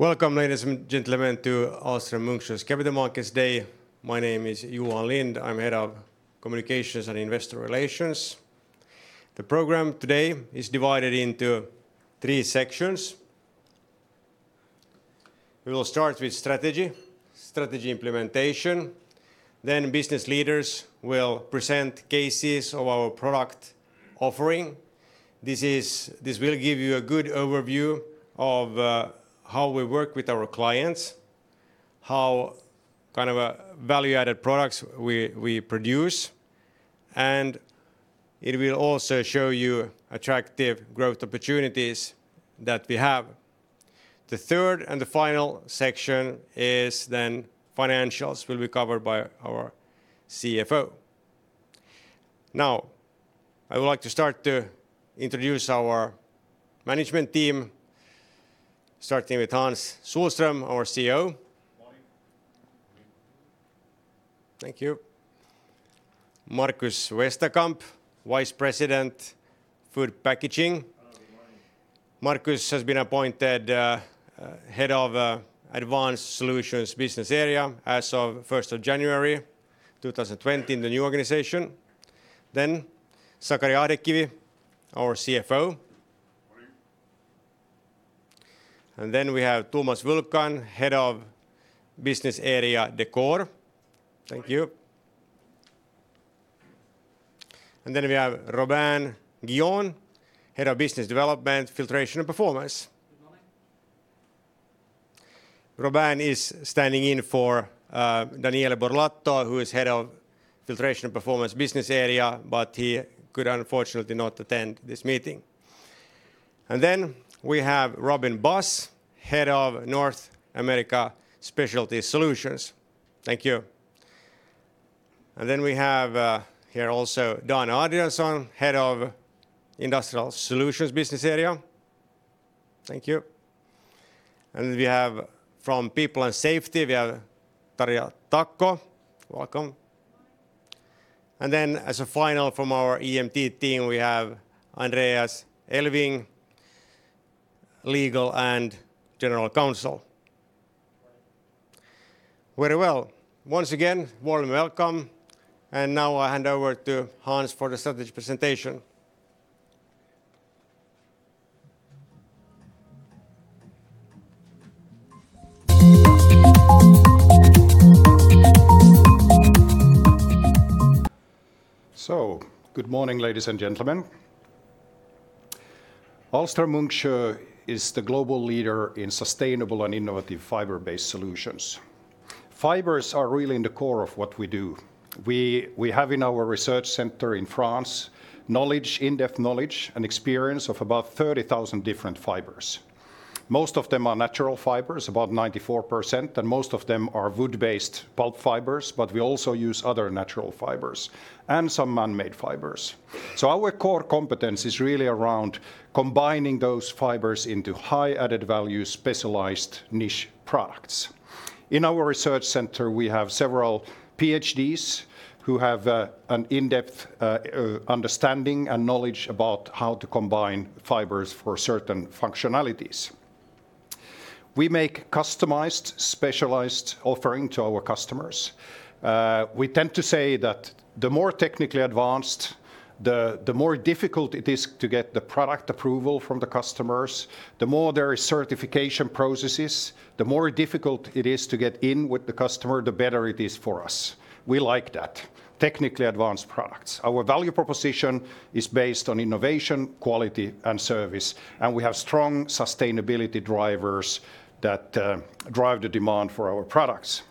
Welcome, ladies and gentlemen, to Ahlstrom-Munksjö's Capital Markets Day. My name is Johan Lindh. I'm head of communications and investor relations. The program today is divided into three sections. We will start with strategy implementation. Business leaders will present cases of our product offering. This will give you a good overview of how we work with our clients, what kind of value-added products we produce, and it will also show you attractive growth opportunities that we have. The third and the final section is then financials, will be covered by our CFO. I would like to start to introduce our management team, starting with Hans Sohlström, our CEO. Thank you. Markus Westerkamp, Vice President, Food Packaging. Markus has been appointed head of Advanced Solutions business area as of 1st of January 2020 in the new organization. Then, Sakari Ahdekivi, our CFO. We have Tomas Wulkan, Head of Business Area Decor. Thank you. Then, we have Robin Guillaud, Head of Business Development, Filtration and Performance. Robin is standing in for Daniele Borlatto, who is Head of Filtration and Performance business area. But he could unfortunately not attend this meeting. We have Robyn Buss, Head of North America Specialty Solutions. Thank you. We have here also Dan Adrianzon, Head of Industrial Solutions business area. Thank you. We have from People and Safety, we have Tarja Takko. Welcome. As a final from our EMT team, we have Andreas Elving, Legal and General Counsel. Very well. Once again, warmly welcome, and now I hand over to Hans for the strategy presentation. Good morning, ladies and gentlemen. Ahlstrom-Munksjö is the global leader in sustainable and innovative fiber-based solutions. Fibers are really in the core of what we do. We have in our research center in France, in-depth knowledge and experience of about 30,000 different fibers. Most of them are natural fibers, about 94%, and most of them are wood-based pulp fibers, but we also use other natural fibers and some man-made fibers. Our core competence is really around combining those fibers into high added-value specialized niche products. In our research center, we have several PhDs who have an in-depth understanding and knowledge about how to combine fibers for certain functionalities. We make customized, specialized offering to our customers. We tend to say that the more technically advanced, the more difficult it is to get the product approval from the customers, the more there is certification processes, the more difficult it is to get in with the customer, the better it is for us. We like that. Technically advanced products. Our value proposition is based on innovation, quality, and service, and we have strong sustainability drivers that drive the demand for our products.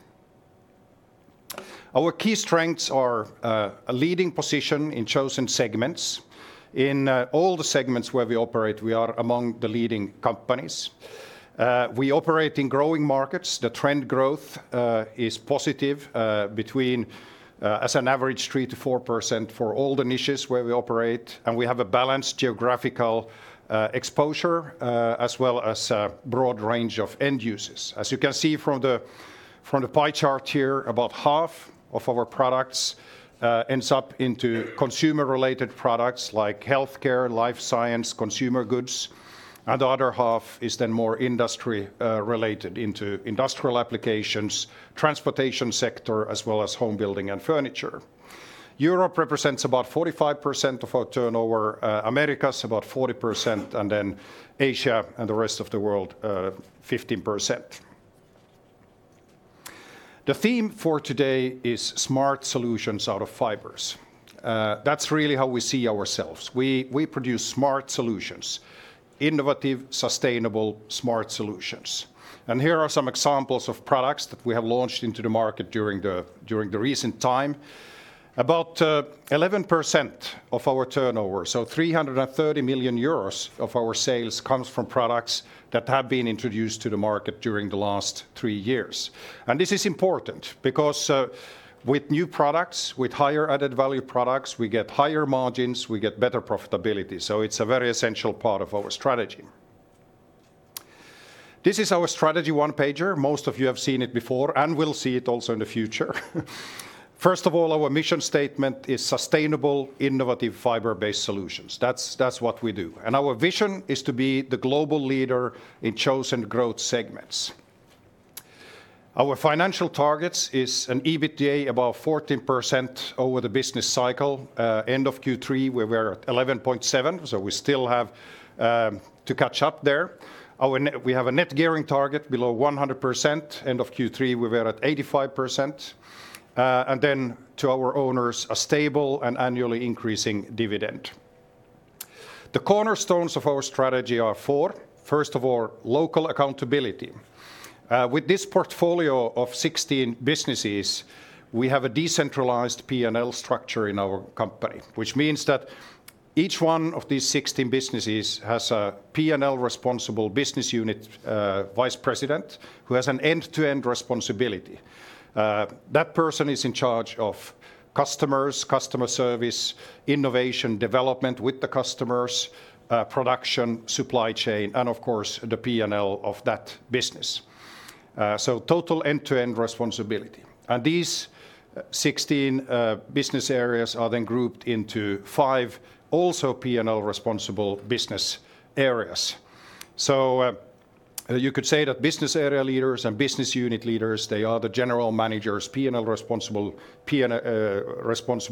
Our key strengths are a leading position in chosen segments. In all the segments where we operate, we are among the leading companies. We operate in growing markets. The trend growth is positive between, as an average, 3%-4% for all the niches where we operate, and we have a balanced geographical exposure, as well as a broad range of end uses. As you can see from the pie chart here, about half of our products ends up into consumer-related products like healthcare, life science, consumer goods, the other half is then more industry-related into industrial applications, transportation sector, as well as home building and furniture. Europe represents about 45% of our turnover, Americas about 40%, Asia and the rest of the world, 15%. The theme for today is smart solutions out of fibers. That's really how we see ourselves. We produce smart solutions, innovative, sustainable, smart solutions. Here are some examples of products that we have launched into the market during the recent time. About 11% of our turnover, so 330 million euros of our sales, comes from products that have been introduced to the market during the last three years. This is important because with new products, with higher added value products, we get higher margins, we get better profitability. It's a very essential part of our strategy. This is our strategy one-pager. Most of you have seen it before and will see it also in the future. First of all, our mission statement is sustainable, innovative, fiber-based solutions. That's what we do. Our vision is to be the global leader in chosen growth segments. Our financial targets is an EBITDA about 14% over the business cycle. End of Q3, we were at 11.7%, we still have to catch up there. We have a net gearing target below 100%. End of Q3, we were at 85%. To our owners, a stable and annually increasing dividend. The cornerstones of our strategy are four. First of all, local accountability. With this portfolio of 16 businesses, we have a decentralized P&L structure in our company, which means that each one of these 16 businesses has a P&L responsible business unit vice president who has an end-to-end responsibility. That person is in charge of customers, customer service, innovation, development with the customers, production, supply chain, and of course, the P&L of that business. Total end-to-end responsibility. These 16 business areas are then grouped into five also P&L responsible business areas. You could say that business area leaders and business unit leaders, they are the general managers, P&L responsible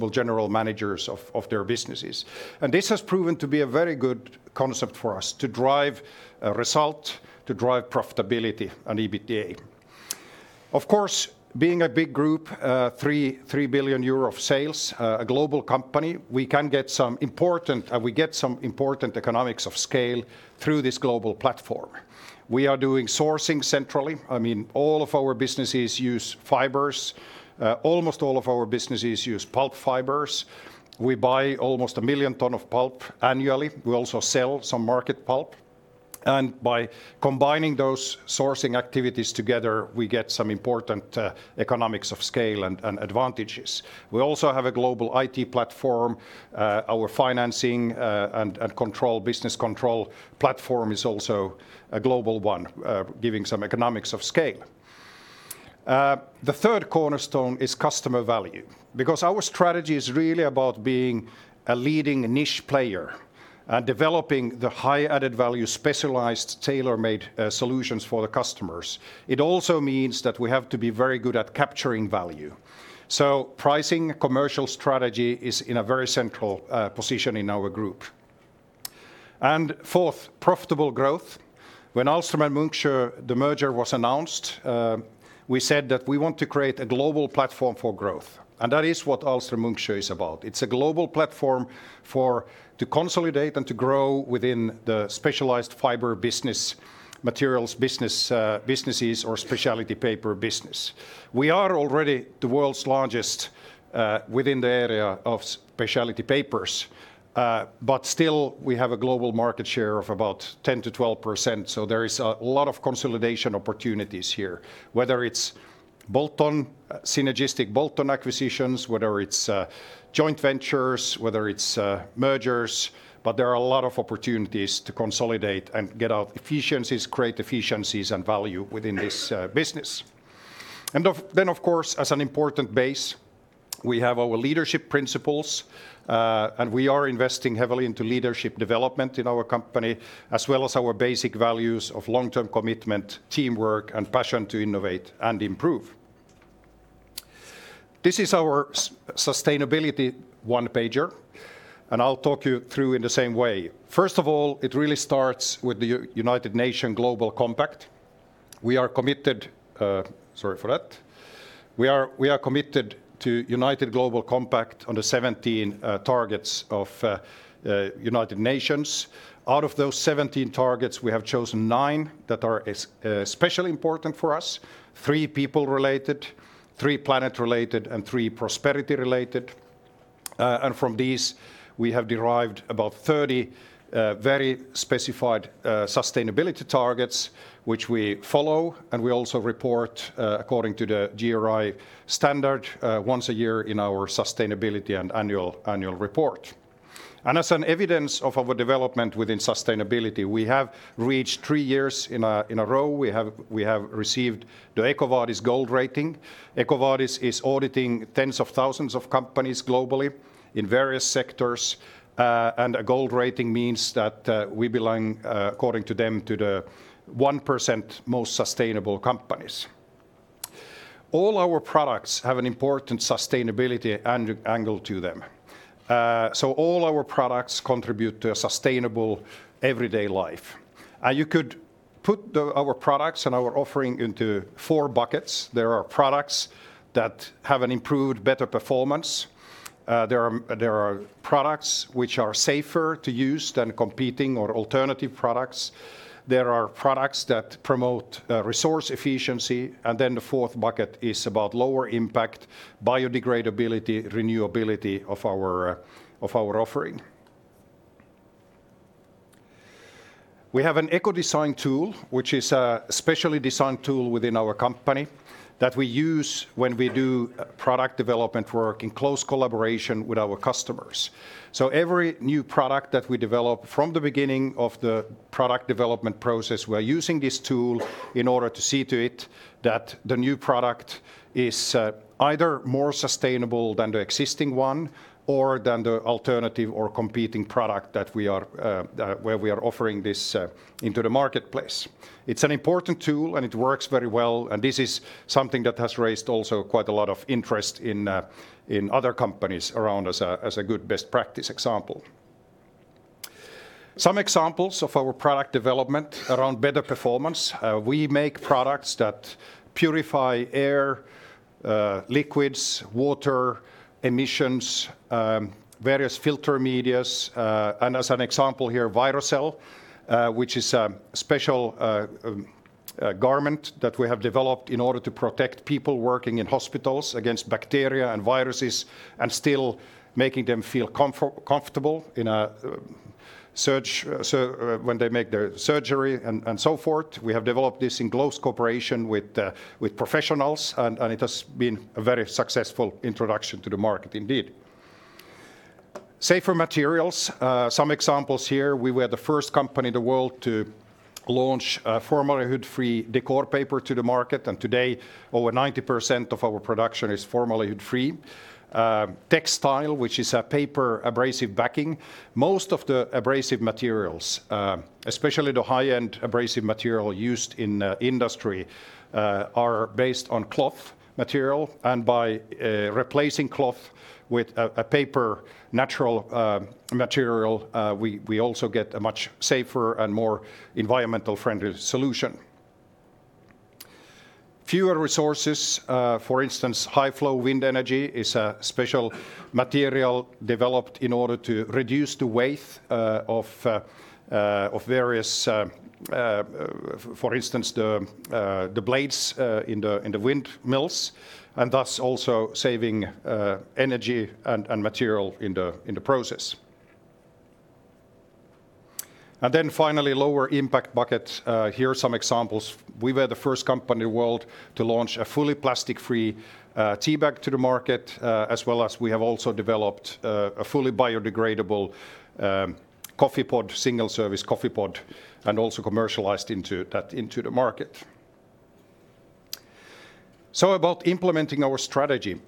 general managers of their businesses. This has proven to be a very good concept for us to drive result, to drive profitability and EBITDA. Of course, being a big group, 3 billion euro of sales, a global company, we get some important economics of scale through this global platform. We are doing sourcing centrally. All of our businesses use fibers. Almost all of our businesses use pulp fibers. We buy almost 1 million tons of pulp annually. We also sell some market pulp. By combining those sourcing activities together, we get some important economies of scale and advantages. We also have a global IT platform. Our financing and business control platform is also a global one, giving some economies of scale. The third cornerstone is customer value, because our strategy is really about being a leading niche player and developing the high added-value, specialized, tailor-made solutions for the customers. It also means that we have to be very good at capturing value. Pricing commercial strategy is in a very central position in our group. Fourth, profitable growth. When Ahlstrom and Munksjö, the merger was announced, we said that we want to create a global platform for growth, and that is what Ahlstrom-Munksjö is about. It's a global platform to consolidate and to grow within the specialty fiber business, materials businesses, or specialty paper business. We are already the world's largest within the area of specialty papers. Still, we have a global market share of about 10%-12%. There is a lot of consolidation opportunities here. Whether it's synergistic bolt-on acquisitions, whether it's joint ventures, whether it's mergers, there are a lot of opportunities to consolidate and get out efficiencies, create efficiencies and value within this business. Of course, as an important base, we have our leadership principles, and we are investing heavily into leadership development in our company, as well as our basic values of long-term commitment, teamwork, and passion to innovate and improve. This is our sustainability one-pager, and I'll talk you through in the same way. First of all, it really starts with the United Nations Global Compact. Sorry for that. We are committed to United Nations Global Compact under 17 targets of United Nations. Out of those 17 targets, we have chosen nine that are especially important for us, three people related, three planet related, and three prosperity related. From these, we have derived about 30 very specified sustainability targets, which we follow, and we also report according to the GRI standard once a year in our sustainability and annual report. As an evidence of our development within sustainability, we have reached three years in a row, we have received the EcoVadis gold rating. EcoVadis is auditing tens of thousands of companies globally in various sectors. A gold rating means that we belong, according to them, to the 1% most sustainable companies. All our products have an important sustainability angle to them. All our products contribute to a sustainable everyday life. Put our products and our offering into four buckets. There are products that have an improved, better performance. There are products which are safer to use than competing or alternative products. There are products that promote resource efficiency. The fourth bucket is about lower impact, biodegradability, renewability of our offering. We have an eco design tool, which is a specially designed tool within our company that we use when we do product development work in close collaboration with our customers. Every new product that we develop from the beginning of the product development process, we are using this tool in order to see to it that the new product is either more sustainable than the existing one or than the alternative or competing product where we are offering this into the marketplace. It's an important tool, and it works very well. This is something that has raised also quite a lot of interest in other companies around as a good best practice example. Some examples of our product development around better performance. We make products that purify air, liquids, water, emissions, various filter medias. As an example here, ViroSēl, which is a special garment that we have developed in order to protect people working in hospitals against bacteria and viruses and still making them feel comfortable when they make their surgery and so forth. We have developed this in close cooperation with professionals, and it has been a very successful introduction to the market indeed. Safer materials, some examples here. We were the first company in the world to launch a formaldehyde-free décor paper to the market, and today over 90% of our production is formaldehyde-free. TEX-STYLE™, which is a paper abrasive backing. Most of the abrasive materials, especially the high-end abrasive material used in industry, are based on cloth material. By replacing cloth with a paper natural material, we also get a much safer and more environmental-friendly solution. Fewer resources, for instance, HighFlow Wind Energy is a special material developed in order to reduce the weight of various, for instance, the blades in the windmills, and thus also saving energy and material in the process. Finally, lower impact bucket. Here are some examples. We were the first company in the world to launch a fully plastic-free teabag to the market, as well as we have also developed a fully biodegradable single-service coffee pod and also commercialized that into the market. About implementing our strategy.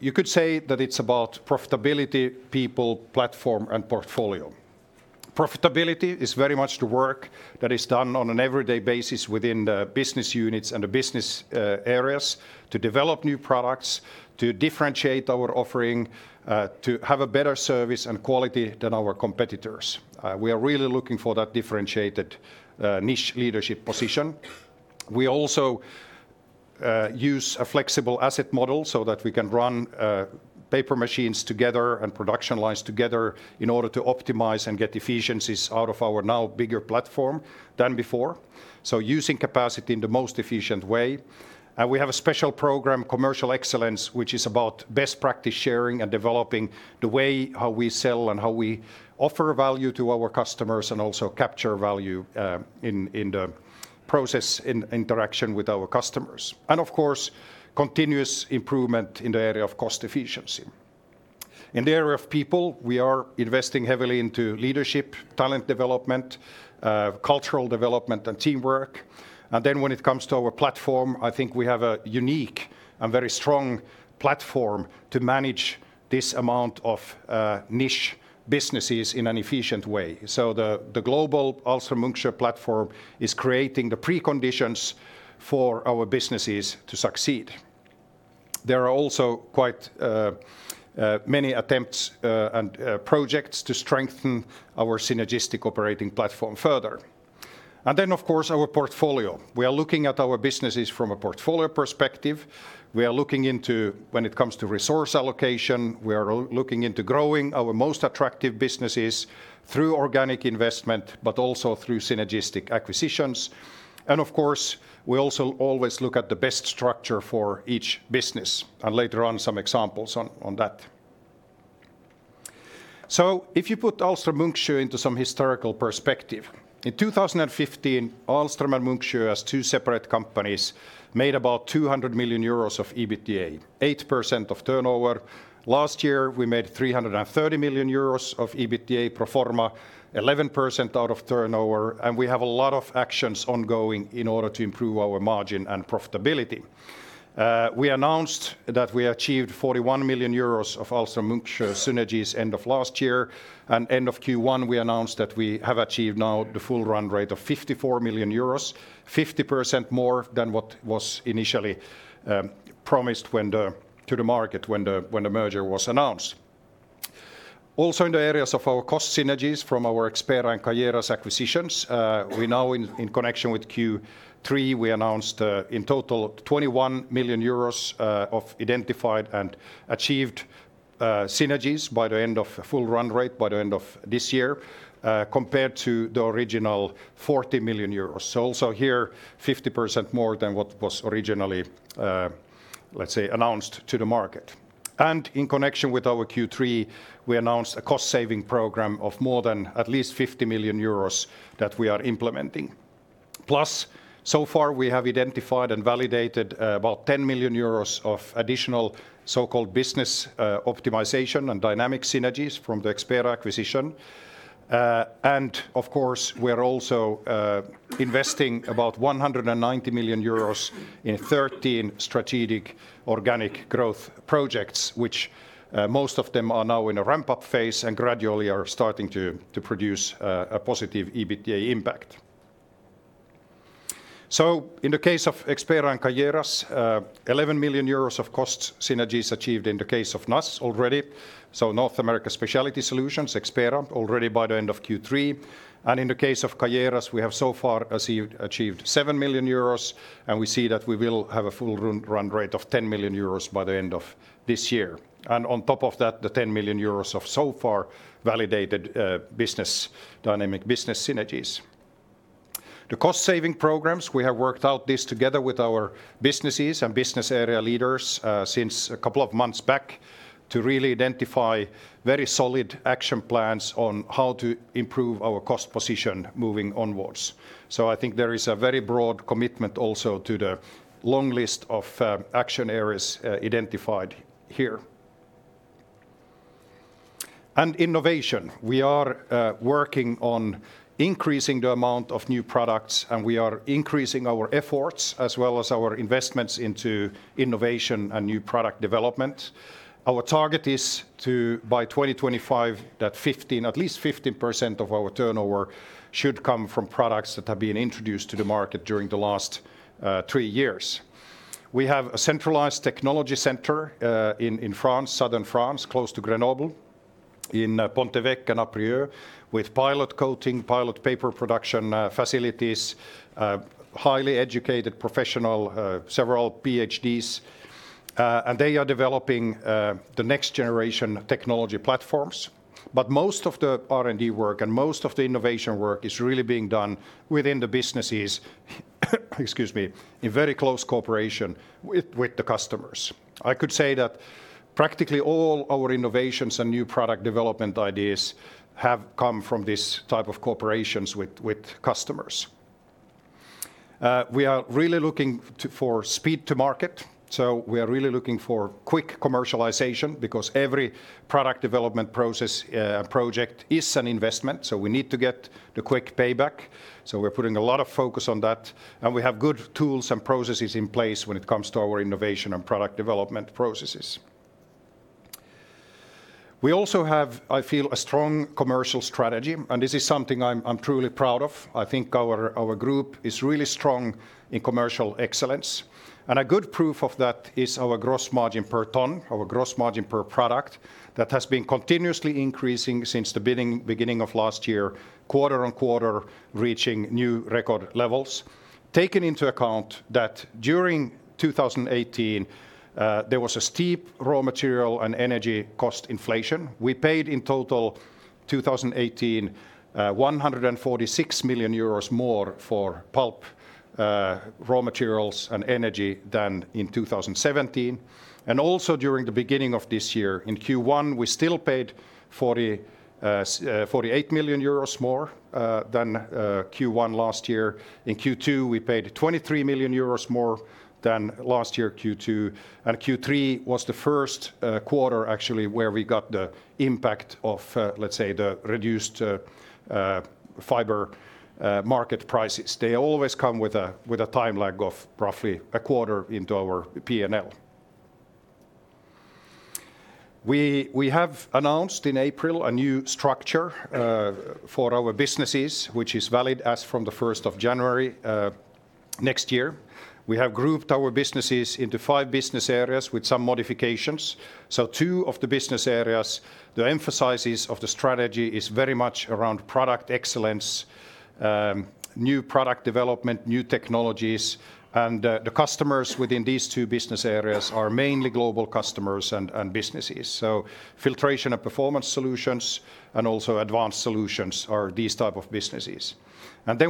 You could say that it's about profitability, people, platform, and portfolio. Profitability is very much the work that is done on an everyday basis within the business units and the business areas to develop new products, to differentiate our offering, to have a better service and quality than our competitors. We are really looking for that differentiated niche leadership position. We also use a flexible asset model so that we can run paper machines together and production lines together in order to optimize and get efficiencies out of our now bigger platform than before. Using capacity in the most efficient way. We have a special program, commercial excellence, which is about best practice sharing and developing the way how we sell and how we offer value to our customers, and also capture value in the process interaction with our customers. Of course, continuous improvement in the area of cost efficiency. In the area of people, we are investing heavily into leadership, talent development, cultural development, and teamwork. When it comes to our platform, I think we have a unique and very strong platform to manage this amount of niche businesses in an efficient way. The global Ahlstrom-Munksjö platform is creating the preconditions for our businesses to succeed. There are also quite many attempts and projects to strengthen our synergistic operating platform further. Of course, our portfolio, we are looking at our businesses from a portfolio perspective. We are looking into when it comes to resource allocation. We are looking into growing our most attractive businesses through organic investment, but also through synergistic acquisitions. Of course, we also always look at the best structure for each business, and later on, some examples on that. If you put Ahlstrom-Munksjö into some historical perspective, in 2015, Ahlstrom and Munksjö as two separate companies made about 200 million euros of EBITDA, 8% of turnover. Last year, we made 330 million euros of EBITDA pro forma, 11% out of turnover. We have a lot of actions ongoing in order to improve our margin and profitability. We announced that we achieved 41 million euros of Ahlstrom-Munksjö synergies end of last year. End of Q1, we announced that we have achieved now the full run rate of 54 million euros, 50% more than what was initially promised to the market when the merger was announced. Also, in the areas of our cost synergies from our Expera and Caieiras acquisitions, in connection with Q3, we announced in total 21 million euros of identified and achieved synergies by the end of full run rate by the end of this year, compared to the original 40 million euros. Also here, 50% more than what was originally, let's say, announced to the market. In connection with our Q3, we announced a cost-saving program of more than at least 50 million euros that we are implementing. Plus, so far we have identified and validated about 10 million euros of additional so-called business optimization and dynamic synergies from the Expera acquisition. Of course, we are also investing about 190 million euros in 13 strategic organic growth projects, which most of them are now in a ramp-up phase and gradually are starting to produce a positive EBITDA impact. In the case of Expera and Caieiras, 11 million euros of cost synergies achieved in the case of NASS already. North America Specialty Solutions, Expera, already by the end of Q3. In the case of Caieiras, we have so far achieved 7 million euros, and we see that we will have a full run rate of 10 million euros by the end of this year. On top of that, the 10 million euros of so far validated dynamic business synergies. The cost-saving programs, we have worked out this together with our businesses and Business Area leaders since a couple of months back to really identify very solid action plans on how to improve our cost position moving onwards. I think there is a very broad commitment also to the long list of action areas identified here. Innovation. We are working on increasing the amount of new products, and we are increasing our efforts as well as our investments into innovation and new product development. Our target is to, by 2025, at least 15% of our turnover should come from products that have been introduced to the market during the last three years. We have a centralized technology center in Southern France, close to Grenoble, in Pont-Évêque and Apprieu, with pilot coating, pilot paper production facilities, highly educated professional, several PhDs. They are developing the next generation technology platforms. Most of the R&D work and most of the innovation work is really being done within the businesses in very close cooperation with the customers. I could say that practically all our innovations and new product development ideas have come from this type of cooperations with customers. We are really looking for speed to market. We are really looking for quick commercialization because every product development project is an investment, so we need to get the quick payback. We're putting a lot of focus on that, and we have good tools and processes in place when it comes to our innovation and product development processes. We also have, I feel, a strong commercial strategy, and this is something I'm truly proud of. I think our group is really strong in commercial excellence. A good proof of that is our gross margin per ton, our gross margin per product, that has been continuously increasing since the beginning of last year, quarter on quarter, reaching new record levels. Taken into account that during 2018, there was a steep raw material and energy cost inflation. We paid in total, 2018, 146 million euros more for pulp, raw materials, and energy than in 2017. Also, during the beginning of this year, in Q1, we still paid 48 million euros more than Q1 last year. In Q2, we paid 23 million euros more than last year Q2. Q3 was the first quarter, actually, where we got the impact of, let's say, the reduced fiber market prices. They always come with a time lag of roughly a quarter into our P&L. We have announced in April a new structure for our businesses, which is valid as from the 1st of January, next year. We have grouped our businesses into five business areas with some modifications. Two of the business areas, the emphasis of the strategy is very much around product excellence, new product development, new technologies, and the customers within these two business areas are mainly global customers and businesses. Filtration & Performance Solutions and also Advanced Solutions are these type of businesses.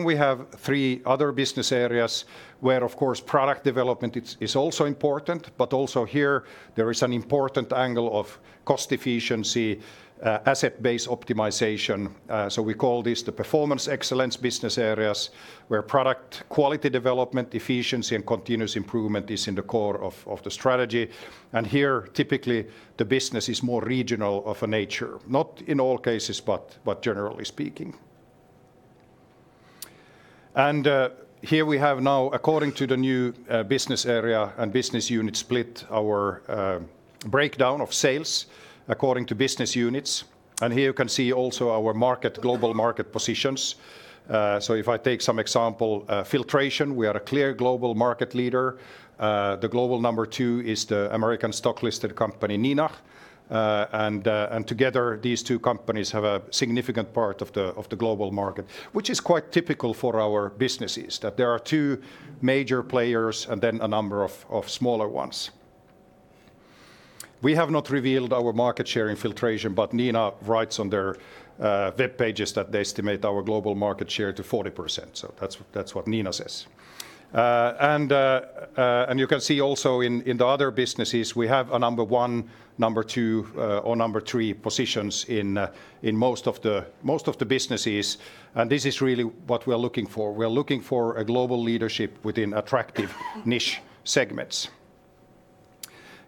We have three other business areas where, of course, product development is also important, but also here, there is an important angle of cost efficiency, asset-based optimization. We call this the Performance Excellence business areas, where product quality development, efficiency, and continuous improvement is in the core of the strategy. Here, typically, the business is more regional of a nature. Not in all cases, but generally speaking. Here we have now, according to the new business area and business unit split, our breakdown of sales according to business units. Here you can see also our global market positions. If I take some example, Filtration, we are a clear global market leader. The global number two is the American stock-listed company, Neenah. Together, these two companies have a significant part of the global market, which is quite typical for our businesses, that there are two major players and then a number of smaller ones. We have not revealed our market share in filtration, but Neenah writes on their web pages that they estimate our global market share to 40%. That's what Neenah says. You can see also in the other businesses, we have a number one, number two, or number three positions in most of the businesses. This is really what we're looking for. We're looking for a global leadership within attractive niche segments.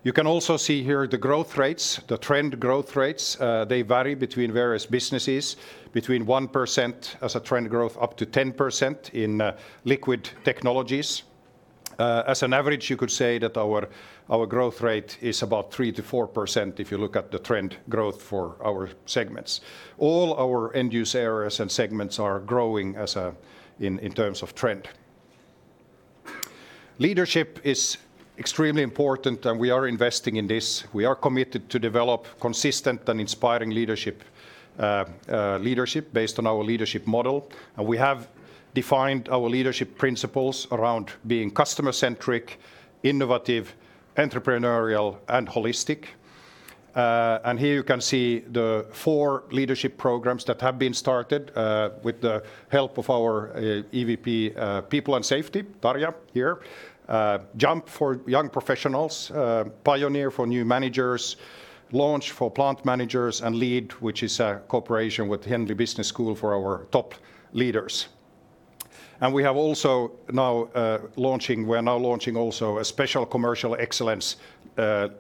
You can also see here the growth rates, the trend growth rates, they vary between various businesses between 1% as a trend growth, up to 10% in liquid technologies. As an average, you could say that our growth rate is about 3%-4% if you look at the trend growth for our segments. All our end use areas and segments are growing in terms of trend. Leadership is extremely important. We are investing in this. We are committed to develop consistent and inspiring leadership based on our leadership model. We have defined our leadership principles around being customer-centric, innovative, entrepreneurial and holistic. Here you can see the four leadership programs that have been started with the help of our EVP, People and Safety, Tarja here. JUMP for young professionals, PIONEER for new managers, LAUNCH for plant managers, and LEAD, which is a cooperation with Henley Business School for our top leaders. We're now launching also a special commercial excellence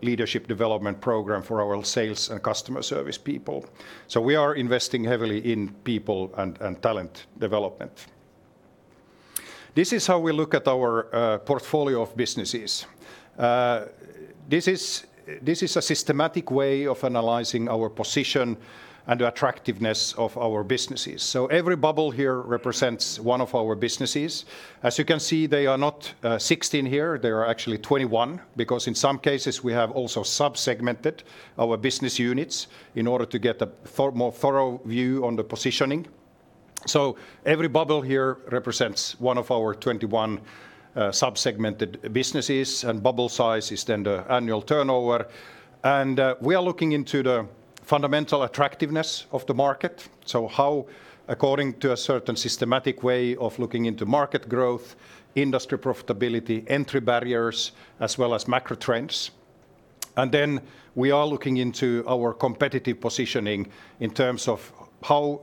leadership development program for our sales and customer service people. We are investing heavily in people and talent development. This is how we look at our portfolio of businesses. This is a systematic way of analyzing our position and attractiveness of our businesses. Every bubble here represents one of our businesses. As you can see, they are not 16 here, they are actually 21, because in some cases we have also sub-segmented our business units in order to get a more thorough view on the positioning. Every bubble here represents one of our 21 sub-segmented businesses, and bubble size is then the annual turnover. We are looking into the fundamental attractiveness of the market. How, according to a certain systematic way of looking into market growth, industry profitability, entry barriers, as well as macro trends. We are looking into our competitive positioning in terms of how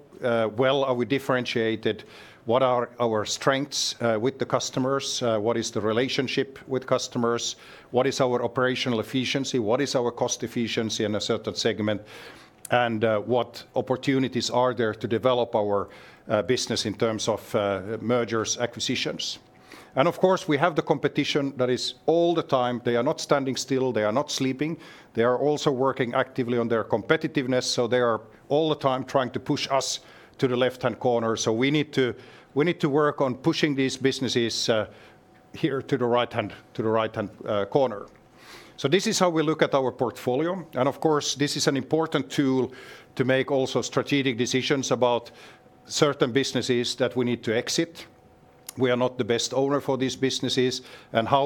well are we differentiated, what are our strengths with the customers, what is the relationship with customers, what is our operational efficiency, what is our cost efficiency in a certain segment, and what opportunities are there to develop our business in terms of mergers, acquisitions. Of course, we have the competition that is all the time. They are not standing still. They are not sleeping. They are also working actively on their competitiveness. They are all the time trying to push us to the left-hand corner. We need to work on pushing these businesses here to the right-hand corner. This is how we look at our portfolio. Of course, this is an important tool to make also strategic decisions about certain businesses that we need to exit. We are not the best owner for these businesses.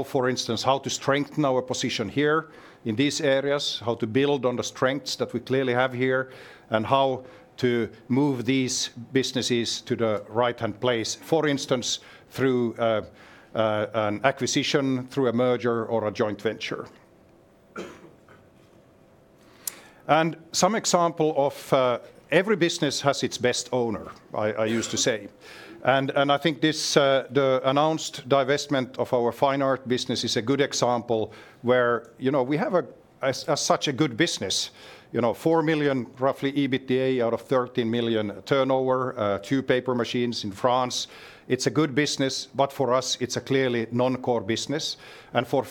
For instance, how to strengthen our position here in these areas, how to build on the strengths that we clearly have here, how to move these businesses to the right-hand place, for instance, through an acquisition, through a merger or a joint venture. Some example of every business has its best owner, I used to say. I think the announced divestment of our fine art business is a good example where we have such a good business, 4 million roughly EBITDA out of 13 million turnover, two paper machines in France. It's a good business, but for us it's a clearly non-core business. For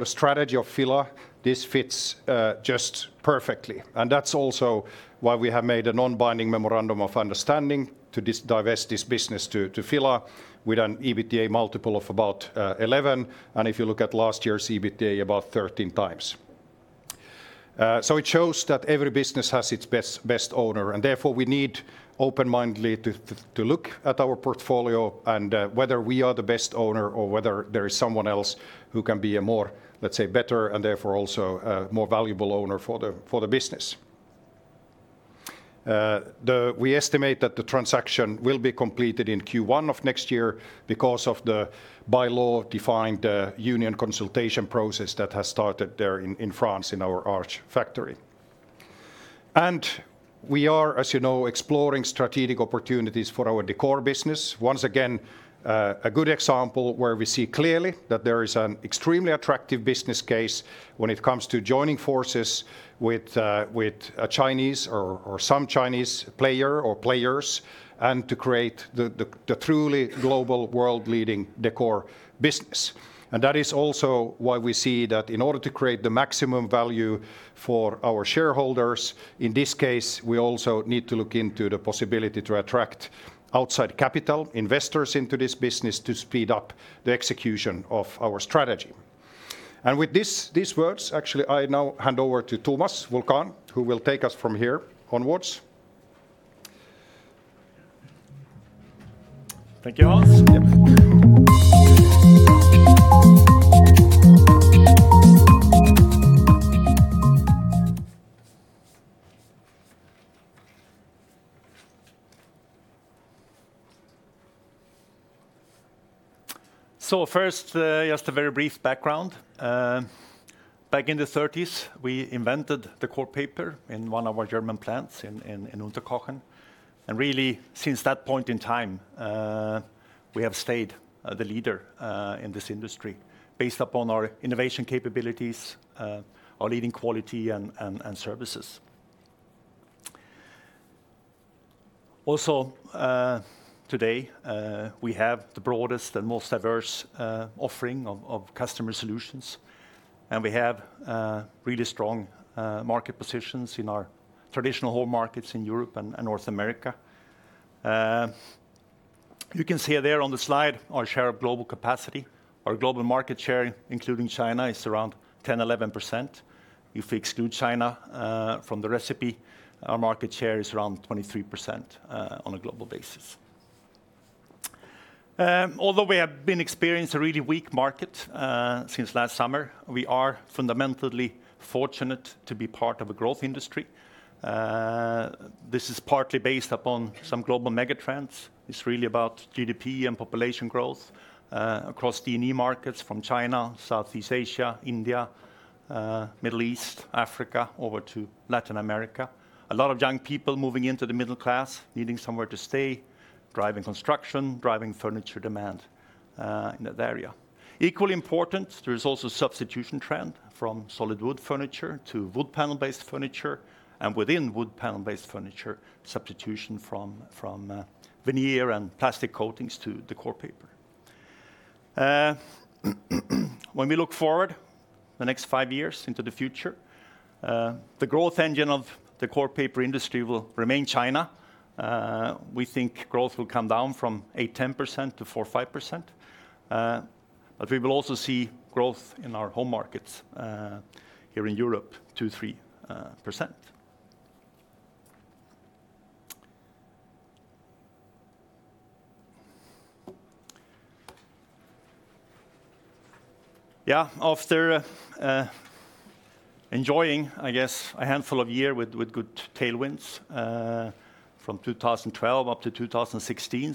the strategy of FILA, this fits just perfectly. That's also why we have made a non-binding memorandum of understanding to divest this business to FILA with an EBITDA multiple of about 11. If you look at last year's EBITDA, about 13 times. It shows that every business has its best owner, and therefore, we need open-mindedly to look at our portfolio and whether we are the best owner or whether there is someone else who can be a more. Let's say, better, and therefore, also a more valuable owner for the business. We estimate that the transaction will be completed in Q1 of next year because of the bylaw defined union consultation process that has started there in France in our Arches factory. We are, as you know, exploring strategic opportunities for our Decor business. Once again, a good example where we see clearly that there is an extremely attractive business case when it comes to joining forces with a Chinese or some Chinese player or players, and to create the truly global world-leading Decor business. That is also why we see that in order to create the maximum value for our shareholders, in this case, we also need to look into the possibility to attract outside capital investors into this business to speed up the execution of our strategy. With these words, actually, I now hand over to Tomas Wulkan, who will take us from here onwards. Thank you, Hans. First, just a very brief background. Back in the '30s, we invented the décor paper in one of our German plants in Unterkochen. Really since that point in time, we have stayed the leader in this industry based upon our innovation capabilities, our leading quality, and services. Also today, we have the broadest and most diverse offering of customer solutions, and we have really strong market positions in our traditional home markets in Europe and North America. You can see there on the slide our share of global capacity. Our global market share, including China, is around 10, 11%. If we exclude China from the recipe, our market share is around 23% on a global basis. Although we have been experiencing a really weak market since last summer, we are fundamentally fortunate to be part of a growth industry. This is partly based upon some global mega trends. It's really about GDP and population growth across D&E markets from China, Southeast Asia, India, Middle East, Africa, over to Latin America. A lot of young people moving into the middle class, needing somewhere to stay, driving construction, driving furniture demand in that area. Equally important, there is also substitution trend from solid wood furniture to wood panel-based furniture, and within wood panel-based furniture, substitution from veneer and plastic coatings to the décor paper. When we look forward the next five years into the future, the growth engine of the décor paper industry will remain China. We think growth will come down from 8%, 10% to 4%, 5%, but we will also see growth in our home markets, here in Europe, 2%, 3%, after enjoying, I guess, a handful of year with good tailwinds, from 2012 up to 2016.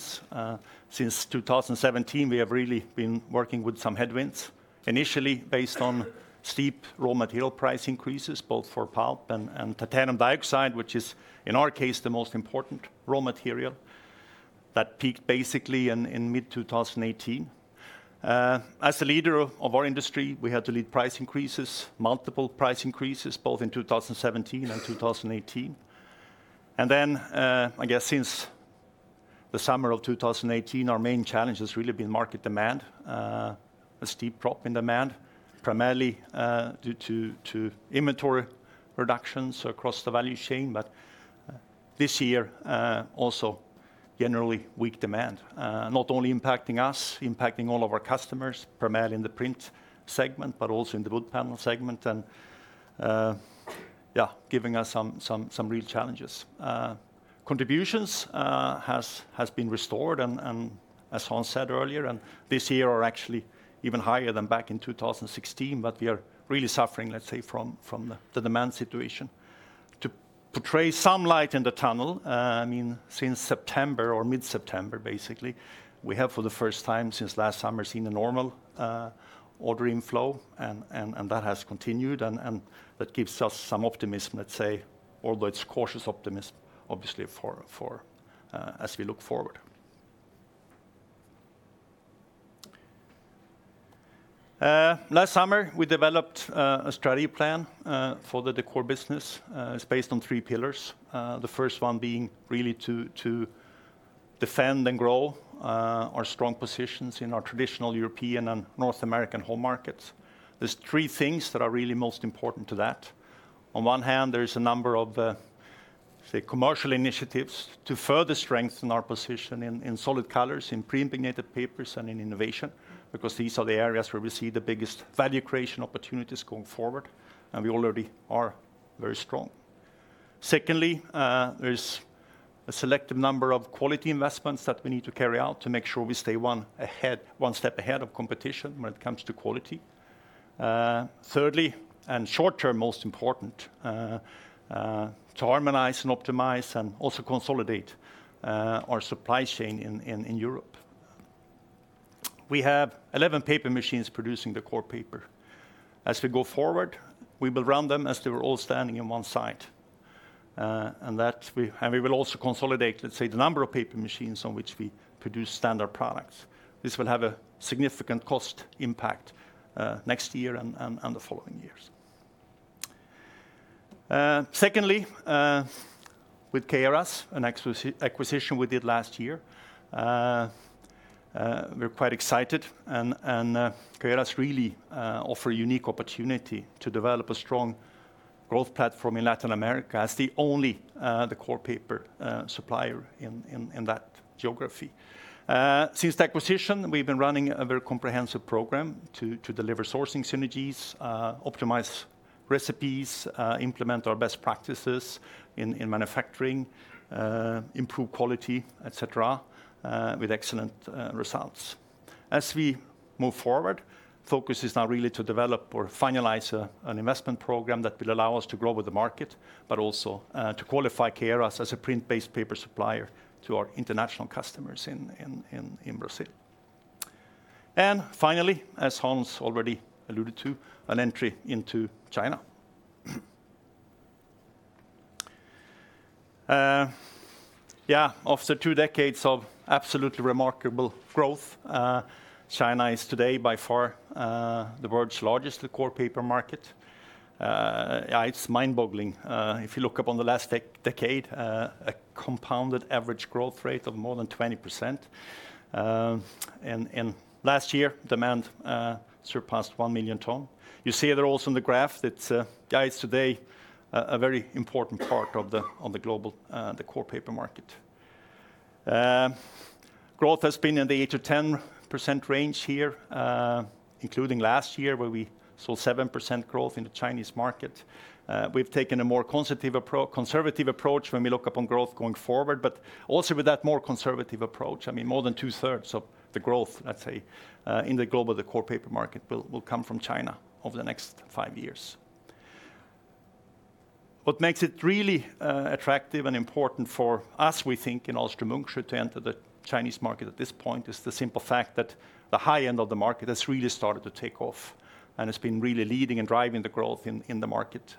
Since 2017, we have really been working with some headwinds, initially based on steep raw material price increases both for pulp and titanium dioxide, which is, in our case, the most important raw material that peaked basically in mid-2018. As the leader of our industry, we had to lead price increases, multiple price increases, both in 2017 and 2018. I guess since the summer of 2018, our main challenge has really been market demand. A steep drop in demand, primarily due to inventory reductions across the value chain. This year, also generally weak demand, not only impacting us, impacting all of our customers, primarily in the print segment, but also in the wood panel segment, and yeah, giving us some real challenges. Contributions has been restored and as Hans said earlier, and this year are actually even higher than back in 2016, but we are really suffering, let's say, from the demand situation. To portray some light in the tunnel, since September or mid-September, basically, we have for the first time since last summer seen a normal ordering flow and that has continued, and that gives us some optimism, let's say, although it's cautious optimism, obviously, as we look forward. Last summer, we developed a strategy plan for the décor business. It's based on three pillars, the first one being really to defend and grow our strong positions in our traditional European and North American home markets. There's three things that are really most important to that. On one hand, there is a number of, say, commercial initiatives to further strengthen our position in solid colors, in pre-impregnated papers, and in innovation, because these are the areas where we see the biggest value creation opportunities going forward, and we already are very strong. Secondly, there's a selective number of quality investments that we need to carry out to make sure we stay one step ahead of competition when it comes to quality. Thirdly, and short-term most important, to harmonize and optimize and also consolidate our supply chain in Europe. We have 11 paper machines producing the décor paper. As we go forward, we will run them as they were all standing in one site. We will also consolidate, let's say, the number of paper machines on which we produce standard products. This will have a significant cost impact, next year and the following years. Secondly, with Caieiras, an acquisition we did last year. We're quite excited. Caieiras really offers a unique opportunity to develop a strong growth platform in Latin America as the only décor paper supplier in that geography. Since the acquisition, we've been running a very comprehensive program to deliver sourcing synergies, optimize recipes, implement our best practices in manufacturing, improve quality, et cetera, with excellent results. As we move forward, focus is now really to develop or finalize an investment program that will allow us to grow with the market, but also to qualify Caieiras as a print-based paper supplier to our international customers in Brazil. Finally, as Hans already alluded to, an entry into China. After two decades of absolutely remarkable growth, China is today by far the world's largest décor paper market. It's mind-boggling. If you look up on the last decade, a compounded average growth rate of more than 20%. Last year, demand surpassed 1 million tons. You see there also in the graph that guides today a very important part of the global décor paper market. Growth has been in the 8%-10% range here, including last year where we saw 7% growth in the Chinese market. We've taken a more conservative approach when we look upon growth going forward, also with that more conservative approach, more than two-thirds of the growth, let's say, in the global décor paper market will come from China over the next five years. What makes it really attractive and important for us, we think in Ahlstrom-Munksjö to enter the Chinese market at this point is the simple fact that the high end of the market has really started to take off and has been really leading and driving the growth in the market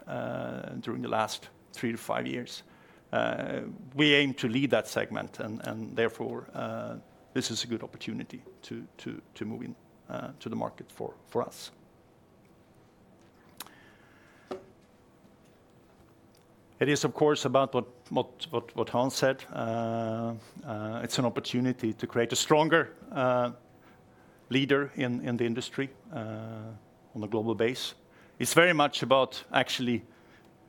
during the last three to five years. We aim to lead that segment and therefore, this is a good opportunity to move into the market for us. It is, of course, about what Hans said. It's an opportunity to create a stronger leader in the industry, on a global base. It's very much about actually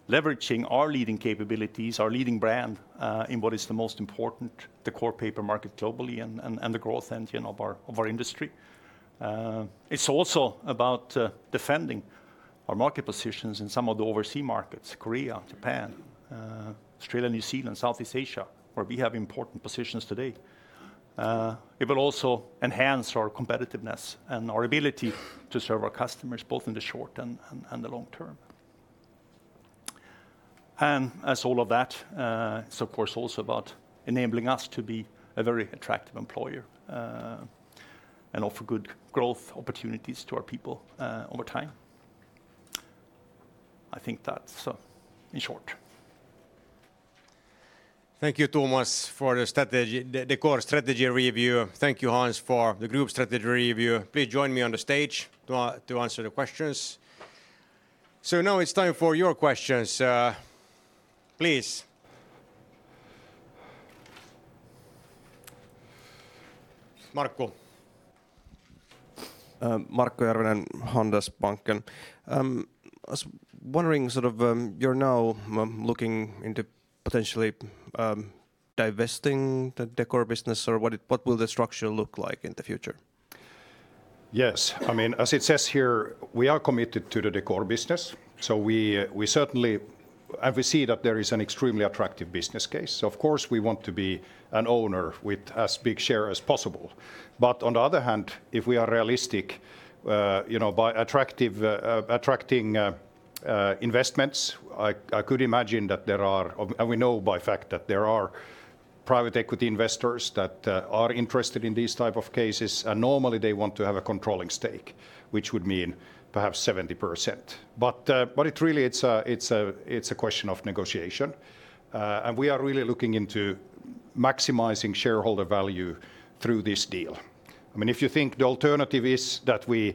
leveraging our leading capabilities, our leading brand, in what is the most important, décor paper market globally and the growth engine of our industry. It's also about defending our market positions in some of the overseas markets, Korea, Japan, Australia, New Zealand, Southeast Asia, where we have important positions today. It will also enhance our competitiveness and our ability to serve our customers, both in the short and the long term. As all of that, it's of course also about enabling us to be a very attractive employer and offer good growth opportunities to our people over time. I think that's in short. Thank you, Tomas, for the Decor strategy review. Thank you, Hans, for the group strategy review. Please join me on the stage to answer the questions. Now it's time for your questions. Please. Markku. Markku Järvinen, Handelsbanken. I was wondering, you're now looking into potentially divesting the Decor business or what will the structure look like in the future? Yes. As it says here, we are committed to the Decor business, and we see that there is an extremely attractive business case. Of course, we want to be an owner with as big share as possible. On the other hand, if we are realistic, by attracting investments, I could imagine that there are, and we know by fact that there are private equity investors that are interested in these type of cases. Normally, they want to have a controlling stake, which would mean perhaps 70%. Really it's a question of negotiation. We are really looking into maximizing shareholder value through this deal. If you think the alternative is that we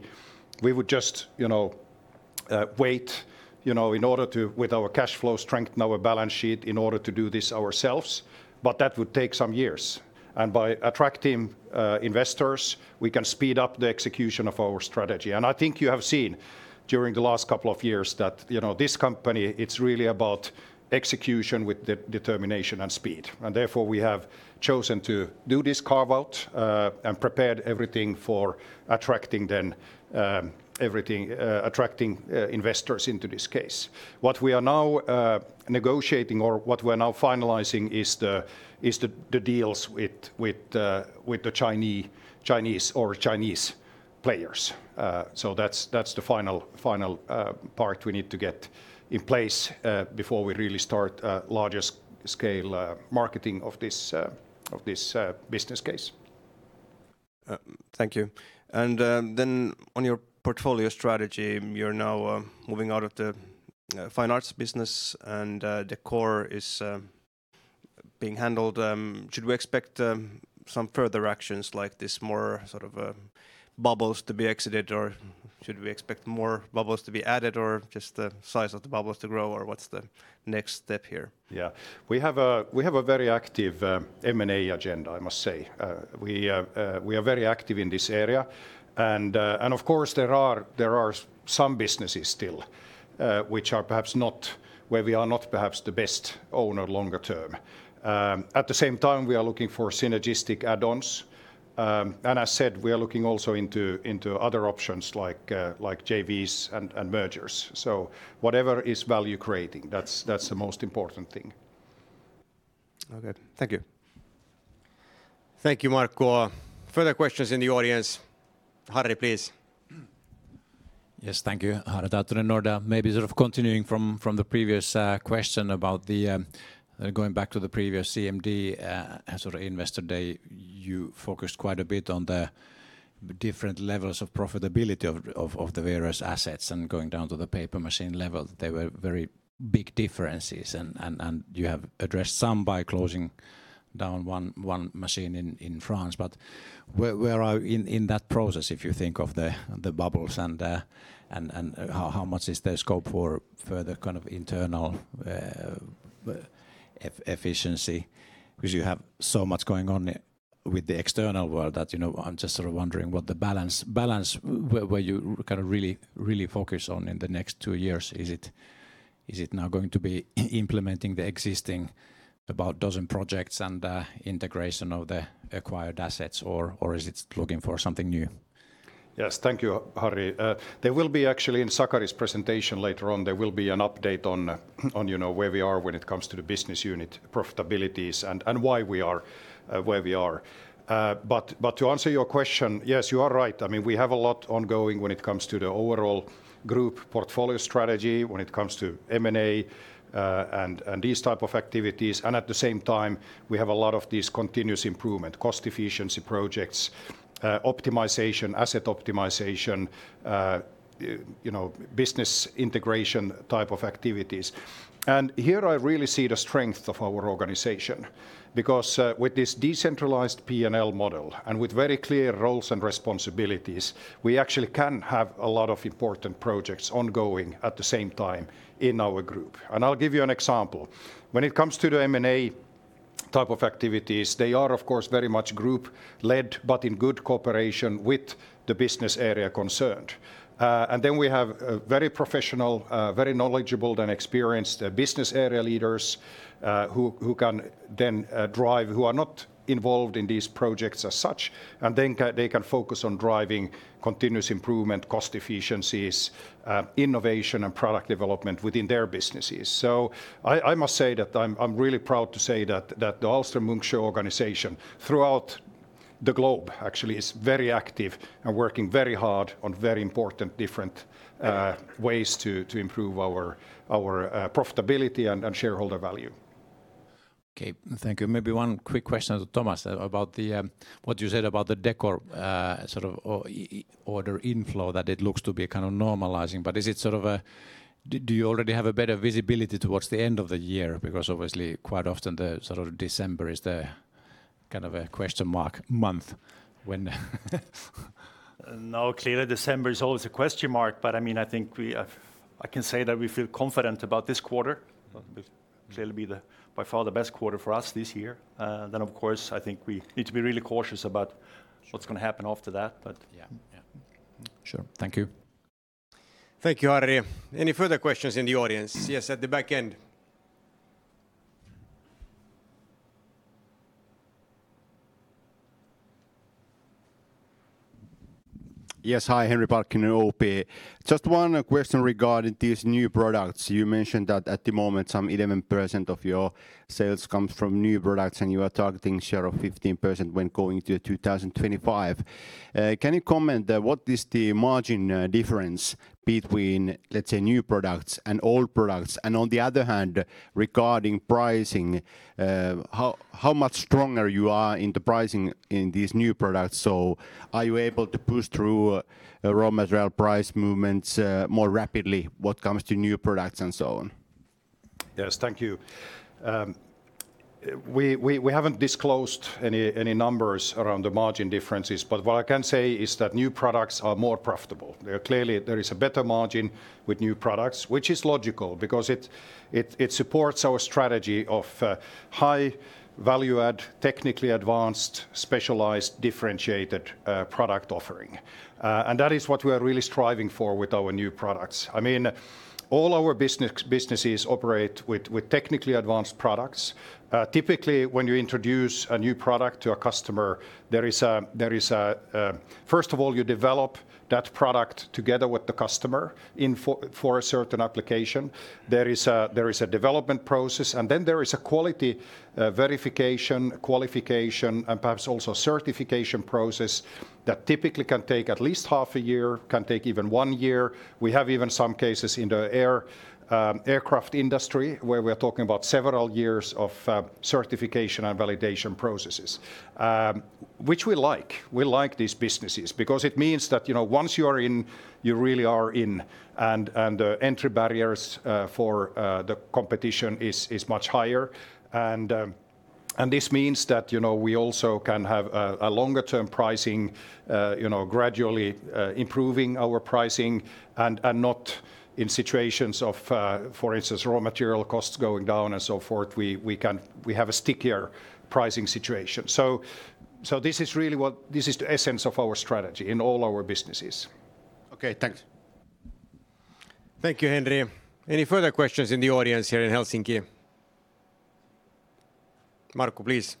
would just wait with our cash flow strength and our balance sheet in order to do this ourselves, but that would take some years. By attracting investors, we can speed up the execution of our strategy. I think you have seen during the last couple of years that this company, it's really about execution with determination and speed. Therefore, we have chosen to do this carve-out, and prepared everything for attracting investors into this case. What we are now negotiating or what we're now finalizing is the deals with the Chinese or Chinese players. That's the final part we need to get in place, before we really start larger scale marketing of this business case. Thank you. On your portfolio strategy, you're now moving out of the Fine Arts business and Decor is being handled. Should we expect some further actions like this, more bubbles to be exited, or should we expect more bubbles to be added or just the size of the bubbles to grow, or what's the next step here? Yeah. We have a very active M&A agenda, I must say. We are very active in this area. Of course, there are some businesses still, where we are not perhaps the best owner longer term. At the same time, we are looking for synergistic add-ons. As said, we are looking also into other options like JVs and mergers. Whatever is value creating, that's the most important thing. Okay. Thank you. Thank you, Markku. Further questions in the audience? Harry, please. Yes. Thank you. Harry [Datranorda]. Maybe continuing from the previous question, going back to the previous CMD investor day, you focused quite a bit on the different levels of profitability of the various assets, and going down to the paper machine level, there were very big differences, and you have addressed some by closing down one machine in France. Where are in that process, if you think of the bubbles and how much is there scope for further kind of internal efficiency? You have so much going on with the external world that I'm just sort of wondering what the balance where you kind of really focus on in the next two years. Is it now going to be implementing the existing about dozen projects and the integration of the acquired assets, or is it looking for something new? Yes. Thank you, Harry. Actually, in Sakari's presentation later on, there will be an update on where we are when it comes to the business unit profitabilities and why we are where we are. To answer your question, yes, you are right. We have a lot ongoing when it comes to the overall group portfolio strategy, when it comes to M&A, and these type of activities, and at the same time, we have a lot of these continuous improvement cost efficiency projects, asset optimization, business integration type of activities. Here I really see the strength of our organization, because with this decentralized P&L model and with very clear roles and responsibilities, we actually can have a lot of important projects ongoing at the same time in our group. I'll give you an example. When it comes to the M&A type of activities, they are of course very much group led, but in good cooperation with the business area concerned. We have very professional, very knowledgeable, and experienced business area leaders who are not involved in these projects as such, and then they can focus on driving continuous improvement, cost efficiencies, innovation, and product development within their businesses. I'm really proud to say that the Ahlstrom-Munksjö organization throughout the globe actually is very active and working very hard on very important different ways to improve our profitability and shareholder value. Okay. Thank you. Maybe one quick question to Tomas about what you said about the décor order inflow, that it looks to be kind of normalizing. Do you already have a better visibility towards the end of the year? Obviously quite often December is the kind of a question mark month when Clearly December is always a question mark, but I think I can say that we feel confident about this quarter. It'll clearly be by far the best quarter for us this year. Of course, I think we need to be really cautious about what's going to happen after that. Yeah. Sure. Thank you. Thank you, Harry. Any further questions in the audience? Yes, at the back end. Yes. Hi, Henri Parkkinen, OP. Just one question regarding these new products. You mentioned that at the moment, some 11% of your sales comes from new products, and you are targeting a share of 15% when going to 2025. Can you comment what is the margin difference between, let's say, new products and old products? On the other hand, regarding pricing, how much stronger you are in the pricing in these new products? Are you able to push through raw material price movements more rapidly when it comes to new products and so on? Yes. Thank you. We haven't disclosed any numbers around the margin differences. What I can say is that new products are more profitable. Clearly, there is a better margin with new products, which is logical because it supports our strategy of high value add, technically advanced, specialized, differentiated product offering. That is what we are really striving for with our new products. All our businesses operate with technically advanced products. Typically, when you introduce a new product to a customer, first of all, you develop that product together with the customer for a certain application. There is a development process, and then there is a quality verification, qualification, and perhaps also certification process that typically can take at least half a year, can take even one year. We have even some cases in the aircraft industry where we are talking about several years of certification and validation processes, which we like. We like these businesses because it means that once you are in, you really are in, and the entry barriers for the competition is much higher. This means that we also can have a longer term pricing, gradually improving our pricing and not in situations of, for instance, raw material costs going down and so forth. We have a stickier pricing situation. This is the essence of our strategy in all our businesses. Okay. Thanks. Thank you, Henri. Any further questions in the audience here in Helsinki? Markku, please.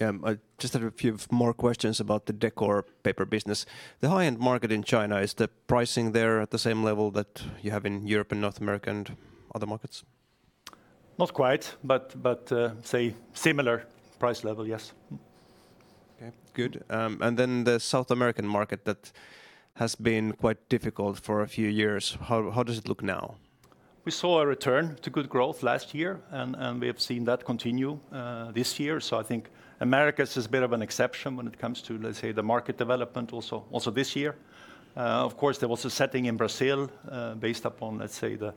Yeah. I just have a few more questions about the decor paper business. The high-end market in China, is the pricing there at the same level that you have in Europe and North America, and other markets? Not quite, but say similar price level, yes. Okay, good. The South American market, that has been quite difficult for a few years. How does it look now? We saw a return to good growth last year, and we have seen that continue this year. I think Americas is a bit of an exception when it comes to, let's say, the market development also this year. Of course, there was a setting in Brazil based upon, let's say, the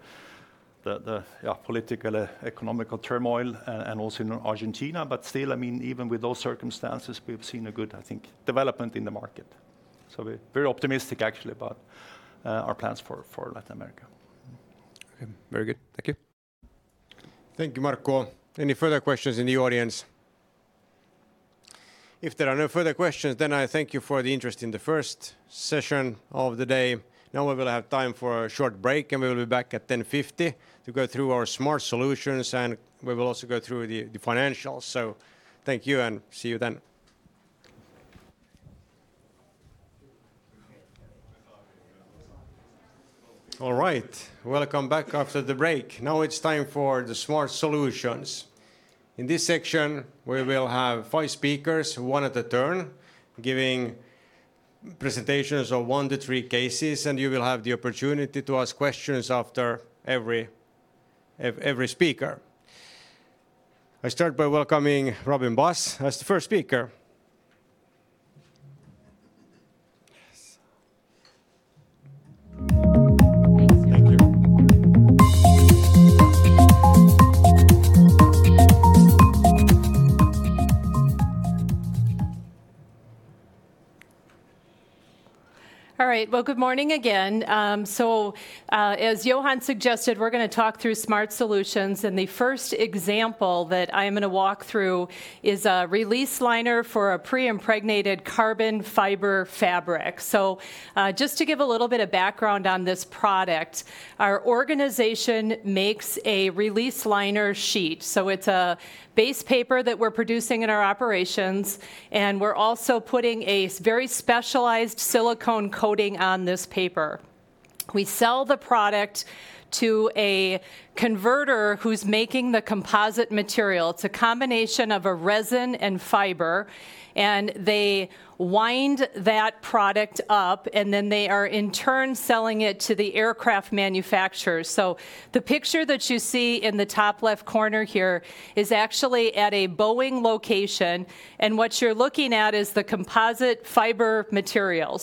political, economic turmoil, and also in Argentina. Still, even with those circumstances, we've seen a good, I think, development in the market. We're very optimistic, actually, about our plans for Latin America. Okay. Very good. Thank you. Thank you, Markku. Any further questions in the audience? If there are no further questions, I thank you for the interest in the first session of the day. We will have time for a short break, and we will be back at 10:50 A.M. to go through our smart solutions, and we will also go through the financials. Thank you, and see you then. All right. Welcome back after the break. It's time for the smart solutions. In this section, we will have five speakers, one at a turn, giving presentations of one to three cases, and you will have the opportunity to ask questions after every speaker. I start by welcoming Robyn Buss as the first speaker. All right. Well, good morning again. As Johan suggested, we're going to talk through smart solutions, and the first example that I am going to walk through is a release liner for a pre-impregnated carbon fiber fabric. Just to give a little bit of background on this product, our organization makes a release liner sheet. It's a base paper that we're producing in our operations, and we're also putting a very specialized silicone coating on this paper. We sell the product to a converter who's making the composite material. It's a combination of a resin and fiber, and they wind that product up, and then they are, in turn, selling it to the aircraft manufacturers. The picture that you see in the top left corner here is actually at a Boeing location, and what you're looking at is the composite fiber material.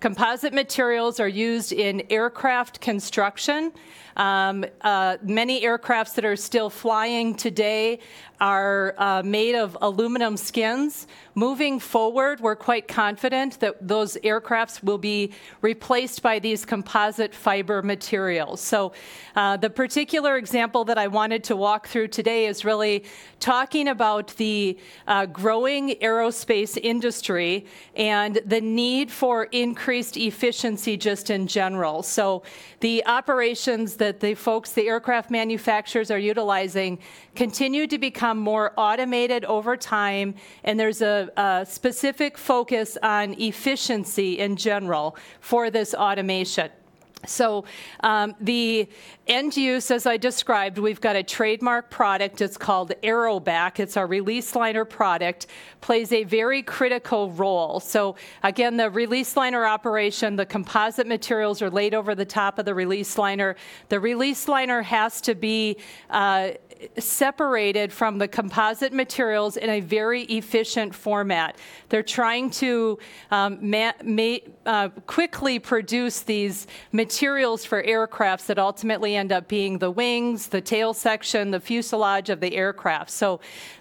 Composite materials are used in aircraft construction. Many aircrafts that are still flying today are made of aluminum skins. Moving forward, we're quite confident that those aircrafts will be replaced by these composite fiber materials. The particular example that I wanted to walk through today is really talking about the growing aerospace industry and the need for increased efficiency just in general. The operations that the folks, the aircraft manufacturers, are utilizing continue to become more automated over time, and there's a specific focus on efficiency, in general, for this automation. The end use, as I described, we've got a trademark product. It's called AeroBak. It's our release liner product. Plays a very critical role. Again, the release liner operation, the composite materials are laid over the top of the release liner. The release liner has to be separated from the composite materials in a very efficient format. They're trying to quickly produce these materials for aircrafts that ultimately end up being the wings, the tail section, the fuselage of the aircraft.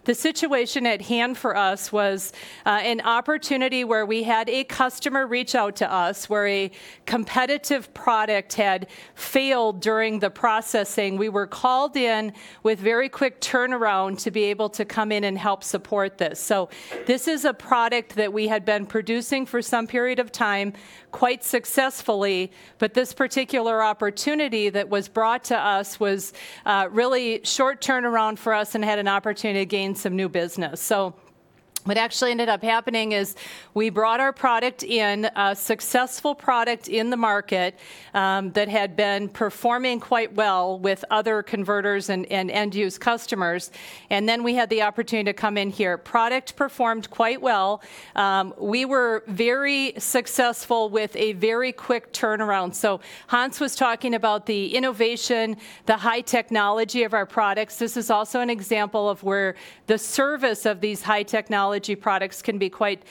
The situation at hand for us was an opportunity where we had a customer reach out to us where a competitive product had failed during the processing. We were called in with very quick turnaround to be able to come in and help support this. This is a product that we had been producing for some period of time, quite successfully, but this particular opportunity that was brought to us was really short turnaround for us, and had an opportunity to gain some new business. What actually ended up happening is we brought our product in, a successful product in the market that had been performing quite well with other converters and end-use customers, and then we had the opportunity to come in here. Product performed quite well. We were very successful with a very quick turnaround. Hans was talking about the innovation, the high technology of our products. This is also an example of where the service of these high-technology products can be quite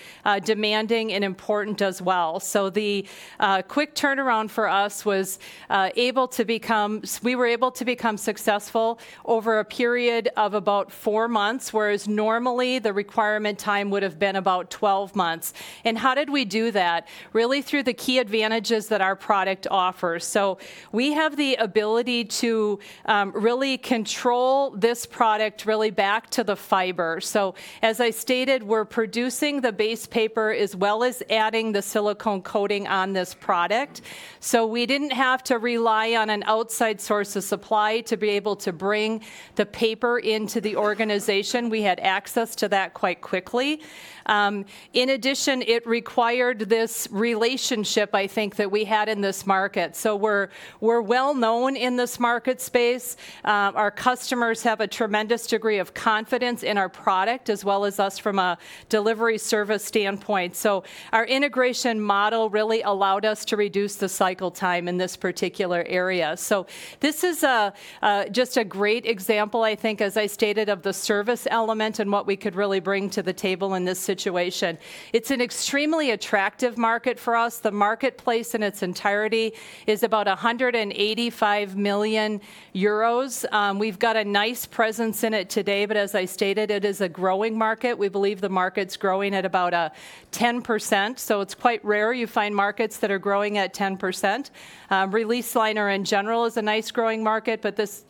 demanding and important as well. The quick turnaround for us was we were able to become successful over a period of about four months, whereas normally, the requirement time would've been about 12 months. How did we do that? Really through the key advantages that our product offers. We have the ability to really control this product, really back to the fiber. As I stated, we're producing the base paper as well as adding the silicone coating on this product. We didn't have to rely on an outside source of supply to be able to bring the paper into the organization. We had access to that quite quickly. In addition, it required this relationship, I think, that we had in this market. We're well known in this market space. Our customers have a tremendous degree of confidence in our product as well as us from a delivery service standpoint. Our integration model really allowed us to reduce the cycle time in this particular area. This is just a great example, I think, as I stated, of the service element and what we could really bring to the table in this situation. It's an extremely attractive market for us. The marketplace in its entirety is about 185 million euros. We've got a nice presence in it today, but as I stated, it is a growing market. We believe the market's growing at about 10%, so it's quite rare you find markets that are growing at 10%. Release liner, in general, is a nice growing market, but this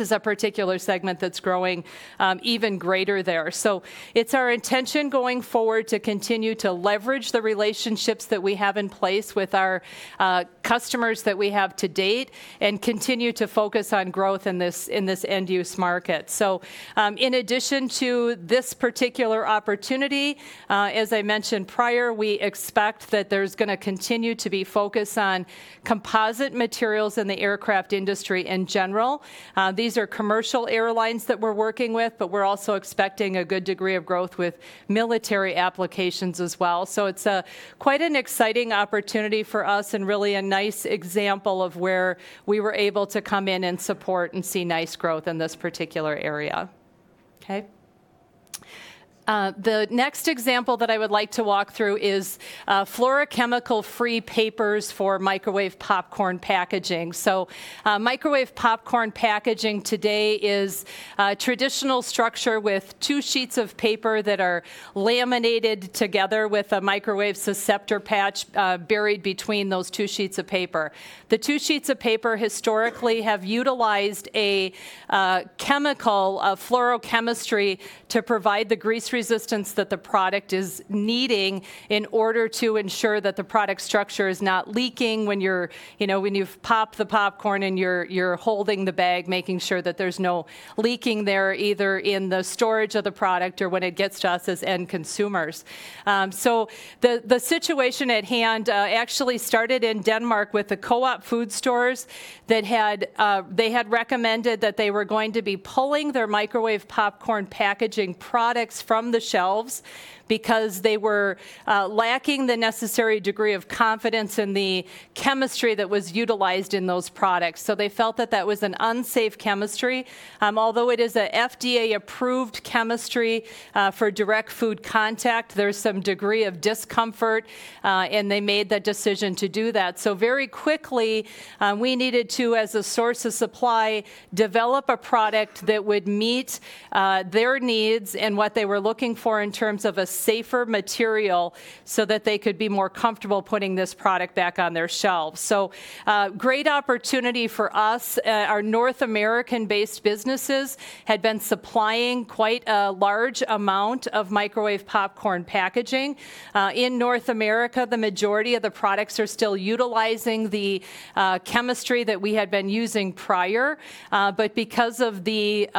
is a particular segment that's growing even greater there. It's our intention going forward to continue to leverage the relationships that we have in place with our customers that we have to date and continue to focus on growth in this end-use market. In addition to this particular opportunity, as I mentioned prior, we expect that there's going to continue to be focus on composite materials in the aircraft industry in general. These are commercial airlines that we're working with, but we're also expecting a good degree of growth with military applications as well. It's quite an exciting opportunity for us and really a nice example of where we were able to come in and support and see nice growth in this particular area. Okay. The next example that I would like to walk through is fluorochemical-free papers for microwave popcorn packaging. Microwave popcorn packaging today is a traditional structure with two sheets of paper that are laminated together with a microwave susceptor patch buried between those two sheets of paper. The two sheets of paper historically have utilized a chemical, a fluorochemistry, to provide the grease resistance that the product is needing in order to ensure that the product structure is not leaking when you've popped the popcorn, and you're holding the bag, making sure that there's no leaking there, either in the storage of the product or when it gets to us as end consumers. The situation at hand actually started in Denmark with the Coop food stores. They had recommended that they were going to be pulling their microwave popcorn packaging products from the shelves because they were lacking the necessary degree of confidence in the chemistry that was utilized in those products. They felt that that was an unsafe chemistry. Although it is a FDA-approved chemistry for direct food contact, there's some degree of discomfort, and they made the decision to do that. Very quickly, we needed to, as a source of supply, develop a product that would meet their needs and what they were looking for in terms of a safer material so that they could be more comfortable putting this product back on their shelves. Great opportunity for us. Our North American-based businesses had been supplying quite a large amount of microwave popcorn packaging. In North America, the majority of the products are still utilizing the chemistry that we had been using prior. Because of the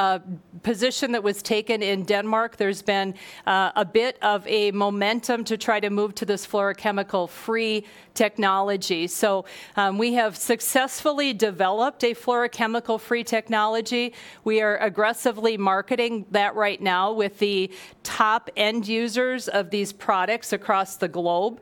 position that was taken in Denmark, there's been a bit of a momentum to try to move to this fluorochemical-free technology. We have successfully developed a fluorochemical-free technology. We are aggressively marketing that right now with the top end users of these products across the globe.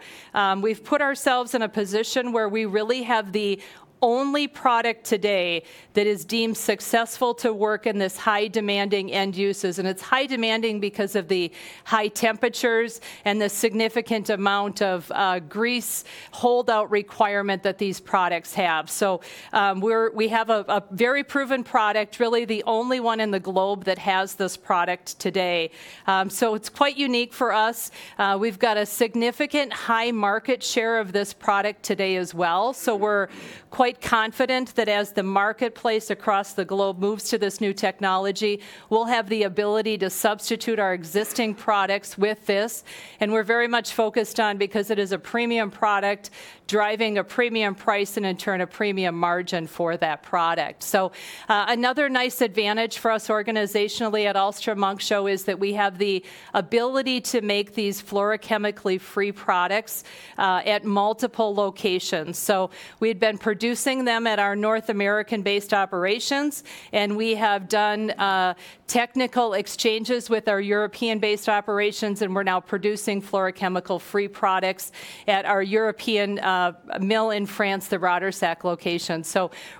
We've put ourselves in a position where we really have the only product today that is deemed successful to work in this high-demanding end uses. It's high-demanding because of the high temperatures and the significant amount of grease holdout requirement that these products have. We have a very proven product, really the only one in the globe that has this product today. It's quite unique for us. We've got a significant high market share of this product today as well, we're quite confident that as the marketplace across the globe moves to this new technology, we'll have the ability to substitute our existing products with this. We're very much focused on because it is a premium product, driving a premium price and in turn, a premium margin for that product. Another nice advantage for us organizationally at Ahlstrom-Munksjö is that we have the ability to make these fluorochemically free products at multiple locations. We'd been producing them at our North American-based operations, and we have done technical exchanges with our European-based operations, and we're now producing fluorochemical-free products at our European mill in France, the Rottersac location.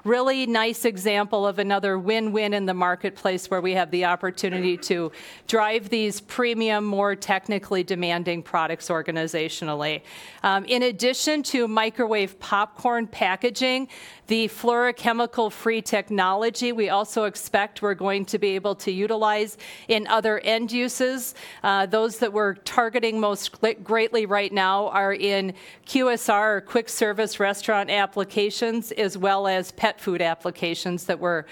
Really nice example of another win-win in the marketplace where we have the opportunity to drive these premium, more technically demanding products organizationally. In addition to microwave popcorn packaging, the fluorochemical-free technology we also expect we're going to be able to utilize in other end uses. Those that we're targeting most greatly right now are in QSR or quick service restaurant applications, as well as pet food applications that we're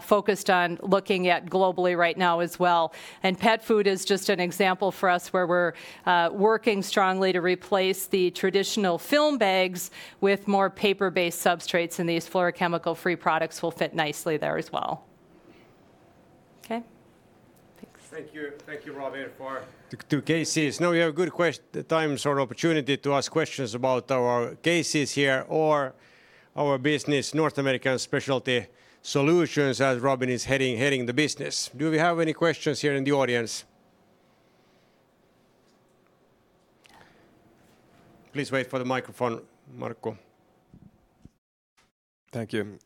focused on looking at globally right now as well. Pet food is just an example for us where we're working strongly to replace the traditional film bags with more paper-based substrates, and these fluorochemical-free products will fit nicely there as well. Okay. Thanks. Thank you. Thank you, Robyn, for the two cases. We have a good time sort of opportunity to ask questions about our cases here or our business, North America Specialty Solutions, as Robyn is heading the business. Do we have any questions here in the audience? Please wait for the microphone, Markku. Thank you.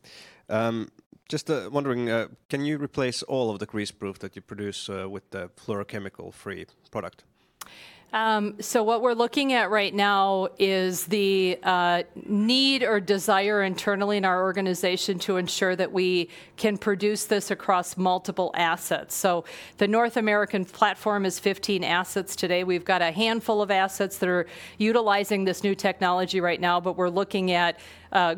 Just wondering, can you replace all of the greaseproof that you produce with the fluorochemical-free product? What we're looking at right now is the need or desire internally in our organization to ensure that we can produce this across multiple assets. The North American platform is 15 assets today. We've got a handful of assets that are utilizing this new technology right now, but we're looking at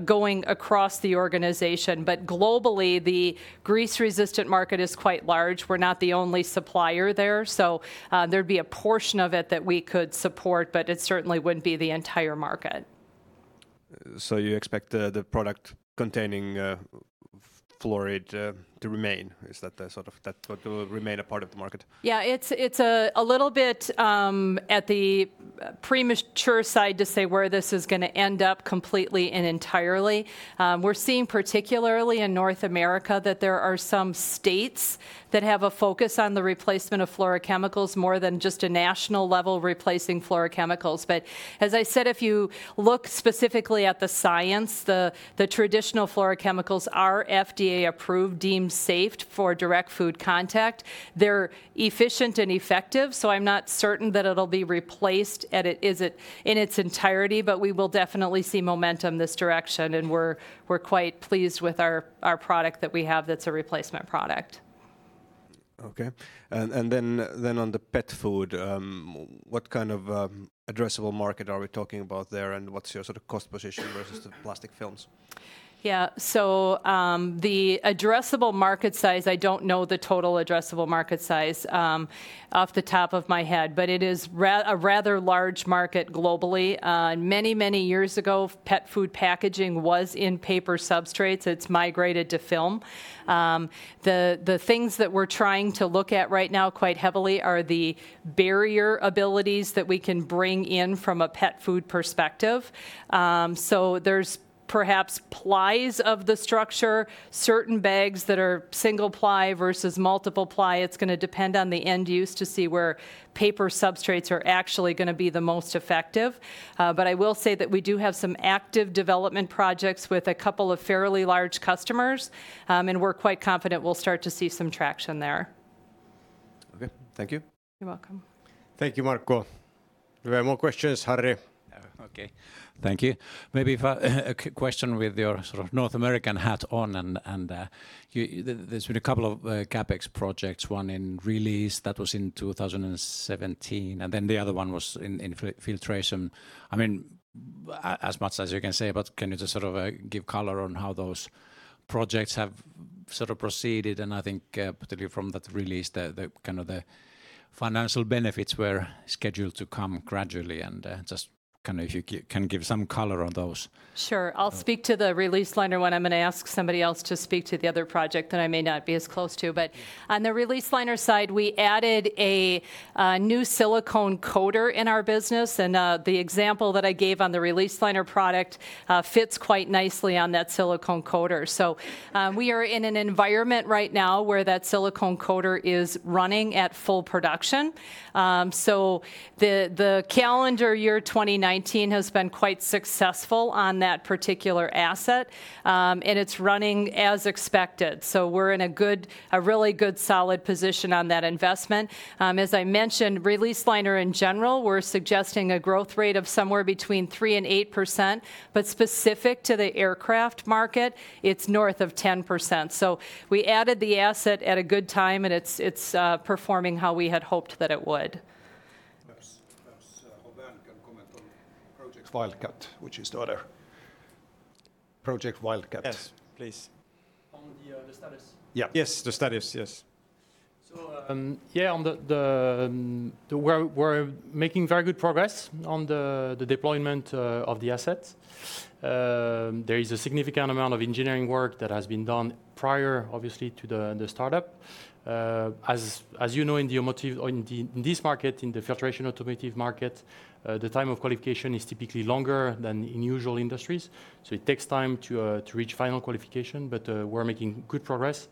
going across the organization. Globally, the grease-resistant market is quite large. We're not the only supplier there, so there'd be a portion of it that we could support, but it certainly wouldn't be the entire market. You expect the product containing fluoride to remain? Is that sort of, that will remain a part of the market? Yeah. It's a little bit at the premature side to say where this is going to end up completely and entirely. We're seeing, particularly in North America, that there are some states that have a focus on the replacement of fluorochemicals more than just a national level replacing fluorochemicals. As I said, if you look specifically at the science, the traditional fluorochemicals are FDA approved, deemed safe for direct food contact. They're efficient and effective, so I'm not certain that it'll be replaced in its entirety, but we will definitely see momentum this direction and we're quite pleased with our product that we have that's a replacement product. Okay. Then on the pet food, what kind of addressable market are we talking about there, and what's your sort of cost position versus the plastic films? The addressable market size, I don't know the total addressable market size off the top of my head, but it is a rather large market globally. Many years ago, pet food packaging was in paper substrates. It's migrated to film. The things that we're trying to look at right now quite heavily are the barrier abilities that we can bring in from a pet food perspective. There's perhaps plies of the structure, certain bags that are single-ply versus multiple-ply. It's going to depend on the end use to see where paper substrates are actually going to be the most effective. I will say that we do have some active development projects with a couple of fairly large customers, and we're quite confident we'll start to see some traction there. Okay. Thank you. You're welcome. Thank you, Markku. Do we have more questions? Harry? Okay. Thank you. Maybe a question with your North American hat on. There's been a couple of CapEx projects, one in release that was in 2017, and then the other one was in filtration. As much as you can say, but can you just give color on how those projects have proceeded. I think particularly from that release, the kind of the financial benefits were scheduled to come gradually. Just if you can give some color on those. Sure. I'll speak to the release liner one. I'm going to ask somebody else to speak to the other project that I may not be as close to. On the release liner side, we added a new silicone coater in our business, and the example that I gave on the release liner product fits quite nicely on that silicone coater. We are in an environment right now where that silicone coater is running at full production. The calendar year 2019 has been quite successful on that particular asset, and it's running as expected. We're in a really good, solid position on that investment. As I mentioned, release liner in general, we're suggesting a growth rate of somewhere between 3% and 8%, but specific to the aircraft market, it's north of 10%. We added the asset at a good time, and it's performing how we had hoped that it would. Perhaps Robin can comment on Project Wildcat, which is the other. Project Wildcat. Yes, please. On the status? Yeah. Yes, the status. Yes. Yeah, on the, we're making very good progress on the deployment of the asset. There is a significant amount of engineering work that has been done prior, obviously, to the startup. As you know, in this market, in the filtration automotive market, the time of qualification is typically longer than in usual industries, so it takes time to reach final qualification. We're making good progress,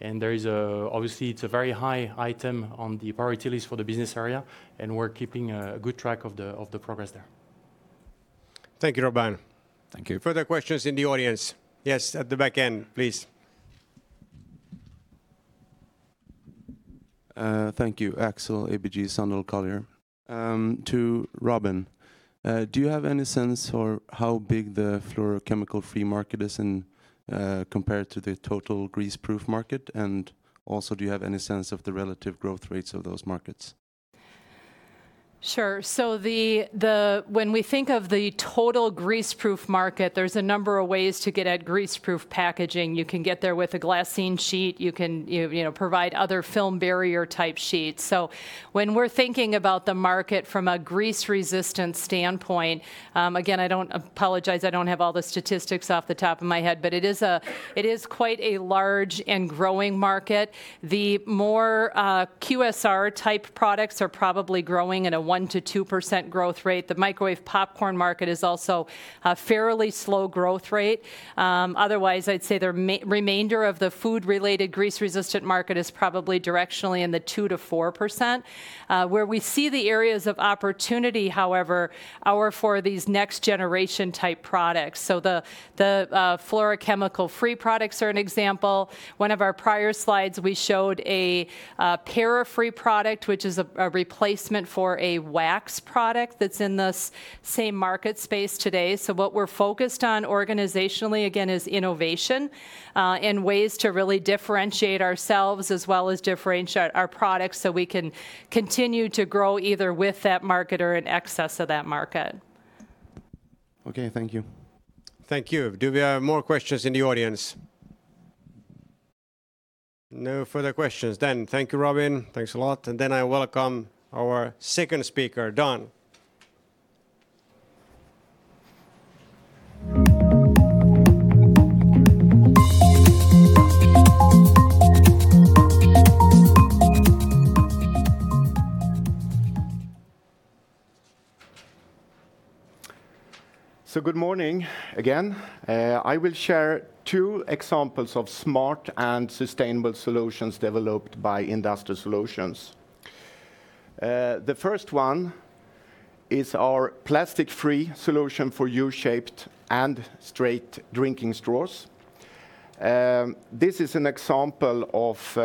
and obviously, it's a very high item on the priority list for the business area, and we're keeping good track of the progress there. Thank you, Robin. Thank you. Further questions in the audience? Yes, at the back end, please. Thank you. Axel, ABG Sundal Collier. To Robyn, do you have any sense for how big the fluorochemical-free market is compared to the total greaseproof market? Also, do you have any sense of the relative growth rates of those markets? Sure. When we think of the total greaseproof market, there's a number of ways to get at greaseproof packaging. You can get there with a glassine sheet. You can provide other film barrier type sheets. When we're thinking about the market from a grease resistance standpoint, again, I apologize I don't have all the statistics off the top of my head, but it is quite a large and growing market. The more QSR type products are probably growing at a 1% to 2% growth rate. The microwave popcorn market is also a fairly slow growth rate. Otherwise, I'd say the remainder of the food-related grease-resistant market is probably directionally in the 2% to 4%. Where we see the areas of opportunity, however, are for these next generation type products. The fluorochemical-free products are an example. One of our prior slides, we showed a ParaFree product, which is a replacement for a wax product that's in the same market space today. What we're focused on organizationally, again, is innovation, and ways to really differentiate ourselves as well as differentiate our products so we can continue to grow either with that market or in excess of that market. Okay. Thank you. Thank you. Do we have more questions in the audience? No further questions, then thank you, Robyn. Thanks a lot. I welcome our second speaker, Dan. Good morning again. I will share two examples of smart and sustainable solutions developed by Industrial Solutions. The first one is our plastic-free solution for U-shaped and straight drinking straws. This is an example of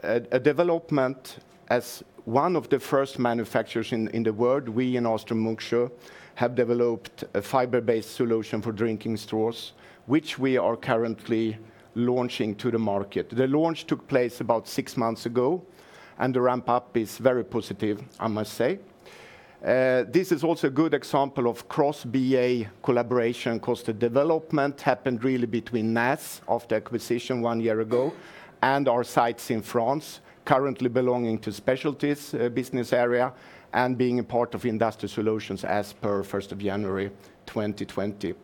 a development as one of the first manufacturers in the world. We in Ahlstrom-Munksjö have developed a fiber-based solution for drinking straws, which we are currently launching to the market. The launch took place about six months ago, and the ramp-up is very positive, I must say. This is also a good example of cross-BA collaboration because the development happened really between NASS after acquisition one year ago and our sites in France currently belonging to Specialties business area and being a part of Industrial Solutions as per 1st of January 2020.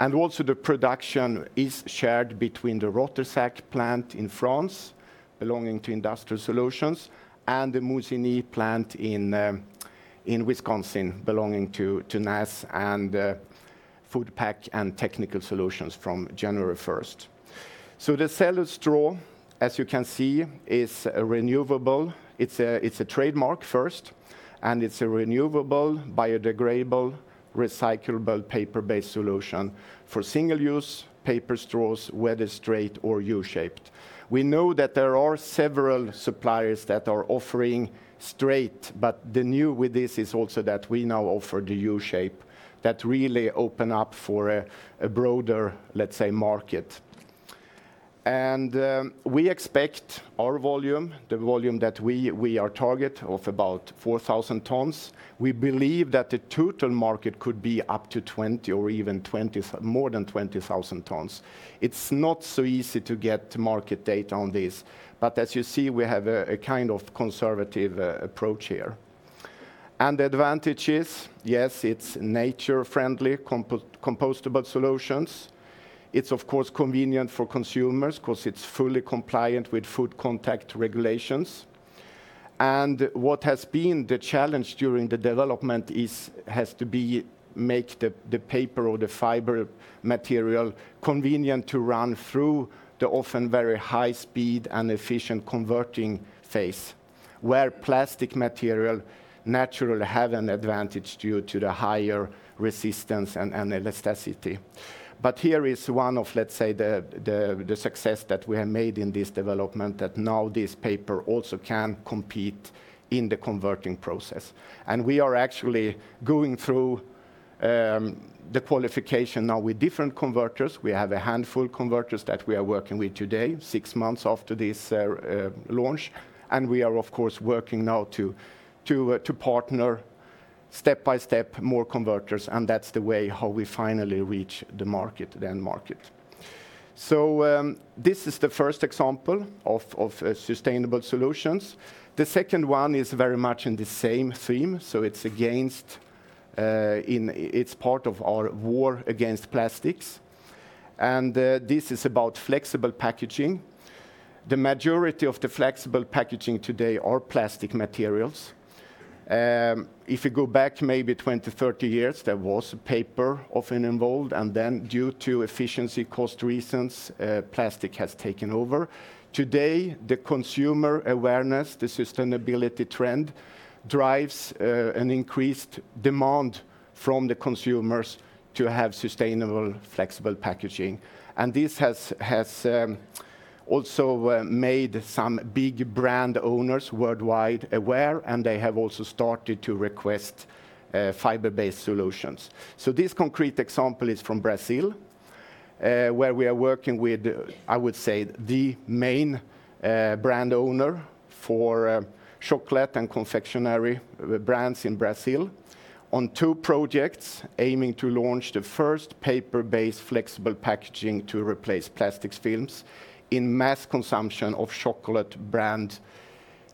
The production is shared between the Rottersac plant in France, belonging to Industrial Solutions, and the Mosinee plant in Wisconsin, belonging to NASS and Food Packaging & Technical Solutions from January 1st. The CelluStraw™, as you can see, it's a trademark first, and it's a renewable, biodegradable, recyclable paper-based solution for single-use paper straws, whether straight or U-shaped. We know that there are several suppliers that are offering straight, but the new with this is also that we now offer the U-shape that really open up for a broader, let's say, market. We expect our volume, the volume that we are target of about 4,000 tons. We believe that the total market could be up to 20 or even more than 20,000 tons. It's not so easy to get market data on this, but as you see, we have a kind of conservative approach here. The advantage is, yes, it's nature-friendly compostable solutions. It's of course convenient for consumers because it's fully compliant with food contact regulations. What has been the challenge during the development has to be make the paper or the fiber material convenient to run through the often very high speed and efficient converting phase, where plastic material naturally have an advantage due to the higher resistance and elasticity. Here is one of, let's say, the success that we have made in this development that now this paper also can compete in the converting process. We are actually going through the qualification now with different converters. We have a handful converters that we are working with today, six months after this launch, and we are of course working now to partner step-by-step more converters, and that's the way how we finally reach the end market. This is the first example of sustainable solutions. The second one is very much in the same theme, so it is part of our war against plastics. This is about flexible packaging. The majority of the flexible packaging today are plastic materials. If you go back maybe 20, 30 years, there was paper often involved, and then due to efficiency cost reasons, plastic has taken over. Today, the consumer awareness, the sustainability trend, drives an increased demand from the consumers to have sustainable flexible packaging. This has also made some big brand owners worldwide aware, and they have also started to request fiber-based solutions. This concrete example is from Brazil, where we are working with, I would say, the main brand owner for chocolate and confectionary brands in Brazil on two projects aiming to launch the first paper-based flexible packaging to replace plastics films in mass consumption of chocolate brand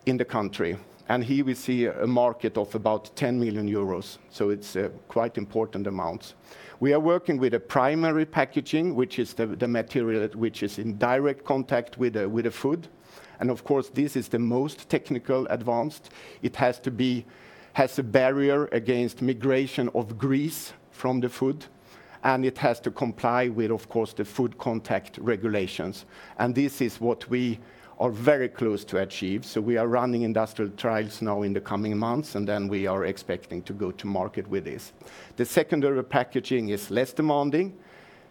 in the country. Here we see a market of about 10 million euros, so it's quite important amounts. We are working with a primary packaging, which is the material which is in direct contact with the food, and of course this is the most technical advanced. It has a barrier against migration of grease from the food, and it has to comply with, of course, the food contact regulations. This is what we are very close to achieve. We are running industrial trials now in the coming months, and then we are expecting to go to market with this. The secondary packaging is less demanding,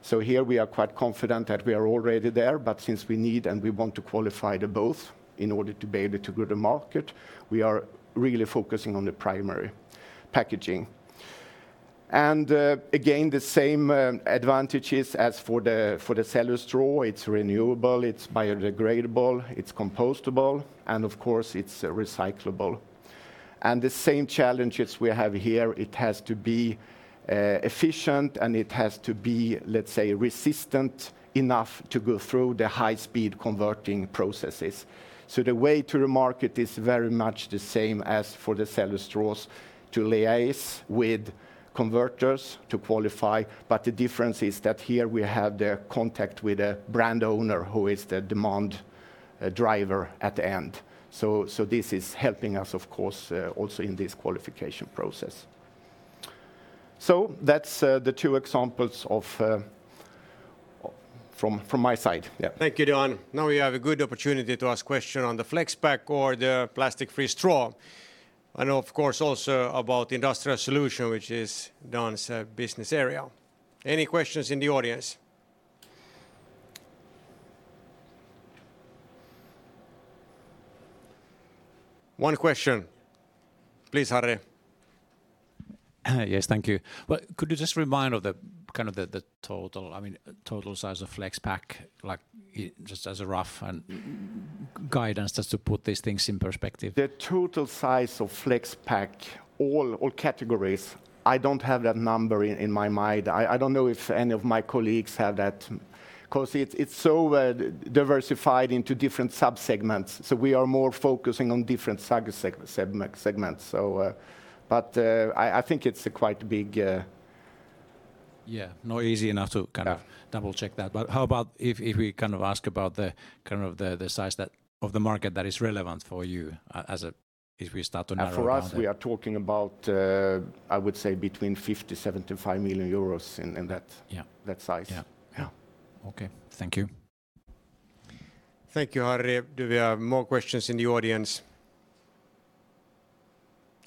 so here we are quite confident that we are already there, but since we need and we want to qualify they both in order to be able to go to market, we are really focusing on the primary packaging. Again, the same advantages as for the CelluStraw. It's renewable, it's biodegradable, it's compostable, and of course it's recyclable. The same challenges we have here, it has to be efficient and it has to be, let's say, resistant enough to go through the high-speed converting processes. The way to the market is very much the same as for the CelluStraws to liaise with converters to qualify. The difference is that here we have the contact with a brand owner who is the demand driver at the end. This is helping us, of course, also in this qualification process. That's the two examples from my side. Yeah. Thank you, Dan. We have a good opportunity to ask question on the flexpack or the plastic-free straw, and of course also about the Industrial Solutions, which is Dan's business area. Any questions in the audience? One question. Please, Harry. Yes, thank you. Could you just remind of the total size of flexpack, just as a rough guidance, just to put these things in perspective? The total size of flexpack, all categories, I don't have that number in my mind. I don't know if any of my colleagues have that because it's so diversified into different sub-segments. We are more focusing on different sub-segments. I think it's quite big. Yeah. Not easy enough to double check that. How about if we ask about the size of the market that is relevant for you as if we start to narrow down that? For us, we are talking about, I would say between 50 million-75 million euros. Yeah That size. Yeah. Yeah. Okay. Thank you. Thank you, Harry. Do we have more questions in the audience?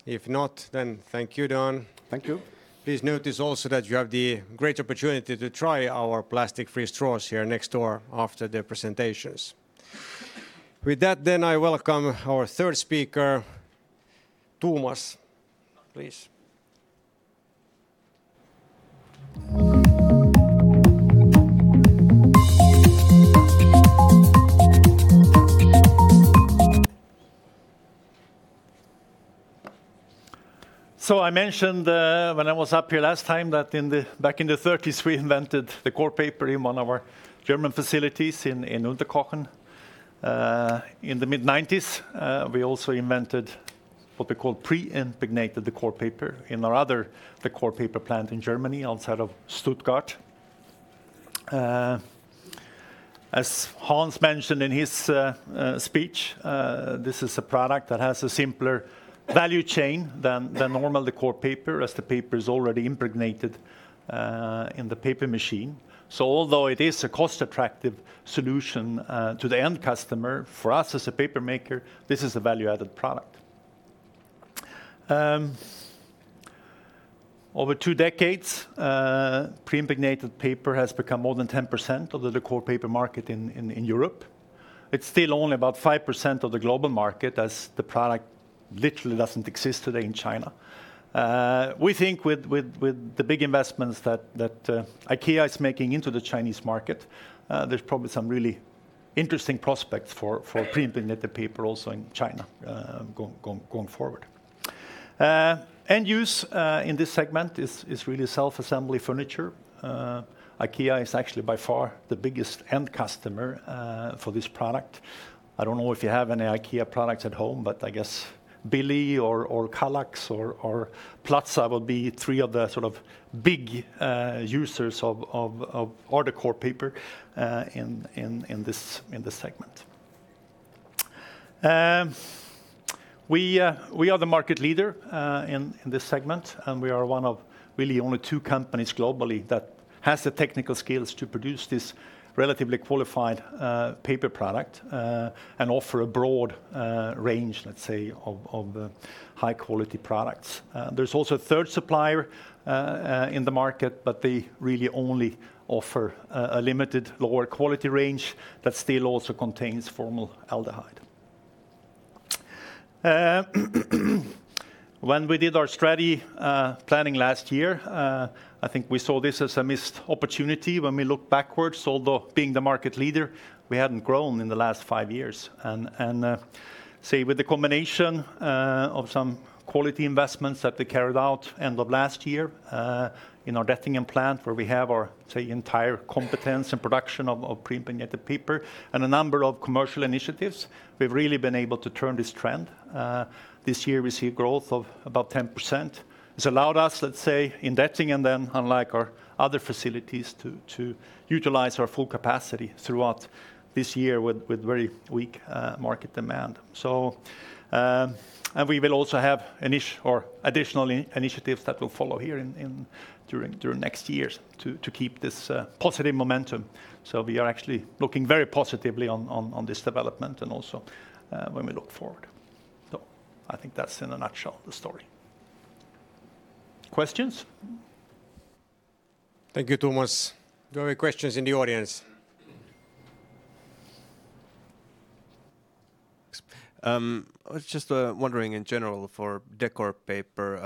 If not, then thank you, Dan. Thank you. Please note this also that you have the great opportunity to try our plastic-free straws here next door after the presentations. With that I welcome our third speaker, Tomas. Please. I mentioned, when I was up here last time, that back in the '30s, we invented décor paper in one of our German facilities in Unterkochen. In the mid-'90s, we also invented what we call pre-impregnated décor paper in our other décor paper plant in Germany, outside of Stuttgart. As Hans mentioned in his speech, this is a product that has a simpler value chain than the normal décor paper, as the paper is already impregnated in the paper machine. Although it is a cost-attractive solution to the end customer, for us as a paper maker, this is a value-added product. Over two decades, pre-impregnated paper has become more than 10% of the décor paper market in Europe. It's still only about 5% of the global market as the product literally doesn't exist today in China. We think with the big investments that IKEA is making into the Chinese market, there's probably some really interesting prospects for pre-impregnated paper also in China going forward. End use in this segment is really self-assembly furniture. IKEA is actually by far the biggest end customer for this product. I don't know if you have any IKEA products at home, but I guess BILLY or KALLAX or PLATSA will be three of the sort of big users of décor paper in this segment. We are the market leader in this segment, and we are one of really only two companies globally that has the technical skills to produce this relatively qualified paper product, and offer a broad range, let's say, of high-quality products. There's also a third supplier in the market, but they really only offer a limited lower quality range that still also contains formaldehyde. We did our strategy planning last year, I think we saw this as a missed opportunity when we looked backwards. Being the market leader, we hadn't grown in the last five years. Say, with the combination of some quality investments that we carried out end of last year in our Dettingen plant where we have our entire competence and production of pre-impregnated paper and a number of commercial initiatives, we've really been able to turn this trend. This year we see growth of about 10%. It's allowed us, let's say, in Dettingen then, unlike our other facilities, to utilize our full capacity throughout this year with very weak market demand. We will also have additional initiatives that will follow here during next years to keep this positive momentum. We are actually looking very positively on this development and also when we look forward. I think that's in a nutshell the story. Questions? Thank you, Tomas. Do we have questions in the audience? I was just wondering in general for décor paper,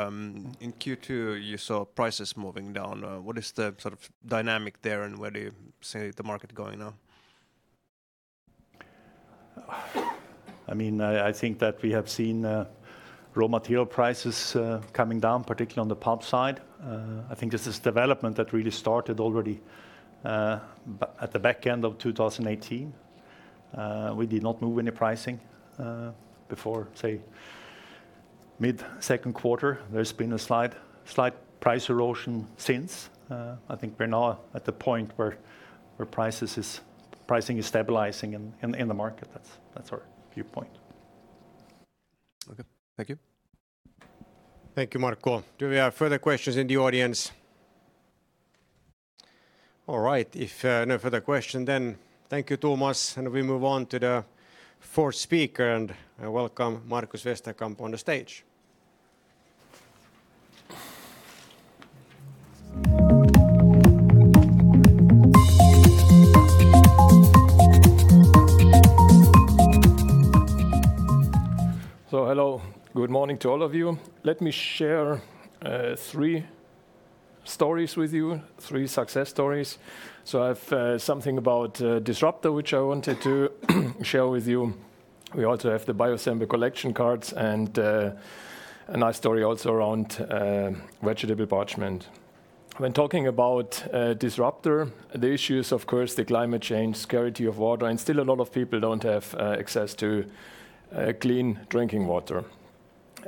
in Q2 you saw prices moving down. What is the dynamic there, and where do you see the market going now? I think that we have seen raw material prices coming down, particularly on the pulp side. I think this is a development that really started already at the back end of 2018. We did not move any pricing before, say, mid-second quarter. There's been a slight price erosion since. I think we're now at the point where pricing is stabilizing in the market. That's our viewpoint. Okay. Thank you. Thank you, Markku. Do we have further questions in the audience? All right. If no further question, thank you, Tomas, and we move on to the fourth speaker, and I welcome Markus Westerkamp on the stage. Hello, good morning to all of you. Let me share three success stories with you. I have something about Disruptor®, which I wanted to share with you. We also have the BioSample collection cards and a nice story also around vegetable parchment. When talking about Disruptor®, the issue is, of course, the climate change, scarcity of water, and still a lot of people don't have access to clean drinking water.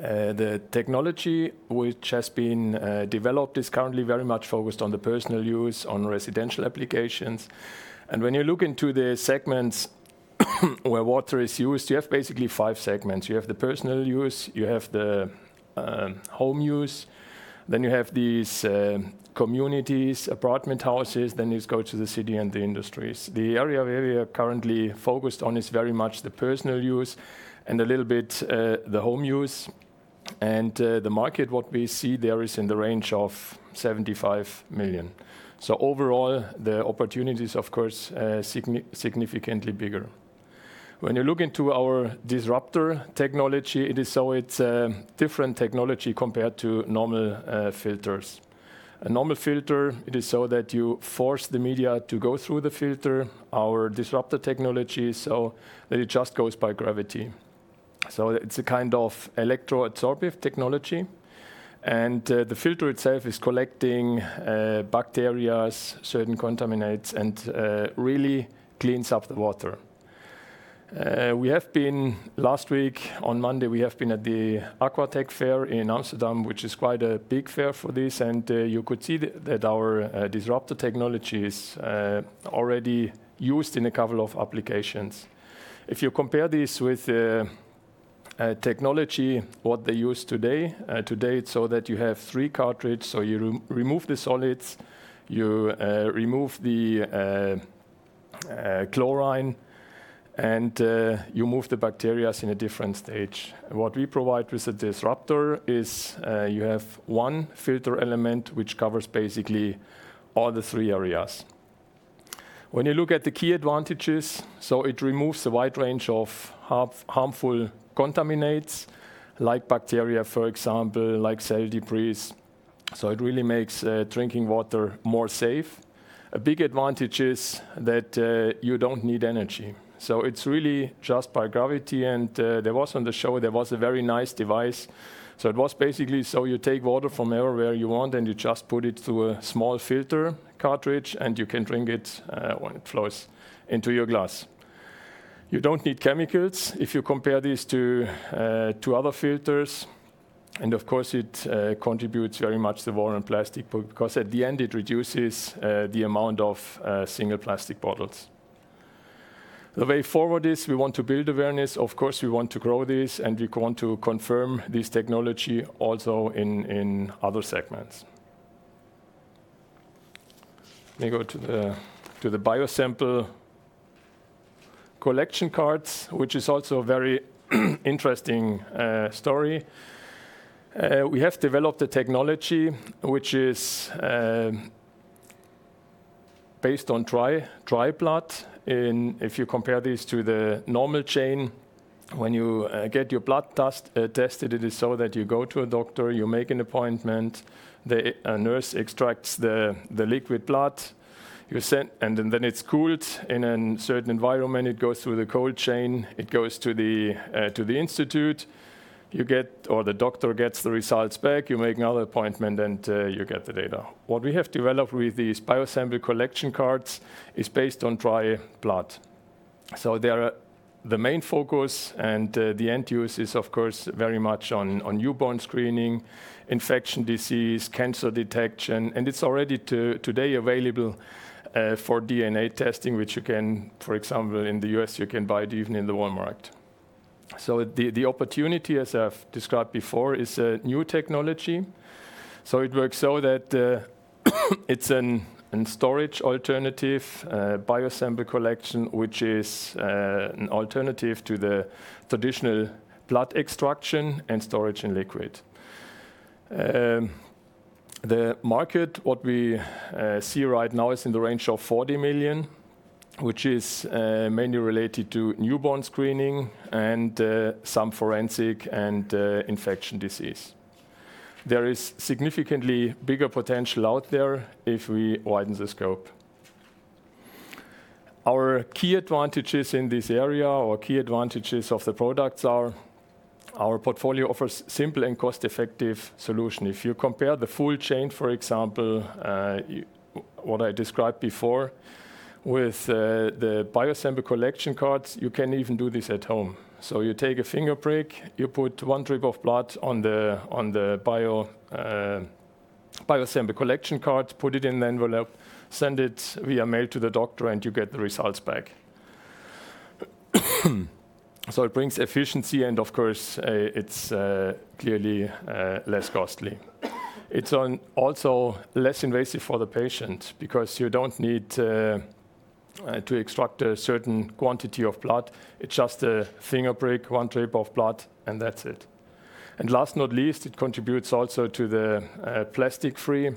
The technology which has been developed is currently very much focused on the personal use, on residential applications. When you look into the segments where water is used, you have basically five segments. You have the personal use, you have the home use, you have these communities, apartment houses, you go to the city and the industries. The area we are currently focused on is very much the personal use and a little bit the home use. The market, what we see there is in the range of 75 million. Overall, the opportunity is, of course, significantly bigger. When you look into our Disruptor® technology, it is a different technology compared to normal filters. A normal filter, it is so that you force the media to go through the filter. Our Disruptor® technology is so that it just goes by gravity. It's a kind of electroadsorptive technology, and the filter itself is collecting bacteria, certain contaminants, and really cleans up the water. Last week on Monday, we have been at the Aquatech fair in Amsterdam, which is quite a big fair for this, and you could see that our Disruptor® technology is already used in a couple of applications. If you compare this with technology, what they use today it's that you have three cartridges. You remove the solids, you remove the chlorine, and you move the bacteria in a different stage. What we provide with the Disruptor® is you have one filter element, which covers basically all the three areas. When you look at the key advantages, it removes a wide range of harmful contaminants like bacteria, for example, like cell debris. It really makes drinking water more safe. A big advantage is that you don't need energy, so it's really just by gravity. On the show, there was a very nice device. It was basically, you take water from everywhere you want, and you just put it through a small filter cartridge, and you can drink it when it flows into your glass. You don't need chemicals if you compare this to other filters, and of course, it contributes very much to the war on plastic because at the end it reduces the amount of single plastic bottles. The way forward is we want to build awareness. Of course, we want to grow this, and we want to confirm this technology also in other segments. Let me go to the BioSample collection cards, which is also a very interesting story. We have developed a technology, which is based on dry blood. If you compare this to the normal chain, when you get your blood tested, it is so that you go to a doctor, you make an appointment, a nurse extracts the liquid blood, and then it's cooled in a certain environment. It goes through the cold chain. It goes to the institute. The doctor gets the results back, you make another appointment, and you get the data. What we have developed with these BioSample collection cards is based on dry blood. They are the main focus, and the end use is of course very much on newborn screening, infectious disease, cancer detection, and it's already today available for DNA testing, which you can, for example, in the U.S., you can buy it even in the Walmart. The opportunity, as I've described before, is a new technology. It works so that it's a storage alternative, BioSample collection, which is an alternative to the traditional blood extraction and storage in liquid. The market, what we see right now, is in the range of 40 million, which is mainly related to newborn screening and some forensic and infectious disease. There is significantly bigger potential out there if we widen the scope. Our key advantages in this area, our key advantages of the products are our portfolio offers simple and cost-effective solution. If you compare the full chain, for example, what I described before with the BioSample collection cards, you can even do this at home. You take a finger prick, you put one drip of blood on the BioSample collection card, put it in the envelope, send it via mail to the doctor, and you get the results back. It brings efficiency and of course, it's clearly less costly. It's also less invasive for the patient because you don't need to extract a certain quantity of blood. It's just a finger prick, one drip of blood, and that's it. Last not least, it contributes also to the plastic free.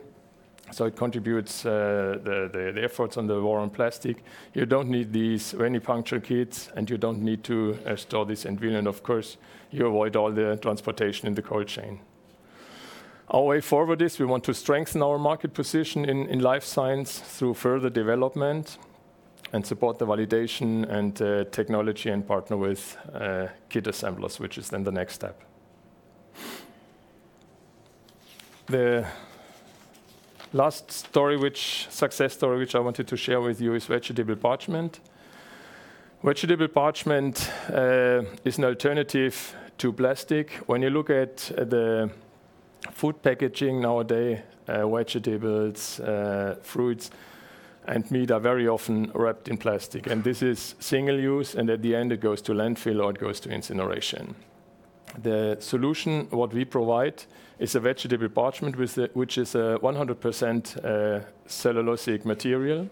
It contributes the efforts on the war on plastic. You don't need these venipuncture kits, and you don't need to store this in [urine]. Of course, you avoid all the transportation in the cold chain. Our way forward is we want to strengthen our market position in life science through further development and support the validation and technology and partner with kit assemblers, which is then the next step. The last success story which I wanted to share with you is vegetable parchment. Vegetable parchment is an alternative to plastic. When you look at the food packaging nowadays, vegetables, fruits, and meat are very often wrapped in plastic. This is single use, and at the end, it goes to landfill, or it goes to incineration. The solution what we provide is a vegetable parchment, which is a 100% cellulosic material,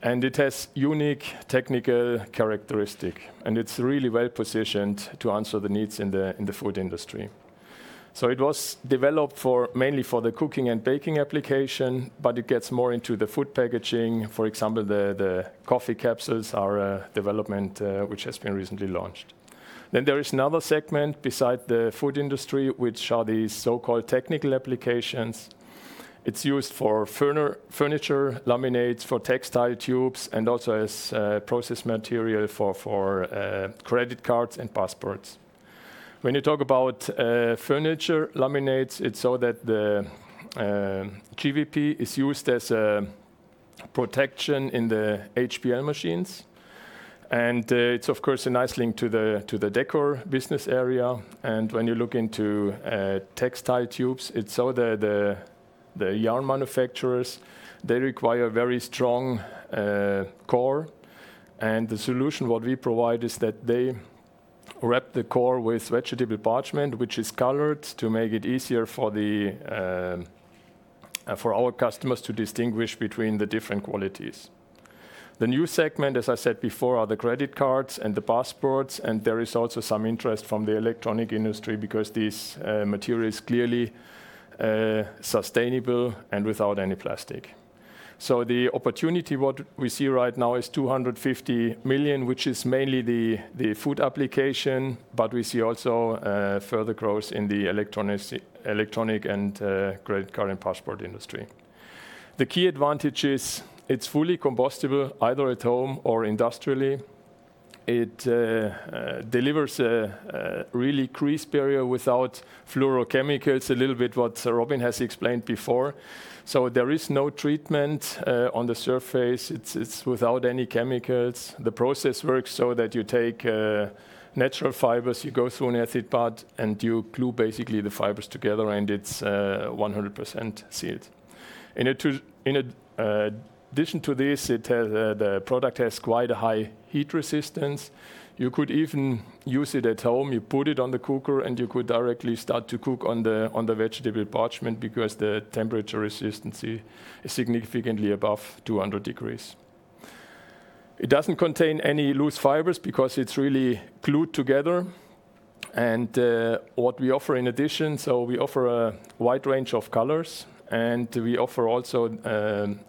and it has unique technical characteristic, and it's really well positioned to answer the needs in the food industry. It was developed mainly for the cooking and baking application, but it gets more into the food packaging. For example, the coffee capsules are a development which has been recently launched. There is another segment beside the food industry, which are the so-called technical applications. It's used for furniture laminates, for textile tubes, and also as process material for credit cards and passports. When you talk about furniture laminates, it's so that the GVP is used as a protection in the HPL machines, and it's of course a nice link to the Decor business area. When you look into textile tubes, the yarn manufacturers, they require very strong core, and the solution what we provide is that they wrap the core with vegetable parchment, which is colored to make it easier for our customers to distinguish between the different qualities. The new segment, as I said before, are the credit cards and the passports, and there is also some interest from the electronic industry because this material is clearly sustainable and without any plastic. The opportunity what we see right now is 250 million, which is mainly the food application, but we see also further growth in the electronic and credit card and passport industry. The key advantage is it's fully compostable either at home or industrially. It delivers a really crisp barrier without fluorochemicals, a little bit what Robyn has explained before. There is no treatment on the surface. It's without any chemicals. The process works so that you take natural fibers, you go through an acid pot, you glue basically the fibers together, and it's 100% sealed. In addition to this, the product has quite a high heat resistance. You could even use it at home. You put it on the cooker, you could directly start to cook on the vegetable parchment because the temperature resistance is significantly above 200 degrees. It doesn't contain any loose fibers because it's really glued together. What we offer in addition, we offer a wide range of colors, we offer also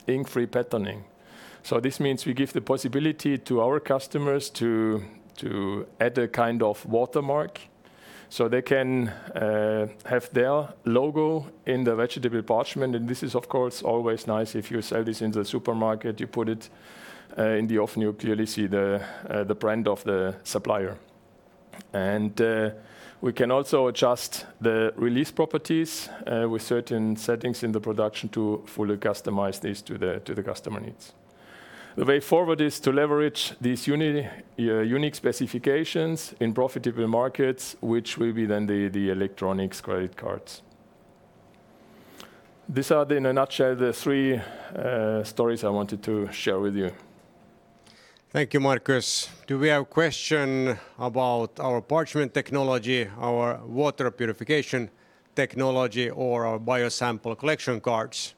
ink-free patterning. This means we give the possibility to our customers to add a kind of watermark they can have their logo in the vegetable parchment, this is, of course, always nice if you sell this in the supermarket. You put it in the oven, you clearly see the brand of the supplier. We can also adjust the release properties with certain settings in the production to fully customize these to the customer needs. The way forward is to leverage these unique specifications in profitable markets, which will be then the electronics credit cards. These are, in a nutshell, the three stories I wanted to share with you. Thank you, Markus. Do we have question about our parchment technology, our water purification technology, or our BioSample collection cards?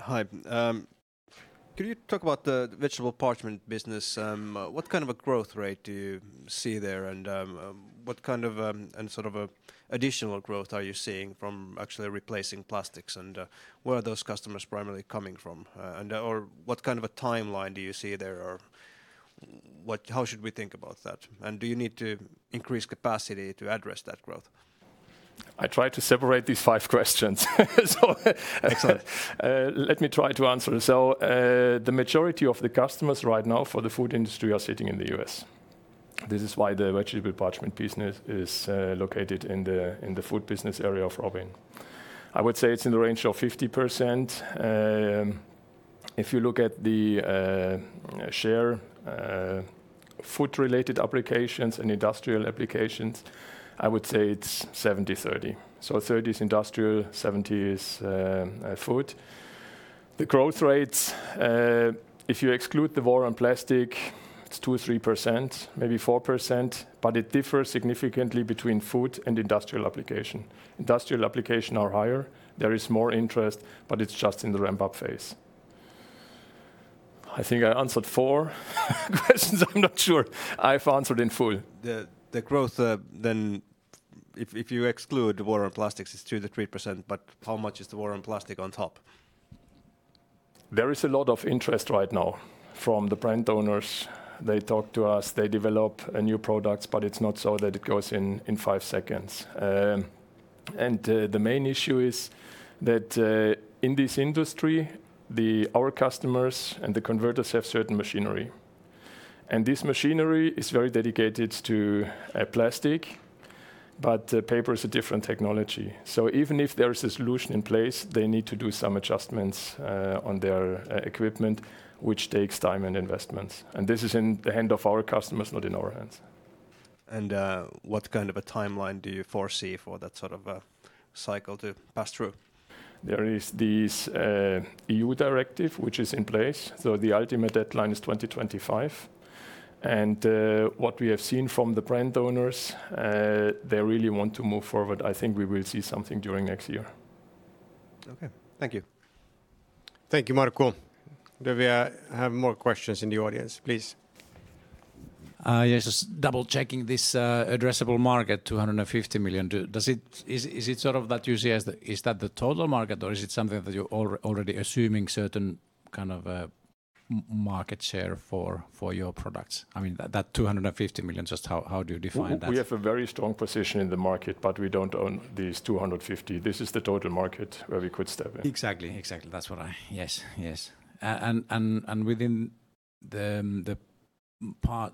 Hi. Could you talk about the vegetable parchment business? What kind of a growth rate do you see there, and what kind of additional growth are you seeing from actually replacing plastics, and where are those customers primarily coming from? What kind of a timeline do you see there? How should we think about that? Do you need to increase capacity to address that growth? I try to separate these five questions. Excellent. Let me try to answer. The majority of the customers right now for the food industry are sitting in the U.S. This is why the vegetable parchment business is located in the food business area of Robin. I would say it's in the range of 50%. If you look at the share food-related applications and industrial applications, I would say it's 70/30. 30 is industrial, 70 is food. The growth rates, if you exclude the war on plastic, it's 2%, 3%, maybe 4%, but it differs significantly between food and industrial application. Industrial application are higher. There is more interest, but it's just in the ramp-up phase. I think I answered four questions. I'm not sure I've answered in full. The growth, if you exclude the war on plastics, is 2%-3%, but how much is the war on plastic on top? There is a lot of interest right now from the brand owners. They talk to us, they develop new products, it's not so that it goes in five seconds. The main issue is that in this industry, our customers and the converters have certain machinery, and this machinery is very dedicated to plastic, but paper is a different technology. Even if there is a solution in place, they need to do some adjustments on their equipment, which takes time and investments. This is in the hand of our customers, not in our hands. What kind of a timeline do you foresee for that sort of a cycle to pass through? There is this EU directive which is in place, the ultimate deadline is 2025. What we have seen from the brand owners, they really want to move forward. I think we will see something during next year. Okay. Thank you. Thank you, Markus. Do we have more questions in the audience, please? Yes, just double-checking this addressable market, 250 million. Is that the total market, or is it something that you're already assuming a certain kind of market share for your products? I mean, that 250 million, just how do you define that? We have a very strong position in the market, but we don't own these 250. This is the total market where we could step in. Exactly. Yes. Within the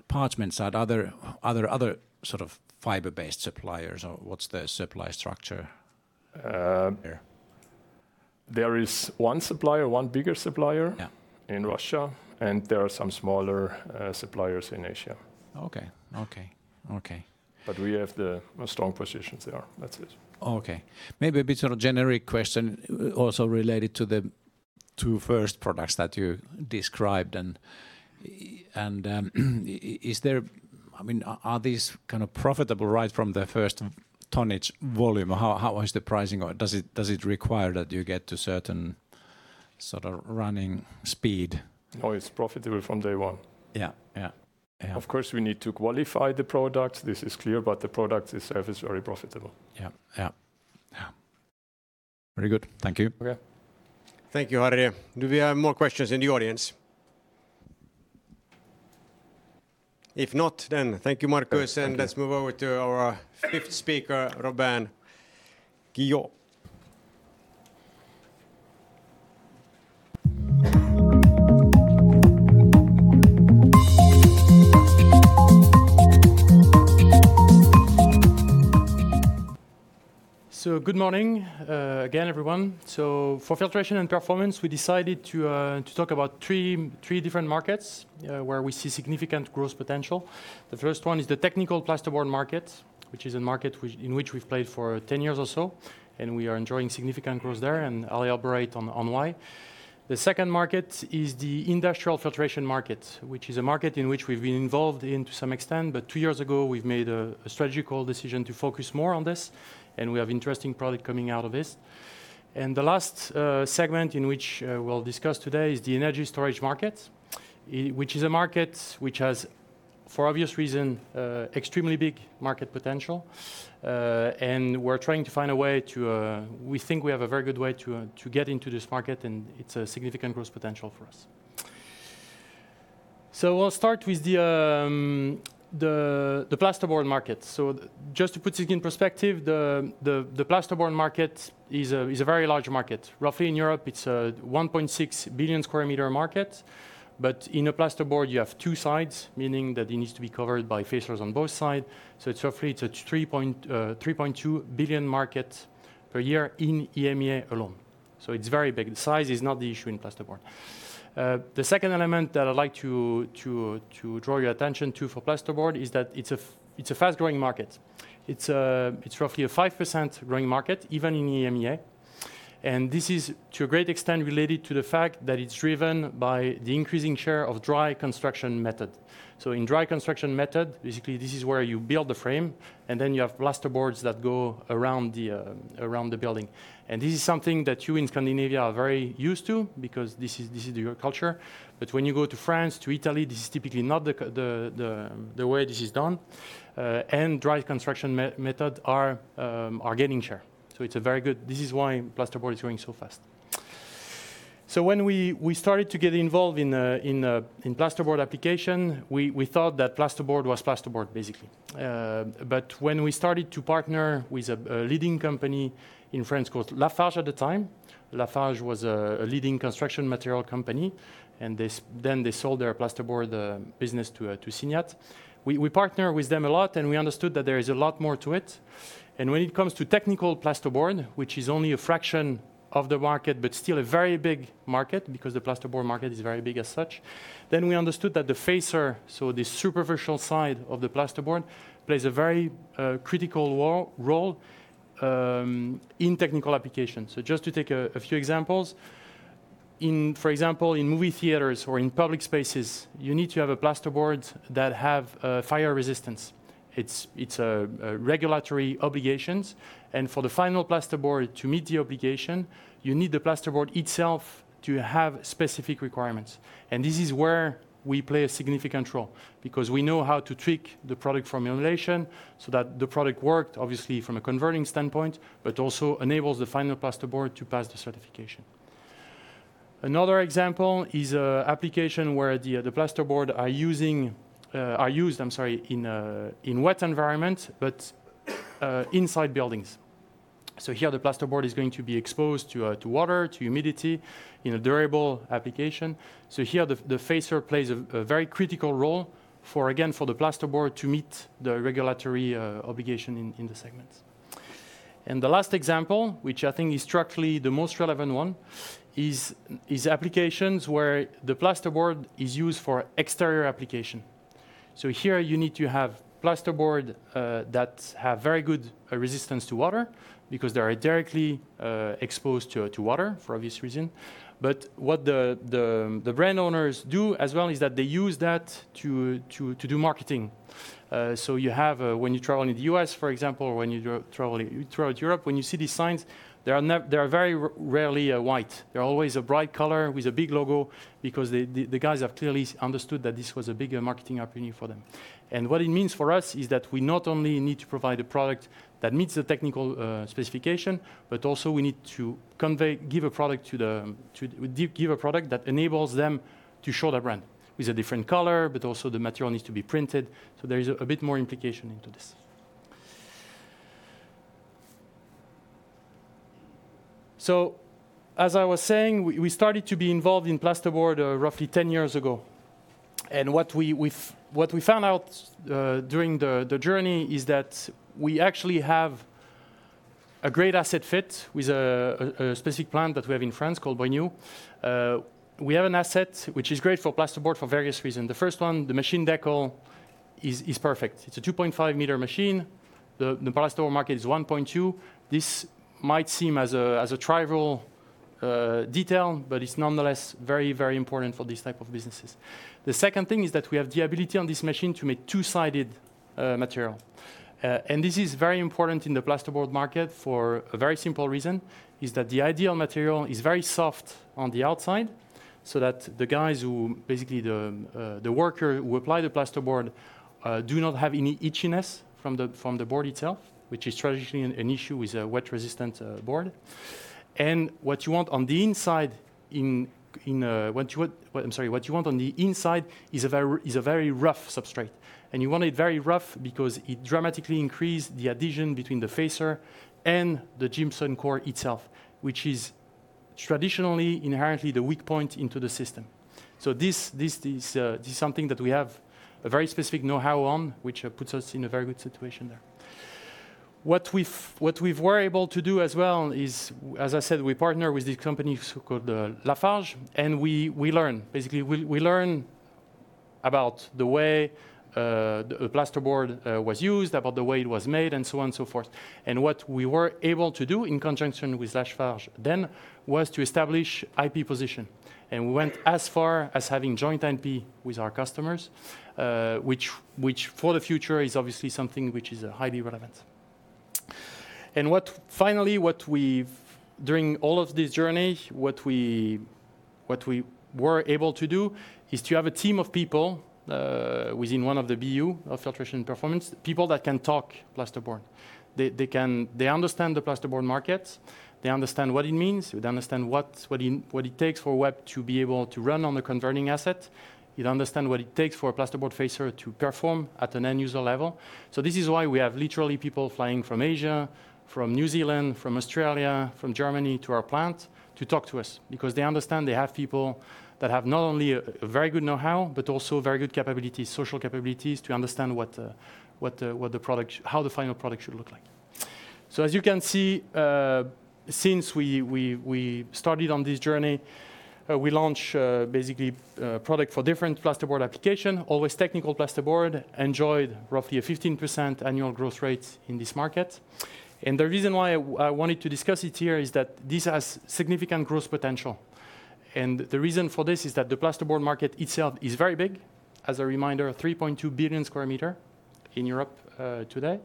parchment side, are there other fiber-based suppliers, or what's the supply structure there? There is one supplier, one bigger supplier. Yeah In Russia, and there are some smaller suppliers in Asia. Okay. We have the strong positions there. That's it. Okay. Maybe a bit sort of generic question also related to the two first products that you described, and are these kind of profitable right from the first tonnage volume? How is the pricing? Does it require that you get to a certain sort of running speed? No, it's profitable from day one. Yeah. Of course, we need to qualify the product, this is clear, but the product itself is very profitable. Yeah. Very good. Thank you. Okay. Thank you, Harry. Do we have more questions in the audience? If not, then thank you, Markus. Let's move over to our fifth speaker, Robin Guillaud. Good morning again, everyone. For Filtration and Performance, we decided to talk about three different markets where we see significant growth potential. The first one is the technical plasterboard market, which is a market in which we've played for 10 years or so, and we are enjoying significant growth there, and I'll elaborate on why. The second market is the industrial filtration market, which is a market in which we've been involved in to some extent. Two years ago, we've made a strategic decision to focus more on this, and we have interesting product coming out of this. The last segment in which we'll discuss today is the energy storage market, which is a market which has, for obvious reason, extremely big market potential. We think we have a very good way to get into this market, and it's a significant growth potential for us. I'll start with the plasterboard market. Just to put it in perspective, the plasterboard market is a very large market. Roughly in Europe, it's a 1.6 billion sq m market. In a plasterboard, you have two sides, meaning that it needs to be covered by facers on both sides. It's roughly, it's a 3.2 billion market per year in EMEA alone. It's very big. The size is not the issue in plasterboard. The second element that I'd like to draw your attention to for plasterboard is that it's a fast-growing market. It's roughly a 5% growing market even in EMEA. This is to a great extent related to the fact that it's driven by the increasing share of dry construction method. In dry construction method, basically, this is where you build the frame and then you have plasterboards that go around the building. This is something that you in Scandinavia are very used to because this is your culture. When you go to France, to Italy, this is typically not the way this is done. Dry construction methods are gaining share. This is why plasterboard is growing so fast. When we started to get involved in plasterboard application, we thought that plasterboard was plasterboard, basically. When we started to partner with a leading company in France called Lafarge at the time. Lafarge was a leading construction material company, and then they sold their plasterboard business to Siniat. We partner with them a lot, and we understood that there is a lot more to it. When it comes to technical plasterboard, which is only a fraction of the market, but still a very big market because the plasterboard market is very big as such. We understood that the facer, so the superficial side of the plasterboard, plays a very critical role in technical application. Just to take a few examples. For example, in movie theaters or in public spaces, you need to have plasterboards that have fire resistance. It's a regulatory obligation. For the final plasterboard to meet the obligation, you need the plasterboard itself to have specific requirements. This is where we play a significant role because we know how to tweak the product formulation so that the product worked obviously from a converting standpoint, but also enables the final plasterboard to pass the certification. Another example is application where the plasterboard are used in wet environments, but inside buildings. Here the plasterboard is going to be exposed to water, to humidity in a durable application. Here the facer plays a very critical role, again, for the plasterboard to meet the regulatory obligation in the segments. The last example, which I think is structurally the most relevant one, is applications where the plasterboard is used for exterior application. Here you need to have plasterboard that have very good resistance to water because they are directly exposed to water for obvious reason. What the brand owners do as well is that they use that to do marketing. When you travel in the U.S., for example, or when you travel throughout Europe, when you see these signs, they are very rarely white. They're always a bright color with a big logo because the guys have clearly understood that this was a bigger marketing opportunity for them. What it means for us is that we not only need to provide a product that meets the technical specification, but also we need to give a product that enables them to show their brand with a different color, but also the material needs to be printed. There is a bit more implication into this. As I was saying, we started to be involved in plasterboard roughly 10 years ago. What we found out during the journey is that we actually have a great asset fit with a specific plant that we have in France called Brignoud. We have an asset which is great for plasterboard for various reasons. The first one, the machine deckle is perfect. It's a 2.5-meter machine. The plasterboard market is 1.2. This might seem as a trivial detail, but it's nonetheless very, very important for these type of businesses. The second thing is that we have the ability on this machine to make two-sided material. This is very important in the plasterboard market for a very simple reason, is that the ideal material is very soft on the outside so that the guys who, basically the worker who apply the plasterboard, do not have any itchiness from the board itself, which is traditionally an issue with a wet resistant board. What you want on the inside is a very rough substrate, and you want it very rough because it dramatically increase the adhesion between the facer and the gypsum core itself, which is traditionally, inherently the weak point into the system. This is something that we have a very specific know-how on, which puts us in a very good situation there. What we were able to do as well is, as I said, we partner with this company called Lafarge, and we learn. Basically, we learn about the way plasterboard was used, about the way it was made, and so on and so forth. What we were able to do in conjunction with Lafarge then was to establish IP position, and we went as far as having joint IP with our customers, which for the future is obviously something which is highly relevant. Finally, during all of this journey, what we were able to do is to have a team of people within one of the BU of Filtration & Performance, people that can talk plasterboard. They understand the plasterboard market. They understand what it means. They understand what it takes for web to be able to run on the converting asset. They understand what it takes for a plasterboard facer to perform at an end user level. This is why we have literally people flying from Asia, from New Zealand, from Australia, from Germany to our plant to talk to us because they understand they have people that have not only a very good know-how, but also very good capabilities, social capabilities, to understand how the final product should look like. As you can see, since we started on this journey, we launch basically product for different plasterboard application. Always technical plasterboard enjoyed roughly a 15% annual growth rate in this market. The reason why I wanted to discuss it here is that this has significant growth potential. The reason for this is that the plasterboard market itself is very big. As a reminder, 3.2 billion sqm in Europe today.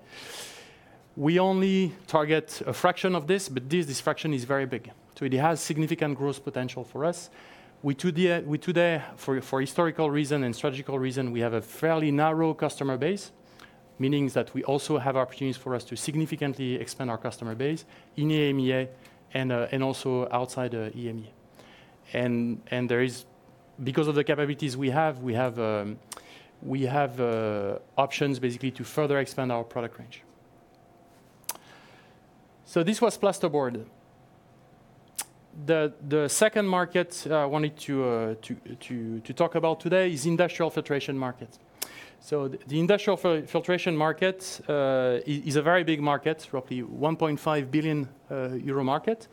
We only target a fraction of this, but this fraction is very big. It has significant growth potential for us. We today, for historical reason and strategic reason, we have a fairly narrow customer base, meaning that we also have opportunities for us to significantly expand our customer base in EMEA and also outside EMEA. Because of the capabilities we have, we have options basically to further expand our product range. This was plasterboard. The second market I wanted to talk about today is industrial filtration market. The industrial filtration market is a very big market, roughly 1.5 billion euro market,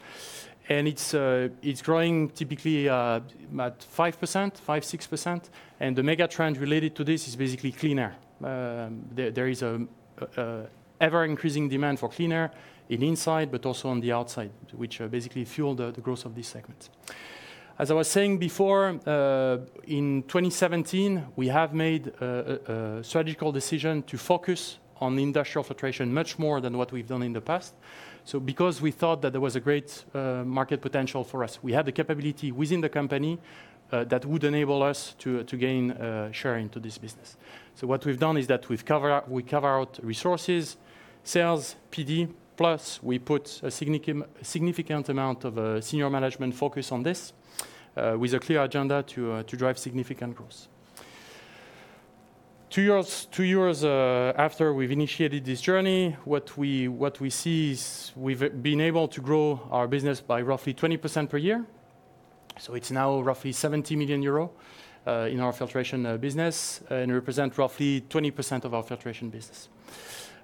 and it's growing typically about 5%-6%. The mega trend related to this is basically clean air. There is an ever-increasing demand for clean air in inside, but also on the outside, which basically fuel the growth of these segments. As I was saying before, in 2017, we have made a strategic decision to focus on industrial filtration much more than what we've done in the past. Because we thought that there was a great market potential for us, we had the capability within the company, that would enable us to gain sharing to this business. What we've done is that we carved out resources, sales, PD, plus we put a significant amount of senior management focus on this, with a clear agenda to drive significant growth. Two years after we've initiated this journey, what we see is we've been able to grow our business by roughly 20% per year. It's now roughly 70 million euro, in our filtration business and represent roughly 20% of our filtration business.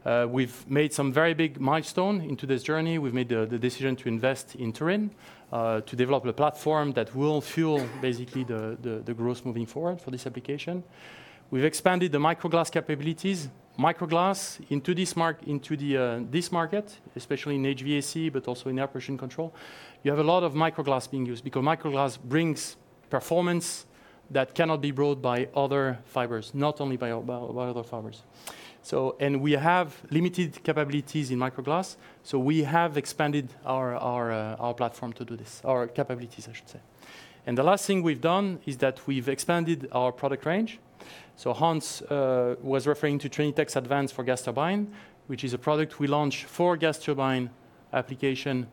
We've made some very big milestone into this journey. We've made the decision to invest in Turin, to develop a platform that will fuel basically the growth moving forward for this application. We've expanded the microglass capabilities. Microglass into this market, especially in HVAC, but also in air pollution control. You have a lot of microglass being used because microglass brings performance that cannot be brought by other fibers, not only by other fibers. We have limited capabilities in microglass, so we have expanded our platform to do this, our capabilities, I should say. The last thing we've done is that we've expanded our product range. Hans was referring to Trinitex Advance for gas turbine, which is a product we launched for gas turbine application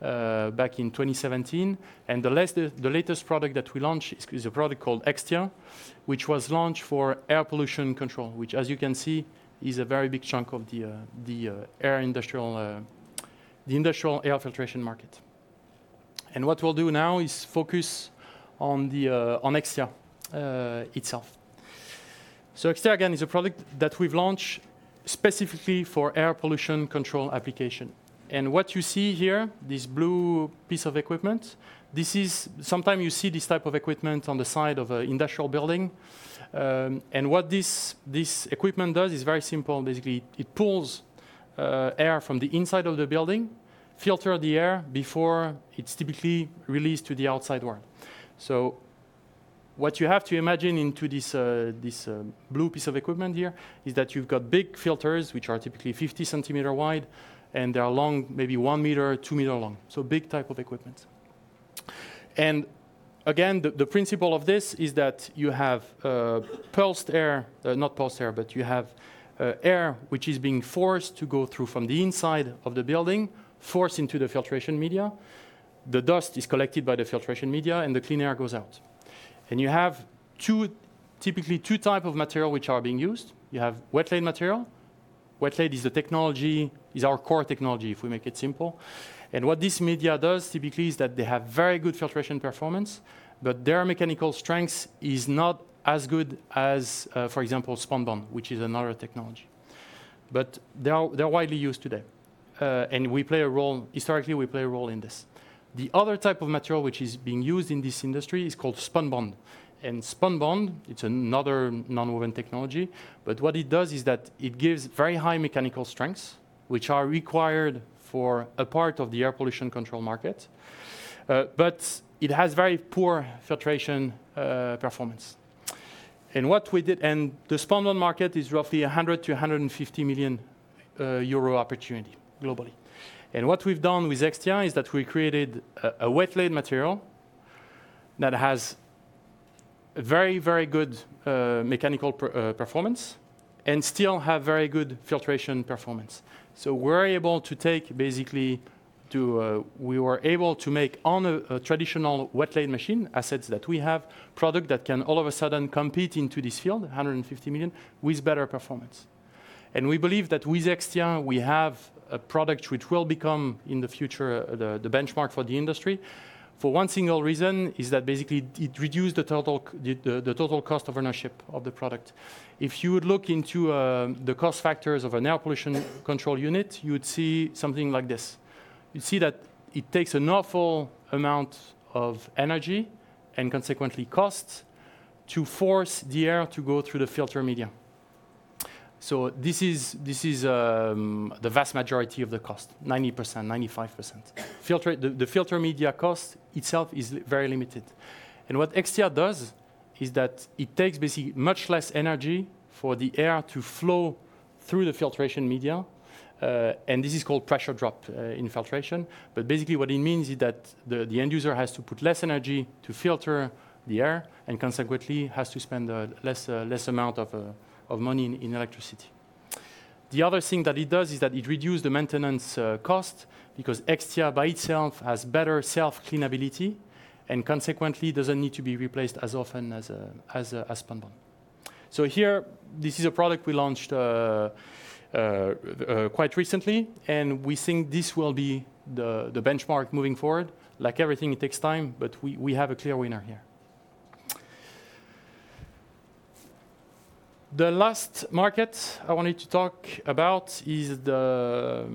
back in 2017. The latest product that we launched is a product called Extia, which was launched for air pollution control, which as you can see, is a very big chunk of the industrial air filtration market. What we'll do now is focus on Extia itself. Extia, again, is a product that we've launched specifically for air pollution control application. What you see here, this blue piece of equipment, sometimes you see this type of equipment on the side of an industrial building. What this equipment does is very simple. Basically, it pulls air from the inside of the building, filter the air before it's typically released to the outside world. What you have to imagine into this blue piece of equipment here is that you've got big filters, which are typically 50 cm wide, and they are long, maybe one meter, two meter long. Big type of equipment. Again, the principle of this is that you have air which is being forced to go through from the inside of the building, forced into the filtration media. The dust is collected by the filtration media, and the clean air goes out. You have typically two type of material which are being used. You have wet-laid material. Wet-laid is our core technology, if we make it simple. What this media does typically is that they have very good filtration performance, but their mechanical strength is not as good as, for example, spunbond, which is another technology. They're widely used today. Historically, we play a role in this. The other type of material which is being used in this industry is called spunbond. Spunbond, it's another nonwoven technology. What it does is that it gives very high mechanical strengths, which are required for a part of the air pollution control market. It has very poor filtration performance. The spunbond market is roughly a 100 million-150 million euro opportunity globally. What we've done with Extia is that we created a wet-laid material that has very good mechanical performance and still have very good filtration performance. We were able to make on a traditional wet-laid machine, assets that we have, product that can all of a sudden compete into this field, 150 million, with better performance. We believe that with Extia, we have a product which will become, in the future, the benchmark for the industry. For one single reason is that basically it reduced the total cost of ownership of the product. If you would look into the cost factors of an air pollution control unit, you would see something like this. You'd see that it takes an awful amount of energy and consequently costs to force the air to go through the filter media. This is the vast majority of the cost, 90%, 95%. The filter media cost itself is very limited. What Extia does is that it takes basically much less energy for the air to flow through the filtration media. This is called pressure drop in filtration. Basically, what it means is that the end user has to put less energy to filter the air, and consequently has to spend less amount of money in electricity. The other thing that it does is that it reduce the maintenance cost, because Extia by itself has better self-clean ability, and consequently doesn't need to be replaced as often as spunbond. Here, this is a product we launched quite recently, and we think this will be the benchmark moving forward. Like everything, it takes time. We have a clear winner here. The last market I wanted to talk about is a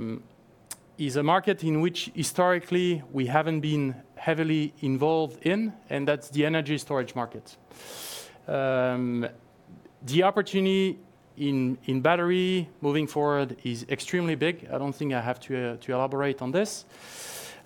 market in which historically we haven't been heavily involved in. That's the energy storage market. The opportunity in battery moving forward is extremely big. I don't think I have to elaborate on this.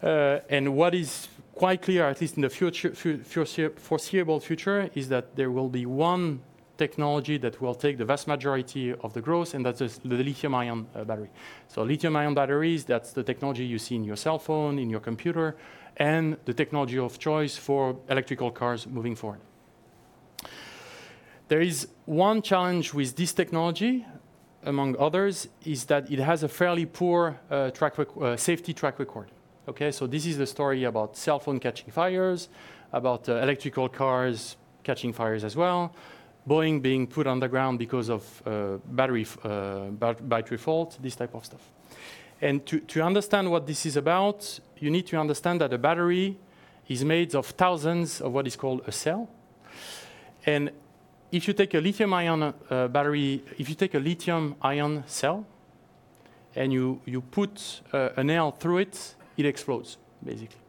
What is quite clear, at least in the foreseeable future, is that there will be one technology that will take the vast majority of the growth, and that is the lithium-ion battery. Lithium-ion batteries, that's the technology you see in your cellphone, in your computer, and the technology of choice for electrical cars moving forward. There is one challenge with this technology, among others, is that it has a fairly poor safety track record. This is a story about cellphone catching fires, about electrical cars catching fires as well, Boeing being put on the ground because of battery fault, this type of stuff. To understand what this is about, you need to understand that a battery is made of thousands of what is called a cell. If you take a lithium-ion cell and you put a nail through it explodes, basically.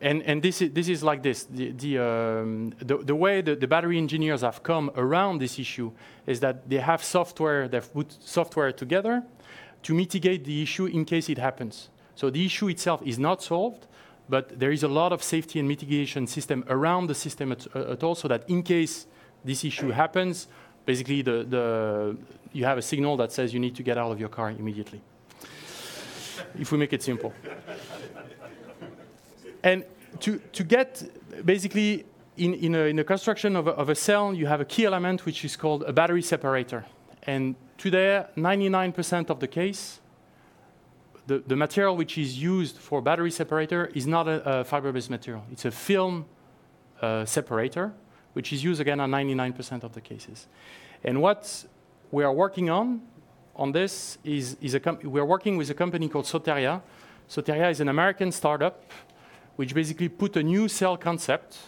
This is like this. The way the battery engineers have come around this issue is that they have software, they've put software together to mitigate the issue in case it happens. The issue itself is not solved, but there is a lot of safety and mitigation system around the system at all so that in case this issue happens, basically you have a signal that says you need to get out of your car immediately. If we make it simple. To get basically in a construction of a cell, you have a key element, which is called a battery separator. Today, 99% of the case, the material which is used for battery separator is not a fiber-based material. It's a film separator, which is used again on 99% of the cases. What we are working on this is we are working with a company called Soteria. Soteria is an American startup, which basically put a new cell concept,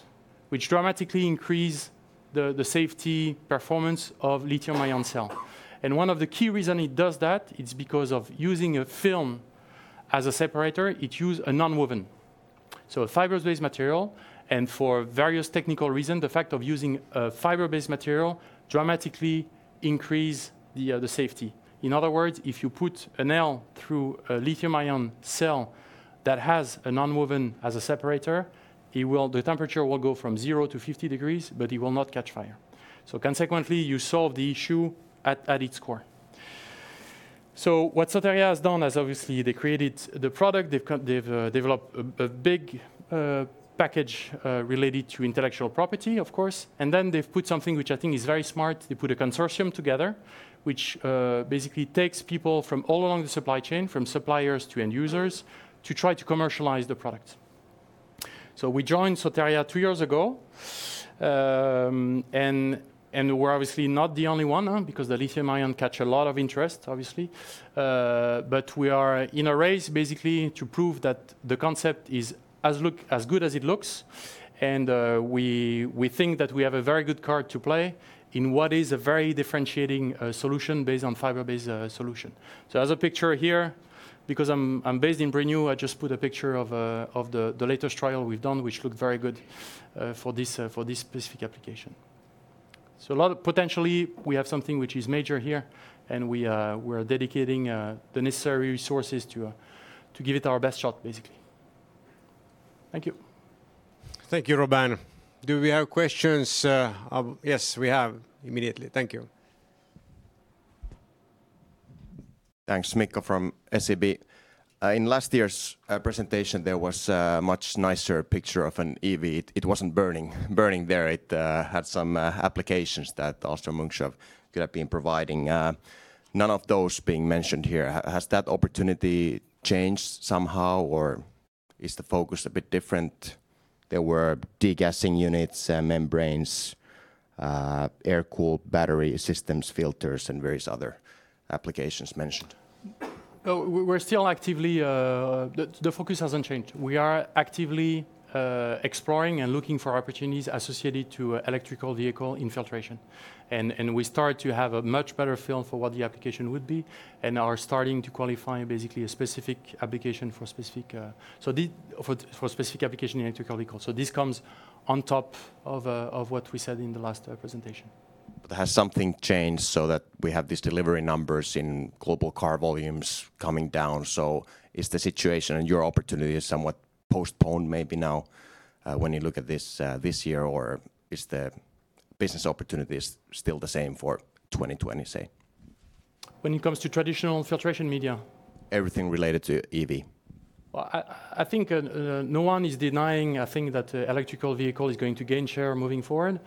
which dramatically increase the safety performance of lithium-ion cell. One of the key reasons it does that, it's because of using a film as a separator. It uses a nonwoven. A fiber-based material, and for various technical reasons, the fact of using a fiber-based material dramatically increases the safety. In other words, if you put a nail through a lithium-ion cell that has a nonwoven as a separator, the temperature will go from 0 to 50 degrees, but it will not catch fire. Consequently, you solve the issue at its core. What Soteria has done is obviously they created the product. They've developed a big package related to intellectual property, of course. Then they've put something which I think is very smart. They put a consortium together, which basically takes people from all along the supply chain, from suppliers to end users, to try to commercialize the product. We joined Soteria two years ago. We're obviously not the only one, because the lithium-ion catch a lot of interest, obviously. We are in a race basically to prove that the concept is as good as it looks. We think that we have a very good card to play in what is a very differentiating solution based on fiber-based solution. As a picture here, because I'm based in Brignoud, I just put a picture of the latest trial we've done, which looked very good for this specific application. Potentially, we have something which is major here, and we are dedicating the necessary resources to give it our best shot, basically. Thank you. Thank you, Robin. Do we have questions? Yes, we have immediately. Thank you. Thanks. Mikko from SEB. In last year's presentation, there was a much nicer picture of an EV. It wasn't burning there. It had some applications that Ahlstrom-Munksjö could have been providing. None of those being mentioned here. Has that opportunity changed somehow, or is the focus a bit different? There were degassing units, membranes, air-cooled battery systems, filters, and various other applications mentioned. No, the focus hasn't changed. We are actively exploring and looking for opportunities associated to electrical vehicle in filtration. We start to have a much better feel for what the application would be and are starting to qualify basically a specific application for a specific electrical vehicle. This comes on top of what we said in the last presentation. Has something changed so that we have these delivery numbers in global car volumes coming down? Is the situation and your opportunity is somewhat postponed maybe now, when you look at this year, or is the business opportunities still the same for 2020, say? When it comes to traditional filtration media? Everything related to EV. Well, I think no one is denying that electrical vehicle is going to gain share moving forward.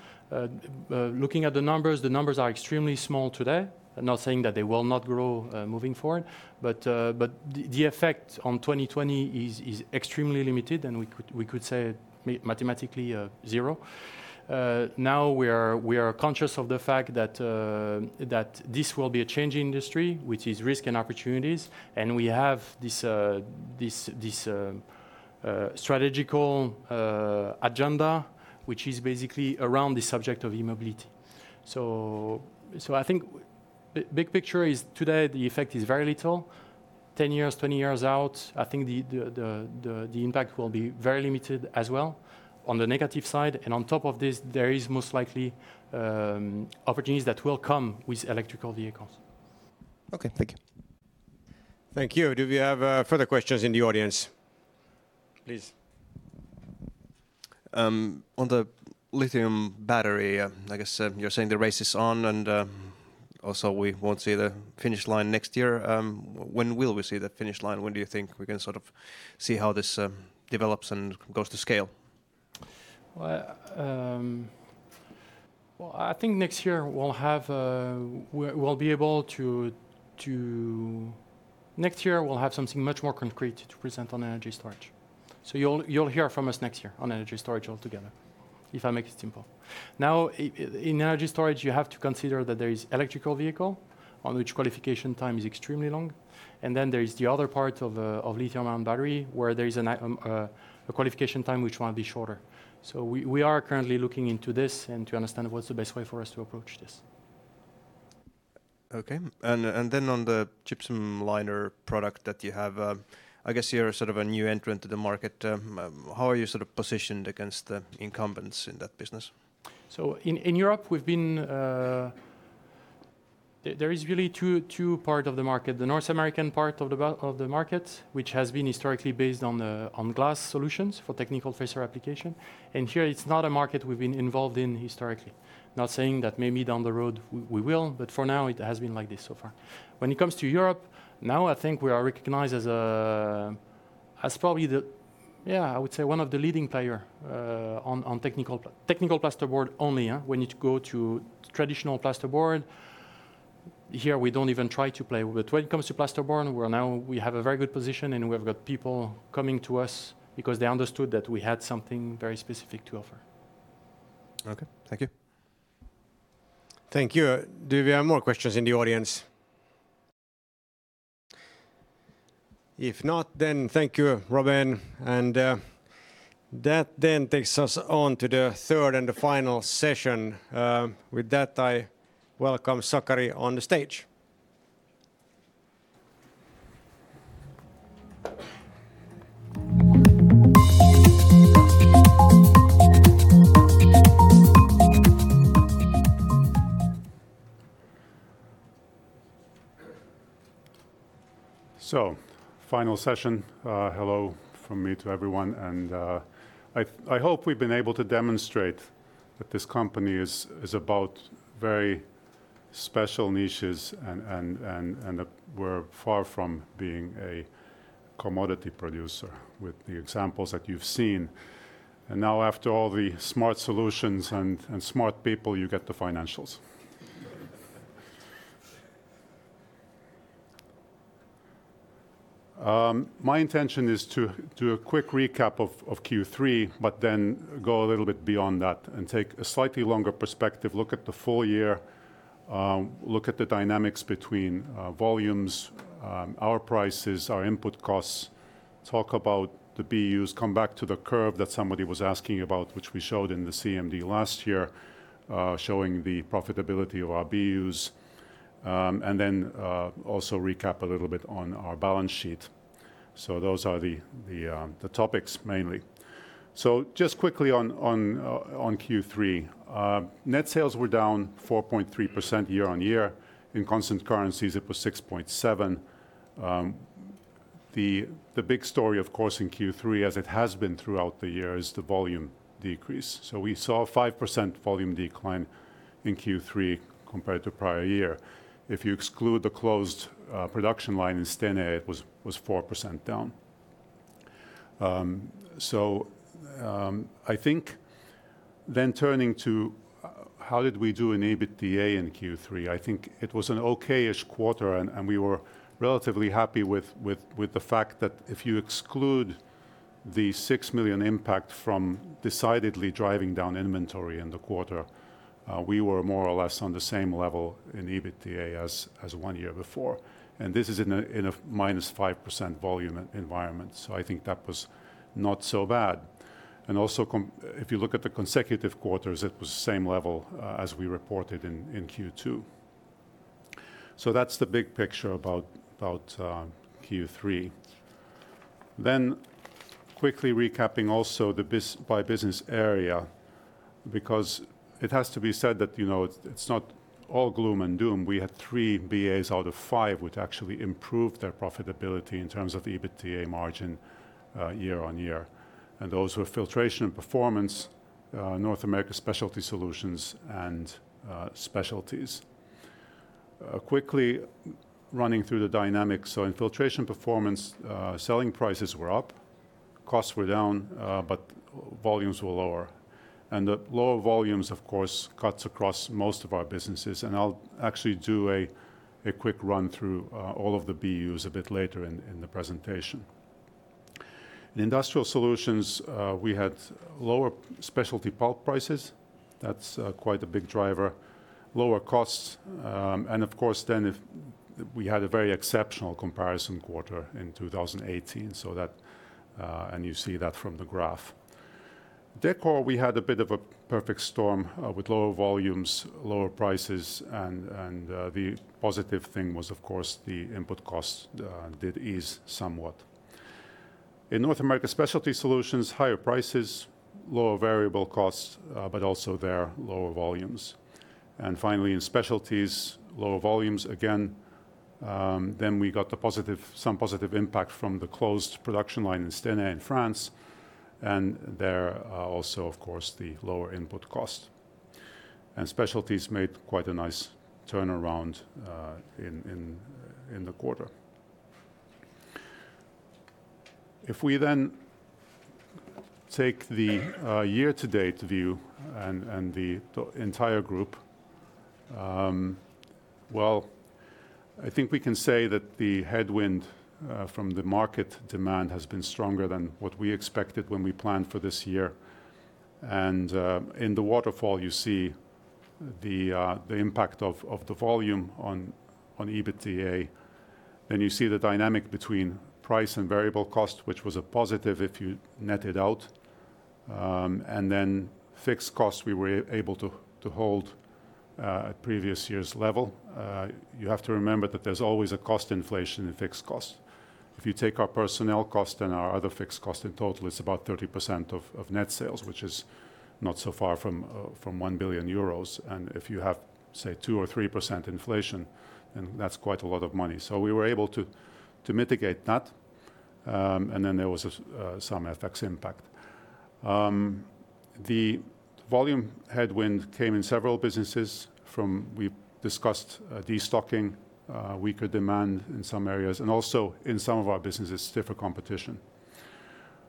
Looking at the numbers, the numbers are extremely small today. I'm not saying that they will not grow moving forward, the effect on 2020 is extremely limited, and we could say mathematically zero. Now we are conscious of the fact that this will be a changing industry, which is risk and opportunities, and we have this strategic agenda, which is basically around the subject of e-mobility. I think big picture is today the effect is very little. 10 years, 20 years out, I think the impact will be very limited as well on the negative side, and on top of this, there is most likely opportunities that will come with electrical vehicles. Okay, thank you. Thank you. Do we have further questions in the audience? Please. On the lithium battery, I guess you're saying the race is on and also we won't see the finish line next year. When will we see the finish line? When do you think we can sort of see how this develops and goes to scale? Well, I think next year we'll have something much more concrete to present on energy storage. You'll hear from us next year on energy storage altogether, if I make it simple. In energy storage, you have to consider that there is electrical vehicle, on which qualification time is extremely long, and then there is the other part of lithium-ion battery, where there is a qualification time which might be shorter. We are currently looking into this and to understand what's the best way for us to approach this. Okay, then on the gypsum liner product that you have, I guess you're a new entrant to the market. How are you positioned against the incumbents in that business? In Europe, there is really two part of the market. The North American part of the market, which has been historically based on glass solutions for technical facer application. Here it's not a market we've been involved in historically. Not saying that maybe down the road we will, but for now it has been like this so far. When it comes to Europe, now I think we are recognized as probably the, I would say one of the leading player on technical plasterboard only. When you go to traditional plasterboard, here we don't even try to play. When it comes to plasterboard, we have a very good position, and we've got people coming to us because they understood that we had something very specific to offer. Okay. Thank you. Thank you. Do we have more questions in the audience? If not, then thank you, Robin, and that then takes us on to the third and the final session. With that, I welcome Sakari on the stage. Final session. Hello from me to everyone. I hope we've been able to demonstrate that this company is about very special niches and that we're far from being a commodity producer with the examples that you've seen. Now after all the smart solutions and smart people, you get the financials. My intention is to do a quick recap of Q3, but then go a little bit beyond that and take a slightly longer perspective look at the full year, look at the dynamics between volumes, our prices, our input costs, talk about the BUs, come back to the curve that somebody was asking about, which we showed in the CMD last year, showing the profitability of our BUs, and then also recap a little bit on our balance sheet. Those are the topics mainly. Just quickly on Q3. Net sales were down 4.3% year-over-year. In constant currencies it was 6.7%. The big story of course in Q3, as it has been throughout the year, is the volume decrease. We saw a 5% volume decline in Q3 compared to prior year. If you exclude the closed production line in Stenay, it was 4% down. I think turning to how did we do in EBITDA in Q3, I think it was an okay-ish quarter, and we were relatively happy with the fact that if you exclude the 6 million impact from decidedly driving down inventory in the quarter, we were more or less on the same level in EBITDA as one year before. This is in a -5% volume environment, I think that was not so bad. Also, if you look at the consecutive quarters, it was the same level as we reported in Q2. That's the big picture about Q3. Quickly recapping also by business area, because it has to be said that it's not all gloom and doom. We had three BAs out of five which actually improved their profitability in terms of the EBITDA margin year-on-year. Those were Filtration and Performance, North America Specialty Solutions, and Specialties. Quickly running through the dynamics. In Filtration and Performance, selling prices were up, costs were down, but volumes were lower. The lower volumes, of course, cuts across most of our businesses. I'll actually do a quick run through all of the BUs a bit later in the presentation. In Industrial Solutions, we had lower specialty pulp prices. That's quite a big driver. Lower costs. Of course, we had a very exceptional comparison quarter in 2018. You see that from the graph. Décor, we had a bit of a perfect storm with lower volumes, lower prices. The positive thing was, of course, the input costs did ease somewhat. In North America Specialty Solutions, higher prices, lower variable costs. Also there, lower volumes. Finally, in Specialties, lower volumes again. We got some positive impact from the closed production line in Stenay, in France. There also, of course, the lower input cost. Specialties made quite a nice turnaround in the quarter. If we take the year-to-date view and the entire group, well, I think we can say that the headwind from the market demand has been stronger than what we expected when we planned for this year. In the waterfall, you see the impact of the volume on EBITDA, and you see the dynamic between price and variable cost, which was a positive if you net it out. Fixed costs, we were able to hold previous year's level. You have to remember that there's always a cost inflation in fixed costs. If you take our personnel cost and our other fixed cost, in total, it's about 30% of net sales, which is not so far from 1 billion euros. If you have, say, 2% or 3% inflation, then that's quite a lot of money. We were able to mitigate that. There was some FX impact. The volume headwind came in several businesses from, we discussed, destocking, weaker demand in some areas, and also in some of our businesses, stiffer competition.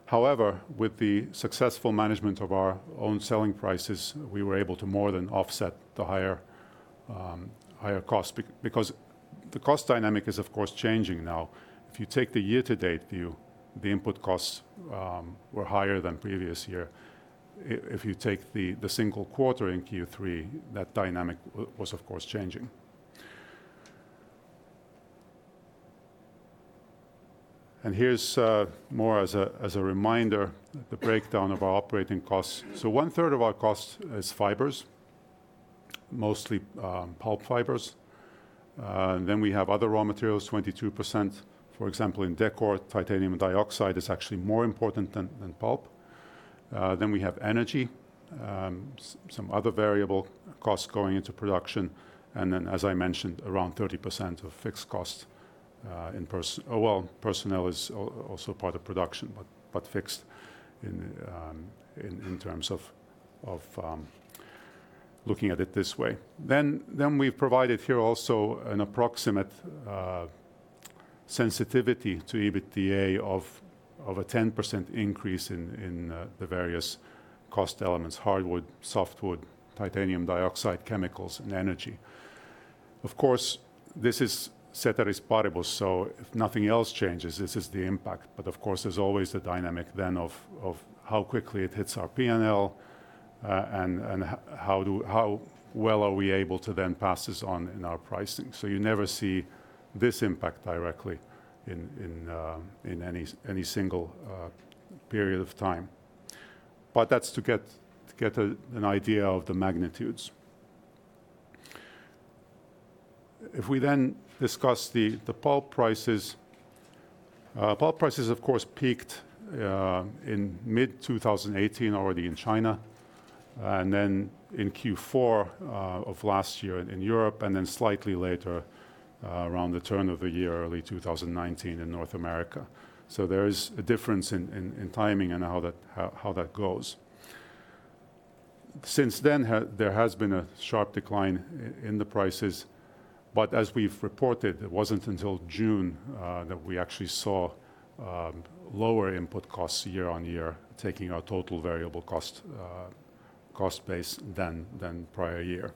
However, with the successful management of our own selling prices, we were able to more than offset the higher cost, because the cost dynamic is, of course, changing now. If you take the year-to-date view, the input costs were higher than previous year. If you take the single quarter in Q3, that dynamic was, of course, changing. Here's more as a reminder, the breakdown of our operating costs. One-third of our cost is fibers, mostly pulp fibers. We have other raw materials, 22%, for example, in Decor, titanium dioxide is actually more important than pulp. We have energy, some other variable costs going into production, and then, as I mentioned, around 30% of fixed costs in personnel. Well, personnel is also part of production, but fixed in terms of looking at it this way. We've provided here also an approximate sensitivity to EBITDA of a 10% increase in the various cost elements, hardwood, softwood, titanium dioxide, chemicals, and energy. Of course, this is ceteris paribus, so if nothing else changes, this is the impact. Of course, there's always a dynamic then of how quickly it hits our P&L and how well are we able to then pass this on in our pricing. You never see this impact directly in any single period of time. That's to get an idea of the magnitudes. If we then discuss the pulp prices. Pulp prices, of course, peaked in mid-2018 already in China, and then in Q4 of last year in Europe, and then slightly later, around the turn of the year, early 2019, in North America. There is a difference in timing and how that goes. Since then, there has been a sharp decline in the prices. As we've reported, it wasn't until June that we actually saw lower input costs year-on-year, taking our total variable cost base than prior year.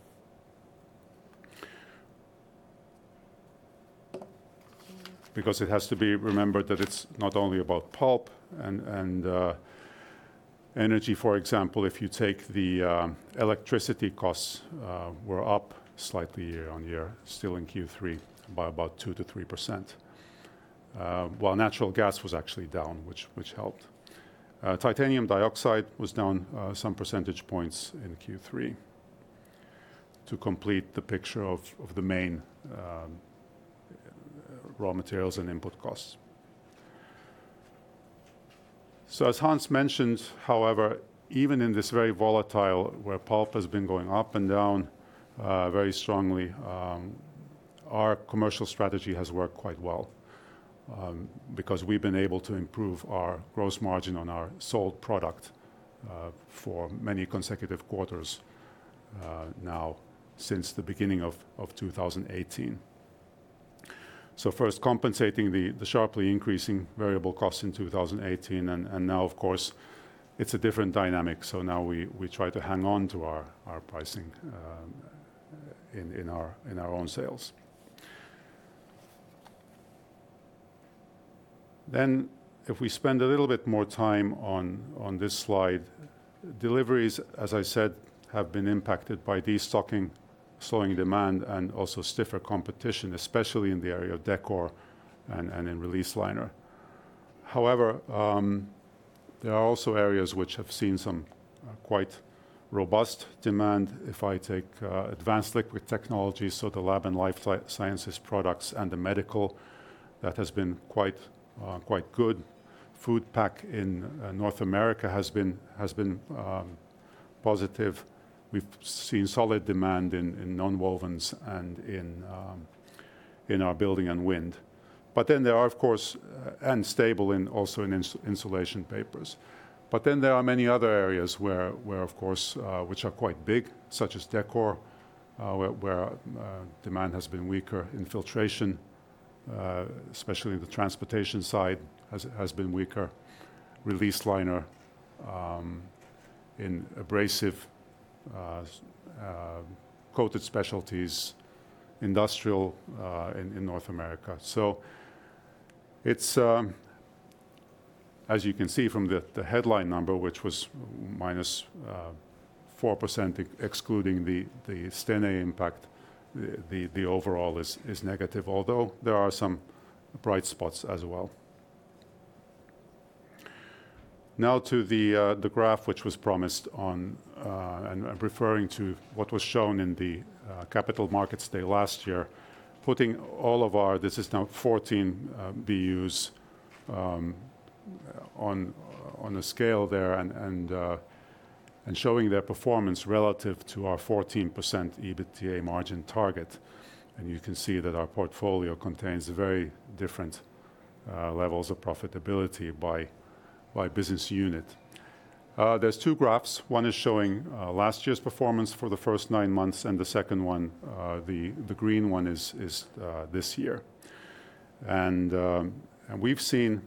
It has to be remembered that it's not only about pulp and energy. For example, if you take the electricity costs were up slightly year-on-year, still in Q3, by about 2%-3%. Natural gas was actually down, which helped. Titanium dioxide was down some percentage points in Q3 to complete the picture of the main raw materials and input costs. As Hans mentioned, however, even in this very volatile, where pulp has been going up and down very strongly, our commercial strategy has worked quite well, because we've been able to improve our gross margin on our sold product for many consecutive quarters now since the beginning of 2018. First compensating the sharply increasing variable costs in 2018, and now, of course, it's a different dynamic. Now we try to hang on to our pricing in our own sales. If we spend a little bit more time on this slide, deliveries, as I said, have been impacted by destocking, slowing demand, and also stiffer competition, especially in the area of decor and in release liner. However, there are also areas which have seen some quite robust demand. If I take advanced liquid technology, so the lab and life sciences products and the medical, that has been quite good. Food Pack in North America has been positive. We've seen solid demand in nonwovens and in our building and wind. There are, of course, unstable also in insulation papers. There are many other areas which are quite big, such as décor, where demand has been weaker in filtration, especially the transportation side has been weaker, release liner in abrasive coated specialties, industrial in North America. As you can see from the headline number, which was -4% excluding the Stenay impact, the overall is negative, although there are some bright spots as well. Now to the graph, which was promised on, referring to what was shown in the Capital Markets Day last year, putting all of our, this is now 14 BUs, on a scale there and showing their performance relative to our 14% EBITDA margin target. You can see that our portfolio contains very different levels of profitability by business unit. There's two graphs. One is showing last year's performance for the first nine months, the second one, the green one, is this year. We've seen,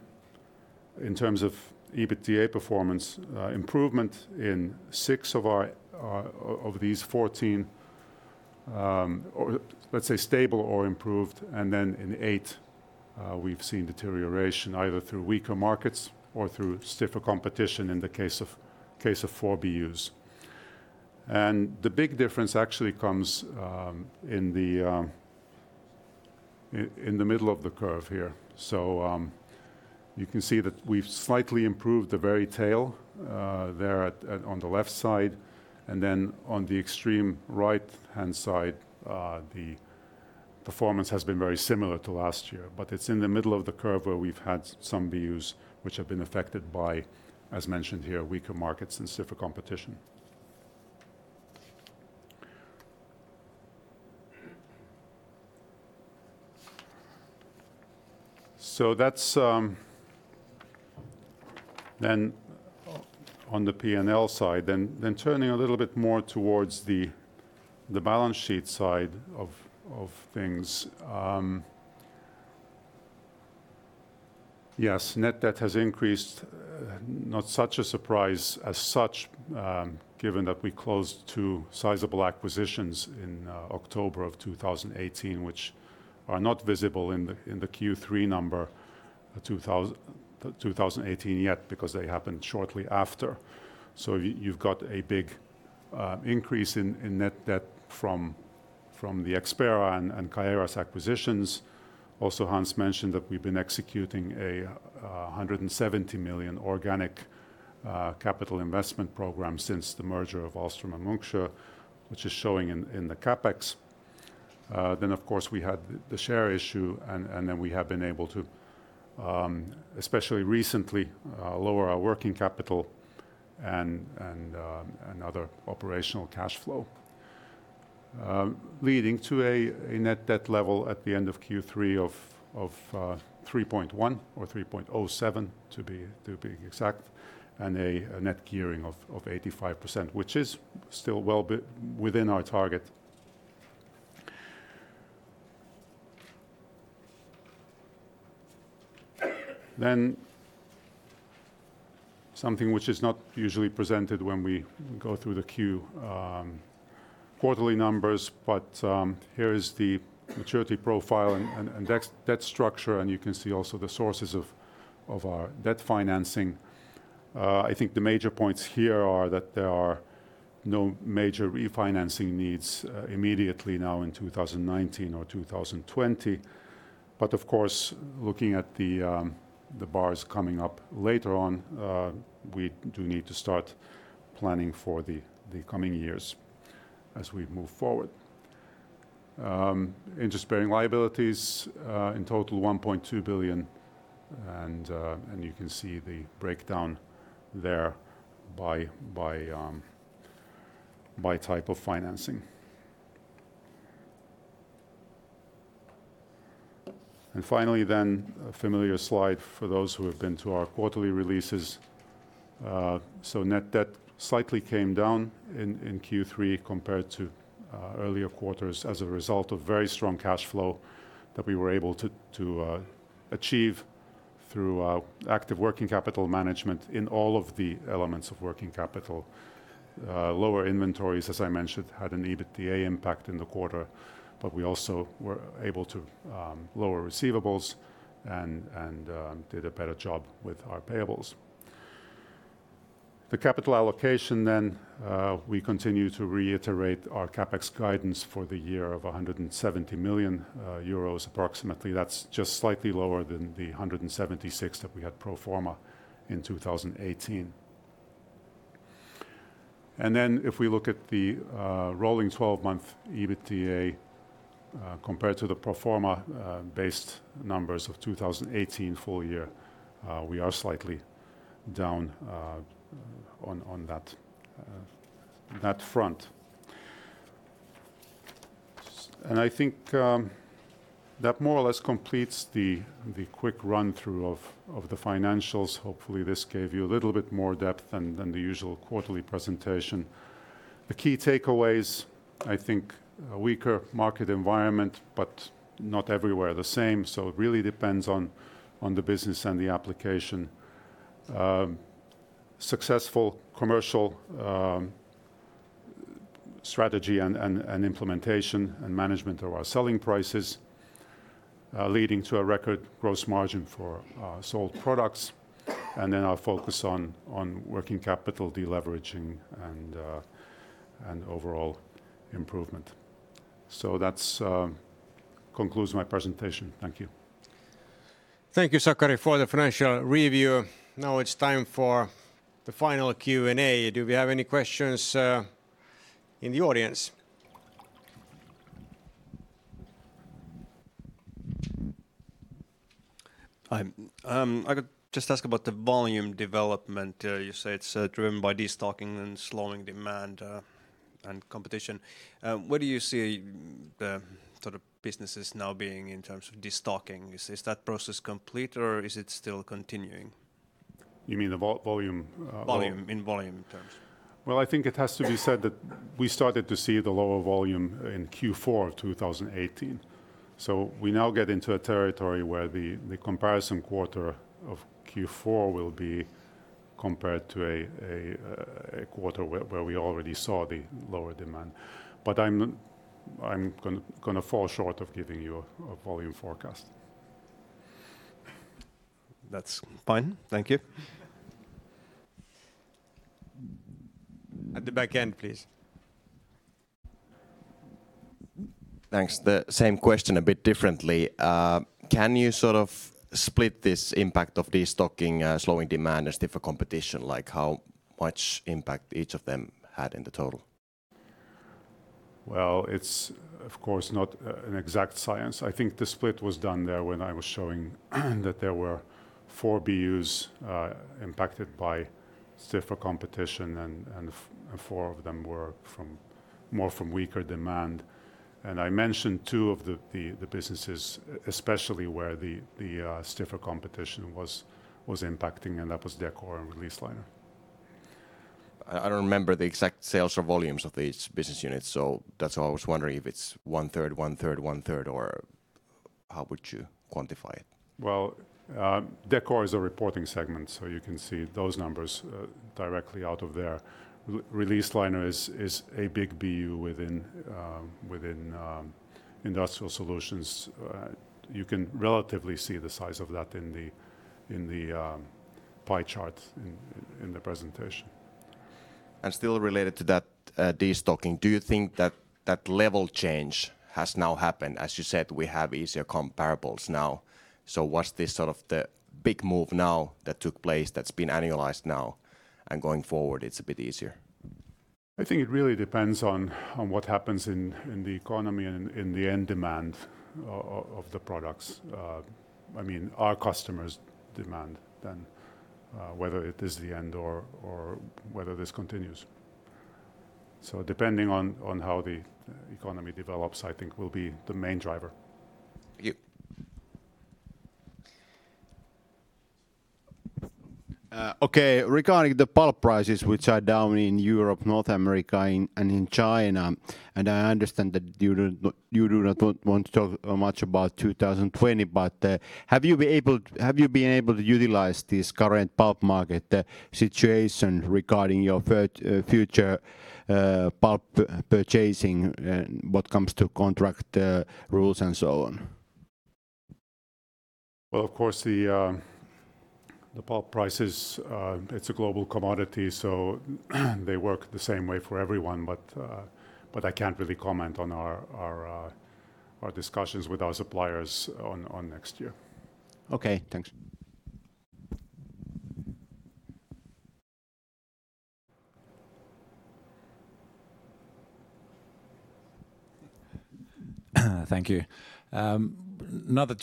in terms of EBITDA performance, improvement in six of these 14, let's say stable or improved, then in eight we've seen deterioration, either through weaker markets or through stiffer competition in the case of four BUs. The big difference actually comes in the middle of the curve here. You can see that we've slightly improved the very tail there on the left side, and then on the extreme right-hand side, the performance has been very similar to last year. It's in the middle of the curve where we've had some BUs which have been affected by, as mentioned here, weaker markets and stiffer competition. That's then on the P&L side. Turning a little bit more towards the balance sheet side of things. Yes, net debt has increased. Not such a surprise as such, given that we closed two sizable acquisitions in October of 2018, which are not visible in the Q3 number 2018 yet, because they happened shortly after. You've got a big increase in net debt from the Expera and Caieiras acquisitions. Also, Hans mentioned that we've been executing a 170 million organic capital investment program since the merger of Ahlstrom and Munksjö, which is showing in the CapEx. Of course, we had the share issue, we have been able to, especially recently, lower our working capital and other operational cash flow, leading to a net debt level at the end of Q3 of 3.1, or 3.07 to be exact, and a net gearing of 85%, which is still well within our target. Something which is not usually presented when we go through the quarterly numbers, but here is the maturity profile and debt structure, and you can see also the sources of our debt financing. I think the major points here are that there are no major refinancing needs immediately now in 2019 or 2020. Of course, looking at the bars coming up later on, we do need to start planning for the coming years as we move forward. Interest-bearing liabilities, in total 1.2 billion, you can see the breakdown there by type of financing. Finally, a familiar slide for those who have been to our quarterly releases. Net debt slightly came down in Q3 compared to earlier quarters as a result of very strong cash flow that we were able to achieve through active working capital management in all of the elements of working capital. Lower inventories, as I mentioned, had an EBITDA impact in the quarter, we also were able to lower receivables and did a better job with our payables. The capital allocation, we continue to reiterate our CapEx guidance for the year of 170 million euros approximately. That's just slightly lower than the 176 that we had pro forma in 2018. If we look at the rolling 12-month EBITDA compared to the pro forma based numbers of 2018 full year, we are slightly down on that front. I think that more or less completes the quick run-through of the financials. Hopefully, this gave you a little bit more depth than the usual quarterly presentation. The key takeaways, I think a weaker market environment, but not everywhere the same. It really depends on the business and the application. Successful commercial strategy and implementation and management of our selling prices leading to a record gross margin for sold products. Our focus on working capital deleveraging and overall improvement. That concludes my presentation. Thank you. Thank you, Sakari, for the financial review. Now it is time for the final Q&A. Do we have any questions in the audience? Hi. I could just ask about the volume development. You say it's driven by destocking and slowing demand and competition. Where do you see the businesses now being in terms of destocking? Is that process complete or is it still continuing? You mean the volume? Volume, in volume terms. Well, I think it has to be said that we started to see the lower volume in Q4 2018. We now get into a territory where the comparison quarter of Q4 will be compared to a quarter where we already saw the lower demand. I'm going to fall short of giving you a volume forecast. That's fine. Thank you. At the back end, please. Thanks. The same question a bit differently. Can you split this impact of destocking, slowing demand, and stiffer competition? Like how much impact each of them had in the total? Well, it's of course not an exact science. I think the split was done there when I was showing that there were four BUs impacted by stiffer competition and four of them were more from weaker demand. I mentioned two of the businesses, especially where the stiffer competition was impacting, and that was Decor and Release Liner. I don't remember the exact sales or volumes of these business units, so that's why I was wondering if it's 1/3, 1/3, 1/3, or how would you quantify it? Well, Décor is a reporting segment, so you can see those numbers directly out of there. Release Liner is a big BU within Industrial Solutions. You can relatively see the size of that in the pie chart in the presentation. Still related to that destocking, do you think that that level change has now happened? As you said, we have easier comparables now. Was this the big move now that took place that's been annualized now and going forward it's a bit easier? I think it really depends on what happens in the economy and in the end demand of the products. I mean, our customers' demand then, whether it is the end or whether this continues. Depending on how the economy develops, I think will be the main driver. Thank you. Okay. Regarding the pulp prices, which are down in Europe, North America, and in China, and I understand that you do not want to talk much about 2020, but have you been able to utilize this current pulp market situation regarding your future pulp purchasing, what comes to contract rules and so on? Well, of course, the pulp prices, it's a global commodity, they work the same way for everyone. I can't really comment on our discussions with our suppliers on next year. Okay, thanks. Thank you. Now that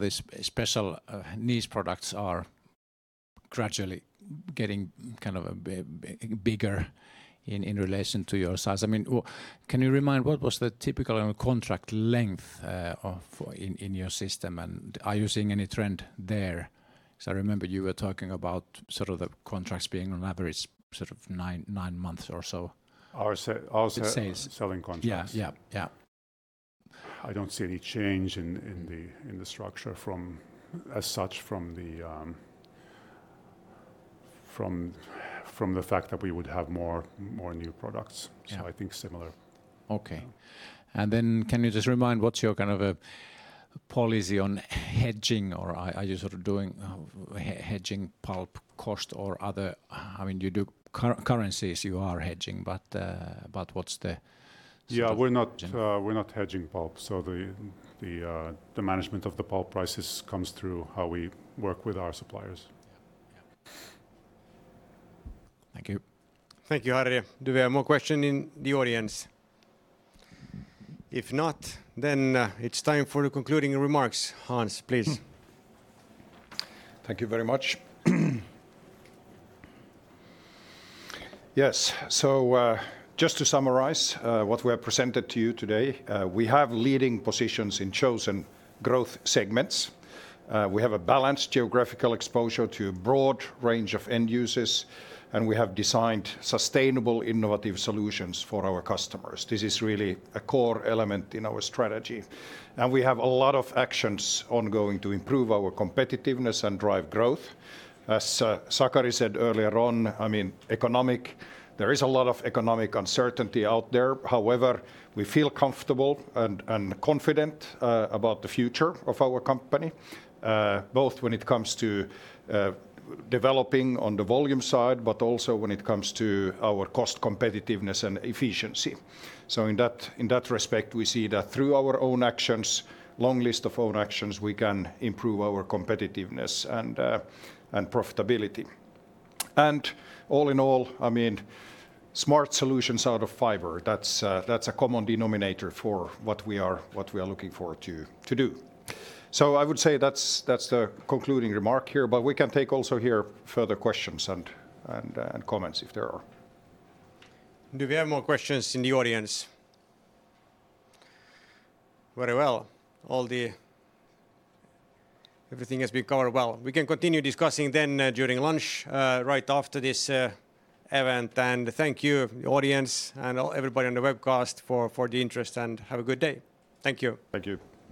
these special niche products are gradually getting bigger in relation to your size, can you remind me, what was the typical contract length in your system, and are you seeing any trend there? Because I remember you were talking about the contracts being on average nine months or so. Our selling contracts? Yes. I don't see any change in the structure as such from the fact that we would have more new products. Yeah. I think similar. Okay. Then can you just remind me what's your policy on hedging? Are you doing hedging pulp cost or other? You do currencies you are hedging, what's was the- Yeah, we're not hedging pulp. The management of the pulp prices comes through how we work with our suppliers. Yeah. Thank you. Thank you, Harry. Do we have more questions in the audience? If not, then it's time for the concluding remarks. Hans, please. Thank you very much. Yes. Just to summarize what we have presented to you today, we have leading positions in chosen growth segments. We have a balanced geographical exposure to a broad range of end users, we have designed sustainable, innovative solutions for our customers. This is really a core element in our strategy. We have a lot of actions ongoing to improve our competitiveness and drive growth. As Sakari said earlier on, there is a lot of economic uncertainty out there. However, we feel comfortable and confident about the future of our company, both when it comes to developing on the volume side, but also when it comes to our cost competitiveness and efficiency. In that respect, we see that through our own actions, long list of own actions, we can improve our competitiveness and profitability. All in all, smart solutions out of fiber. That's a common denominator for what we are looking for to do. I would say that's the concluding remark here, but we can take also here further questions and comments if there are. Do we have more questions in the audience? Very well. Everything has been covered well. We can continue discussing then during lunch, right after this event. Thank you, the audience and everybody on the webcast for the interest, and have a good day. Thank you. Thank you.